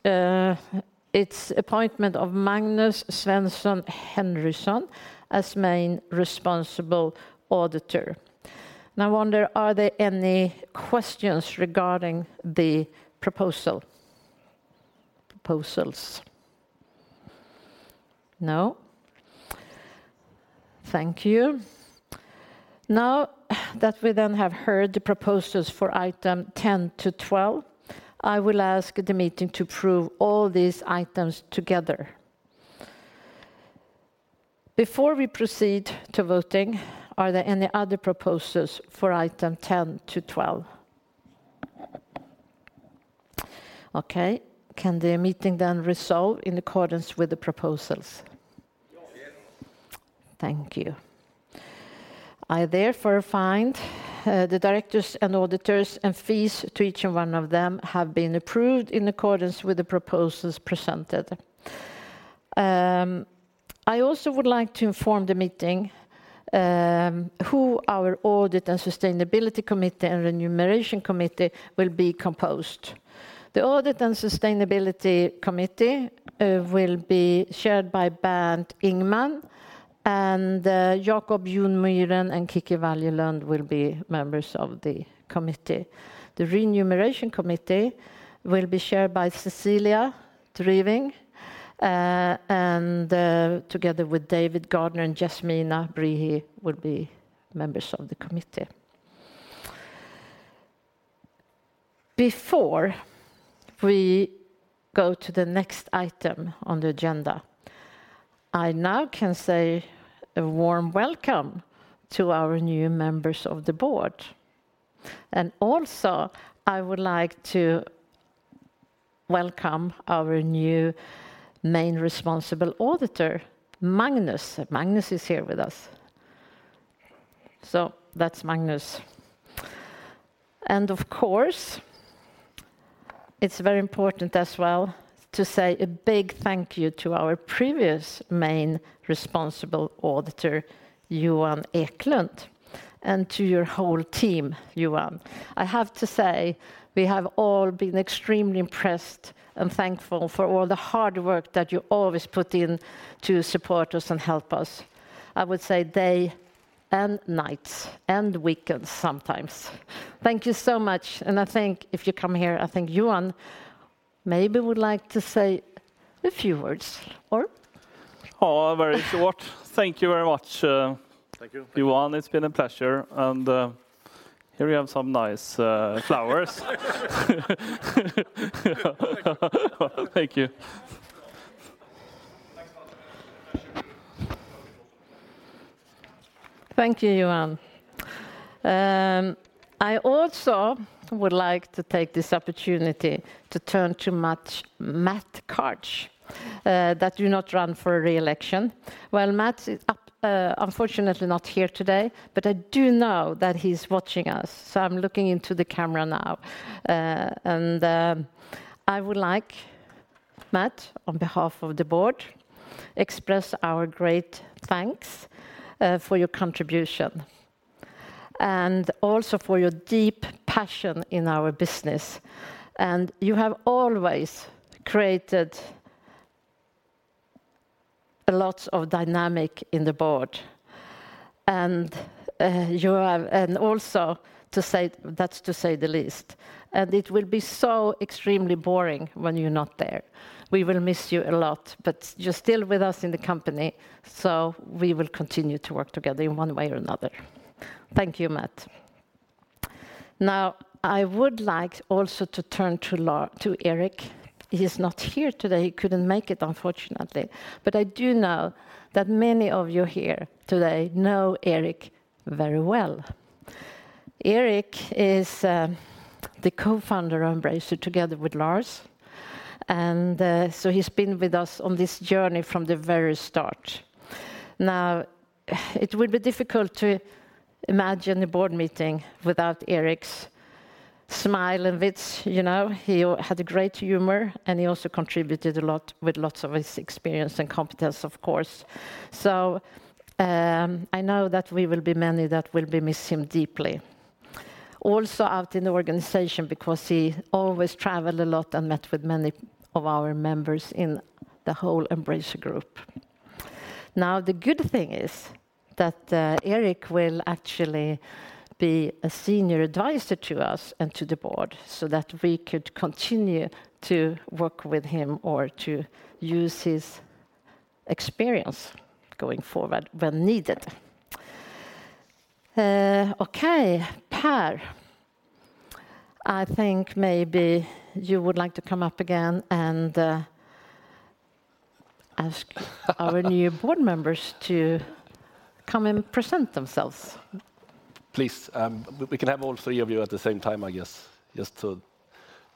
its appointment of Magnus Svensson Henryson as main responsible auditor. Now, I wonder, are there any questions regarding the proposal? Proposals. No. Thank you. Now that we then have heard the proposals for item 10 to 12, I will ask the meeting to approve all these items together. Before we proceed to voting, are there any other proposals for item 10-12? Okay, can the meeting then resolve in accordance with the proposals? Yes. Thank you. I therefore find, the directors and auditors, and fees to each one of them, have been approved in accordance with the proposals presented. I also would like to inform the meeting, who our Audit and Sustainability Committee and Remuneration Committee will be composed. The Audit and Sustainability Committee, will be chaired by Bernt Ingman, and, Jacob Jonmyren and Kicki Wallje-Lund will be members of the committee. The Remuneration Committee will be chaired by Cecilia Driving, and, together with David Gardner and Yasmina Brihi, will be members of the committee. Before we go to the next item on the agenda, I now can say a warm welcome to our new members of the board. And also, I would like to welcome our new main responsible auditor, Magnus. Magnus is here with us.... So that's Magnus. and of course, it's very important as well to say a big thank you to our previous main responsible auditor, Johan Eklund, and to your whole team, Johan. I have to say, we have all been extremely impressed and thankful for all the hard work that you always put in to support us and help us. I would say day and nights, and weekends sometimes. Thank you so much, and I think if you come here, I think Johan maybe would like to say a few words or? Oh, very short. Thank you very much, Thank you Johan. It's been a pleasure, and here you have some nice flowers. Thank you. Thank you, Johan. I also would like to take this opportunity to turn to Matt, Matt Karch, that you not run for re-election. Well, Matt is up, unfortunately not here today, but I do know that he's watching us, so I'm looking into the camera now. And I would like Matt, on behalf of the board, express our great thanks for your contribution, and also for your deep passion in our business. And you have always created a lot of dynamic in the board, and you have and also to say, that's to say the least. And it will be so extremely boring when you're not there. We will miss you a lot, but you're still with us in the company, so we will continue to work together in one way or another. Thank you, Matt. Now, I would like also to turn to Erik. He is not here today. He couldn't make it, unfortunately, but I do know that many of you here today know Erik very well. Erik is the co-founder of Embracer, together with Lars, and so he's been with us on this journey from the very start. Now, it would be difficult to imagine a board meeting without Erik's smile and wits, you know. He had a great humor, and he also contributed a lot with lots of his experience and competence, of course. So, I know that we will be many that will be missing him deeply. Also, out in the organization because he always traveled a lot and met with many of our members in the whole Embracer Group. Now, the good thing is that, Erik will actually be a senior advisor to us and to the board, so that we could continue to work with him or to use his experience going forward when needed. Okay, Per, I think maybe you would like to come up again and ask our new board members to come and present themselves. Please, we can have all three of you at the same time, I guess, just to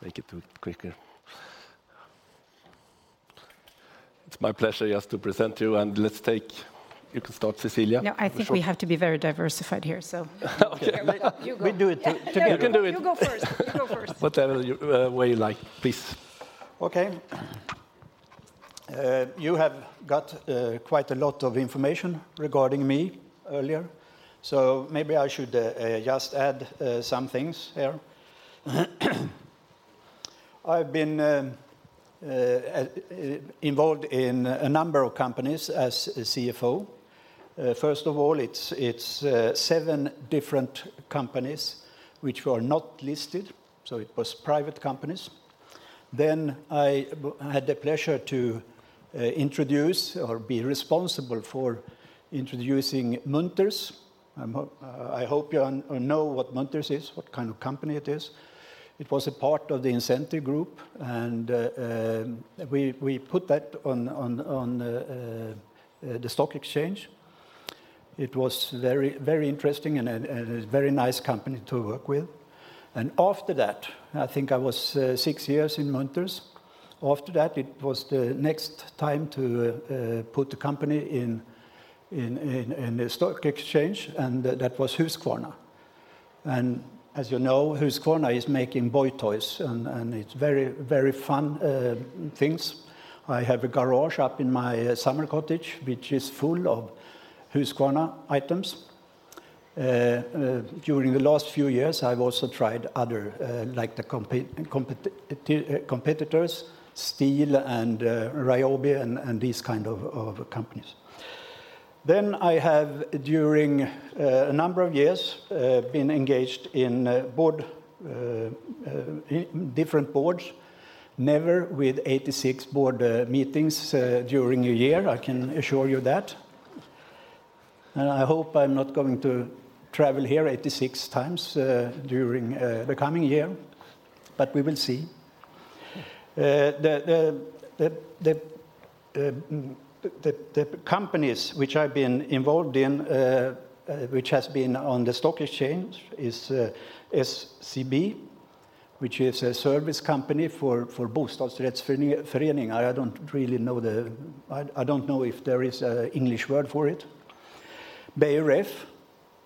make it do it quicker. It's my pleasure just to present you, and let's take... You can start, Cecilia. No, I think we have to be very diversified here, so. Okay. We do it too. You can do it. You go first. You go first. Whatever way you like, please. Okay. You have got quite a lot of information regarding me earlier, so maybe I should just add some things here. I've been involved in a number of companies as a CFO. First of all, it's seven different companies which were not listed, so it was private companies. Then I had the pleasure to introduce or be responsible for introducing Munters. I hope you know what Munters is, what kind of company it is. It was a part of the Incentive Group, and we put that on the stock exchange. It was very interesting and a very nice company to work with. And after that, I think I was six years in Munters. After that, it was the next time to put the company in the stock exchange, and that was Husqvarna. And as you know, Husqvarna is making boy toys, and it's very, very fun things. I have a garage up in my summer cottage, which is full of Husqvarna items. During the last few years, I've also tried other, like the competitors, Stihl and Ryobi, and these kind of companies. Then I have, during a number of years, been engaged in different boards, never with 86 board meetings during a year, I can assure you that. And I hope I'm not going to travel here 86 times during the coming year, but we will see. The companies which I've been involved in, which has been on the stock exchange, is SCB-... which is a service company for Bostadsrättsförening. I don't really know the, I don't know if there is an English word for it. Beijer Ref,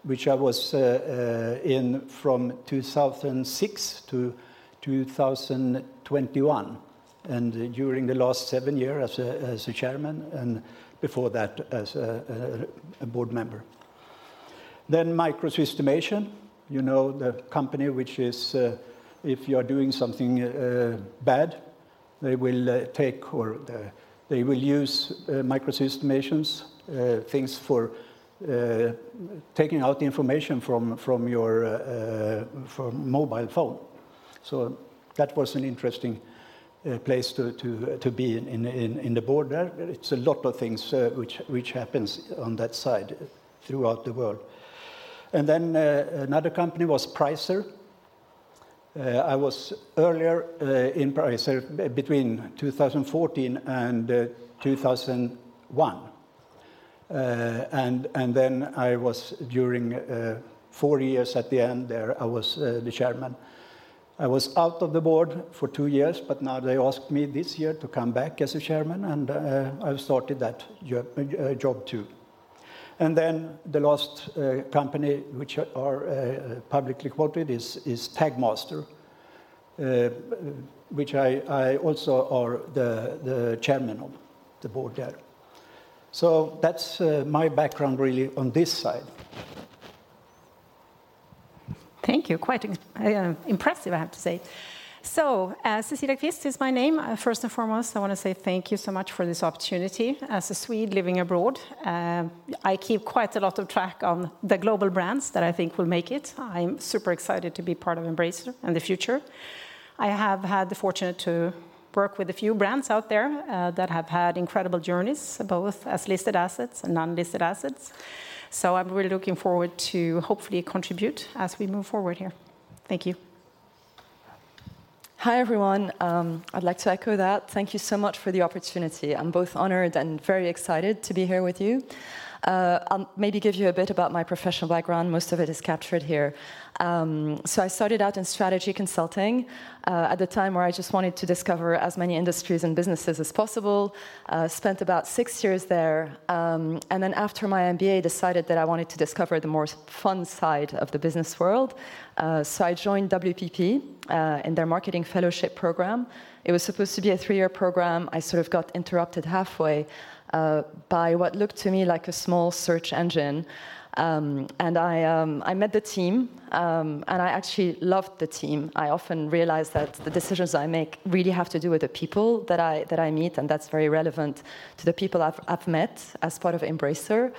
which I was in from 2006-2021, and during the last seven years as a chairman, and before that, as a board member. Then Micro Systemation, you know, the company which is, if you are doing something bad, they will take or they will use Micro Systemations things for taking out the information from from your from mobile phone. So that was an interesting place to be in the board there. It's a lot of things which happens on that side throughout the world. And then another company was Pricer. I was earlier in Pricer between 2014 and 2001. And then I was during four years at the end there, I was the chairman. I was out of the board for two years, but now they asked me this year to come back as a chairman, and I've started that job, too. And then the last company, which are publicly quoted, is TagMaster, which I also are the chairman of the board there. So that's my background really on this side. Thank you. Quite impressive, I have to say. So, Cecilia Qvist is my name. First and foremost, I wanna say thank you so much for this opportunity. As a Swede living abroad, I keep quite a lot of track on the global brands that I think will make it. I'm super excited to be part of Embracer and the future. I have had the fortune to work with a few brands out there that have had incredible journeys, both as listed assets and non-listed assets. So I'm really looking forward to hopefully contribute as we move forward here. Thank you. Hi, everyone. I'd like to echo that. Thank you so much for the opportunity. I'm both honored and very excited to be here with you. I'll maybe give you a bit about my professional background. Most of it is captured here. So I started out in strategy consulting, at the time where I just wanted to discover as many industries and businesses as possible. Spent about six years there, and then after my MBA, decided that I wanted to discover the more fun side of the business world. So I joined WPP, in their marketing fellowship program. It was supposed to be a three-year program. I sort of got interrupted halfway, by what looked to me like a small search engine, and I met the team, and I actually loved the team. I often realized that the decisions I make really have to do with the people that I, that I meet, and that's very relevant to the people I've, I've met as part of Embracer.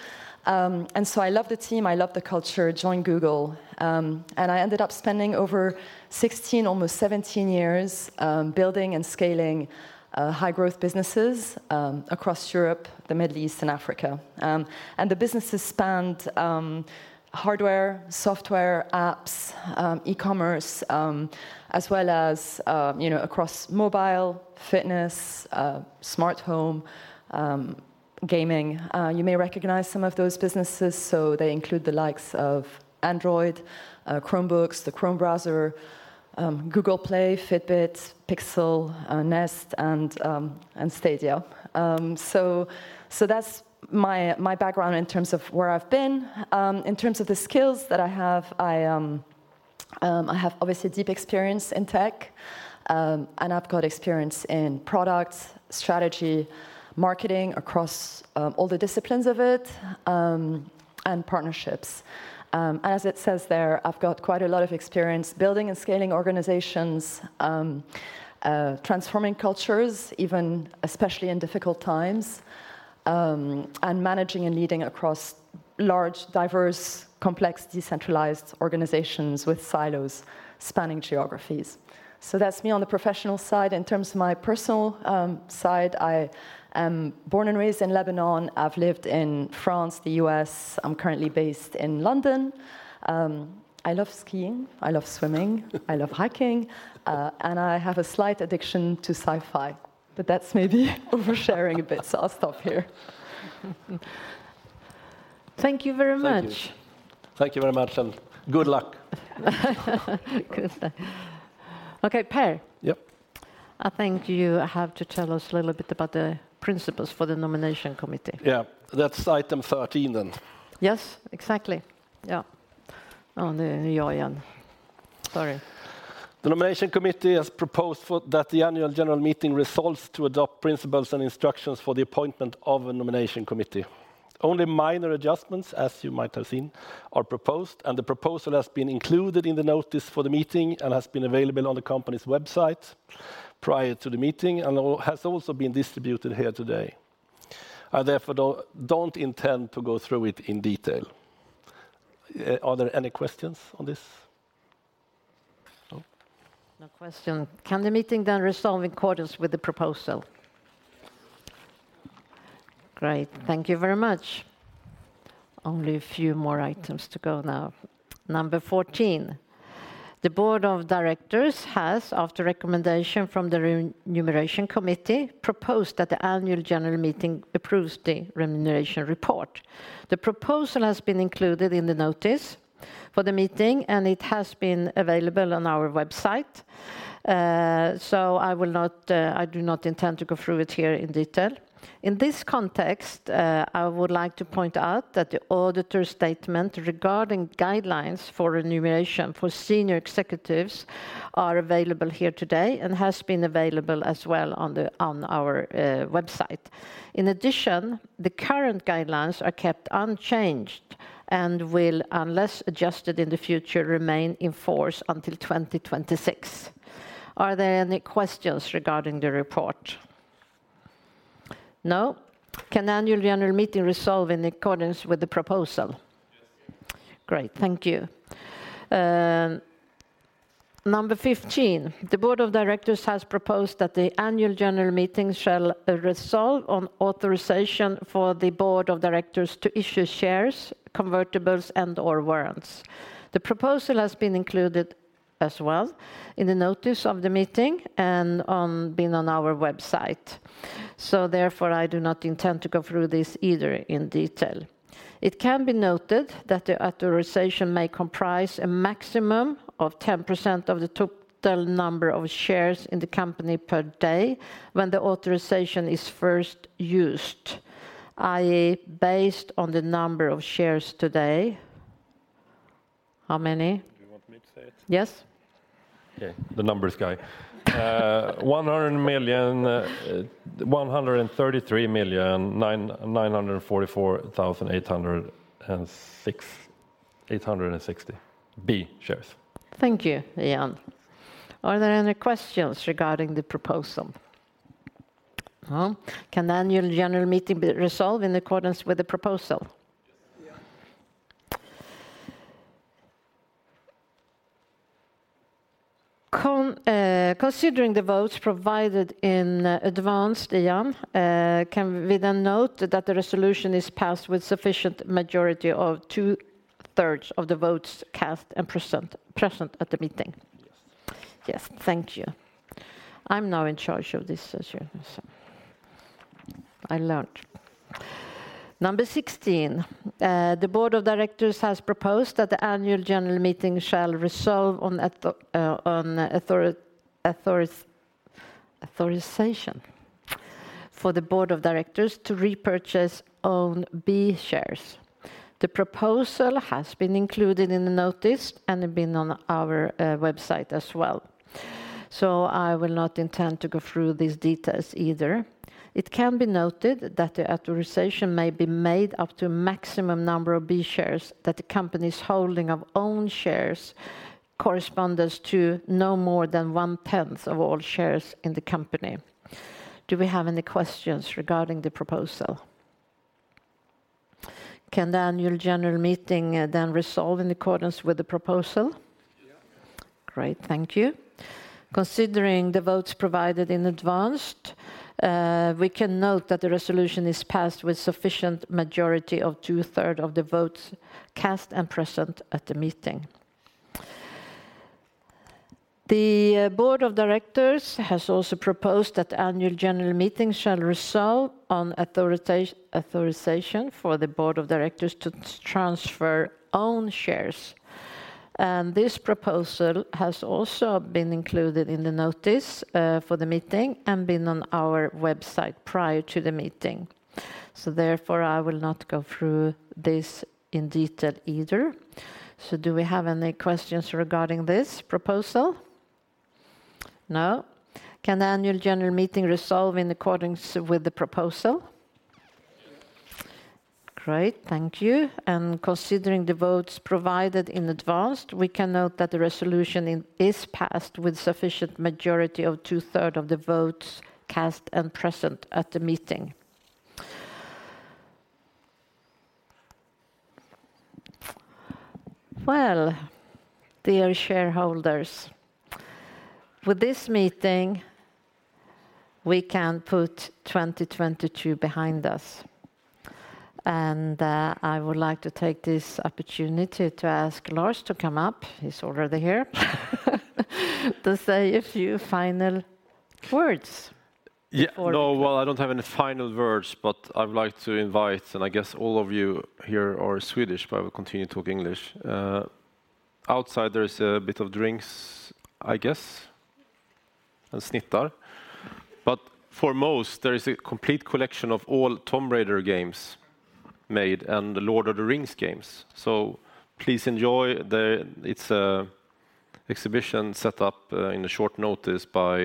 And so I loved the team, I loved the culture, joined Google, and I ended up spending over 16, almost 17 years, building and scaling, high-growth businesses, across Europe, the Middle East, and Africa. And the businesses spanned, hardware, software, apps, e-commerce, as well as, you know, across mobile, fitness, smart home, gaming. You may recognize some of those businesses, so they include the likes of Android, Chromebooks, the Chrome browser, Google Play, Fitbit, Pixel, Nest, and, and Stadia. So, so that's my, my background in terms of where I've been. In terms of the skills that I have, I have obviously deep experience in tech, and I've got experience in product, strategy, marketing across all the disciplines of it, and partnerships. As it says there, I've got quite a lot of experience building and scaling organizations, transforming cultures, even especially in difficult times, and managing and leading across large, diverse, complex, decentralized organizations with silos, spanning geographies. So that's me on the professional side. In terms of my personal side, I am born and raised in Lebanon. I've lived in France, the US. I'm currently based in London. I love skiing, I love swimming. I love hiking, and I have a slight addiction to sci-fi, but that's maybe oversharing a bit, so I'll stop here. Thank you very much. Thank you. Thank you very much, and good luck. Okay, Per? Yep. I think you have to tell us a little bit about the principles for the nomination committee. Yeah. That's item 13, then. Yes, exactly. Yeah. Oh, now you again. Sorry. The nomination committee has proposed that the annual general meeting resolves to adopt principles and instructions for the appointment of a nomination committee. Only minor adjustments, as you might have seen, are proposed, and the proposal has been included in the notice for the meeting and has been available on the company's website prior to the meeting, and also has been distributed here today. I therefore don't intend to go through it in detail. Are there any questions on this? No. No question. Can the meeting then resolve in accordance with the proposal? Great. Thank you very much. Only a few more items to go now. Number 14: The board of directors has, after recommendation from the remuneration committee, proposed that the Annual General Meeting approves the remuneration report. The proposal has been included in the notice-... for the meeting, and it has been available on our website. So I will not, I will not intend to go through it here in detail. In this context, I would like to point out that the auditor statement regarding guidelines for remuneration for senior executives are available here today, and has been available as well on our website. In addition, the current guidelines are kept unchanged and will, unless adjusted in the future, remain in force until 2026. Are there any questions regarding the report? No. Can Annual General Meeting resolve in accordance with the proposal? Yes. Great, thank you. Number 15: the board of directors has proposed that the annual general meeting shall resolve on authorization for the board of directors to issue shares, convertibles, and/or warrants. The proposal has been included as well in the notice of the meeting and on our website. So therefore, I do not intend to go through this either in detail. It can be noted that the authorization may comprise a maximum of 10% of the total number of shares in the company per day when the authorization is first used, i.e., based on the number of shares today. How many? Do you want me to say it? Yes. Okay, the numbers guy. 100 million, 133 million, 944,000, 860 B shares. Thank you, Jan. Are there any questions regarding the proposal? No. Can the Annual General Meeting resolve in accordance with the proposal? Yes. Considering the votes provided in advance, Jan, can we then note that the resolution is passed with sufficient majority of 2/3 of the votes cast and present at the meeting? Yes. Yes. Thank you. I'm now in charge of this session, so I learned. Number 16: the board of directors has proposed that the annual general meeting shall resolve on authorization for the board of directors to repurchase own B shares. The proposal has been included in the notice and have been on our website as well. So I will not intend to go through these details either. It can be noted that the authorization may be made up to a maximum number of B shares that the company's holding of own shares corresponds to no more than 1/10 of all shares in the company. Do we have any questions regarding the proposal? Can the annual general meeting then resolve in accordance with the proposal? Yeah. Great, thank you. Considering the votes provided in advance, we can note that the resolution is passed with sufficient majority of two-thirds of the votes cast and present at the meeting. The board of directors has also proposed that the Annual General Meeting shall resolve on authorization for the board of directors to transfer own shares. And this proposal has also been included in the notice for the meeting and been on our website prior to the meeting. So therefore, I will not go through this in detail either. So do we have any questions regarding this proposal? No. Can the Annual General Meeting resolve in accordance with the proposal? Yes. Great, thank you. Considering the votes provided in advance, we can note that the resolution is passed with sufficient majority of 2/3 of the votes cast and present at the meeting. Well, dear shareholders, with this meeting, we can put 2022 behind us. And I would like to take this opportunity to ask Lars to come up, he's already here, to say a few final words. Yeah. Before- No, well, I don't have any final words, but I would like to invite, and I guess all of you here are Swedish, but I will continue to talk English. Outside, there is a bit of drinks, I guess, and snittar. But for most, there is a complete collection of all Tomb Raider games made and the Lord of the Rings games. So please enjoy the... It's an exhibition set up in a short notice by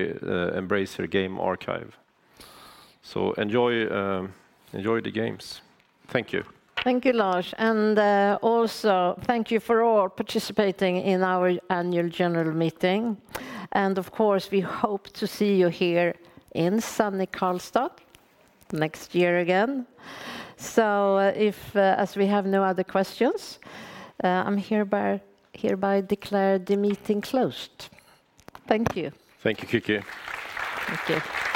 Embracer Game Archive. So enjoy, enjoy the games. Thank you. Thank you, Lars. And also thank you for all participating in our annual general meeting. And of course, we hope to see you here in sunny Karlstad next year again. So if, as we have no other questions, I'm hereby declare the meeting closed. Thank you. Thank you, Kicki. Thank you.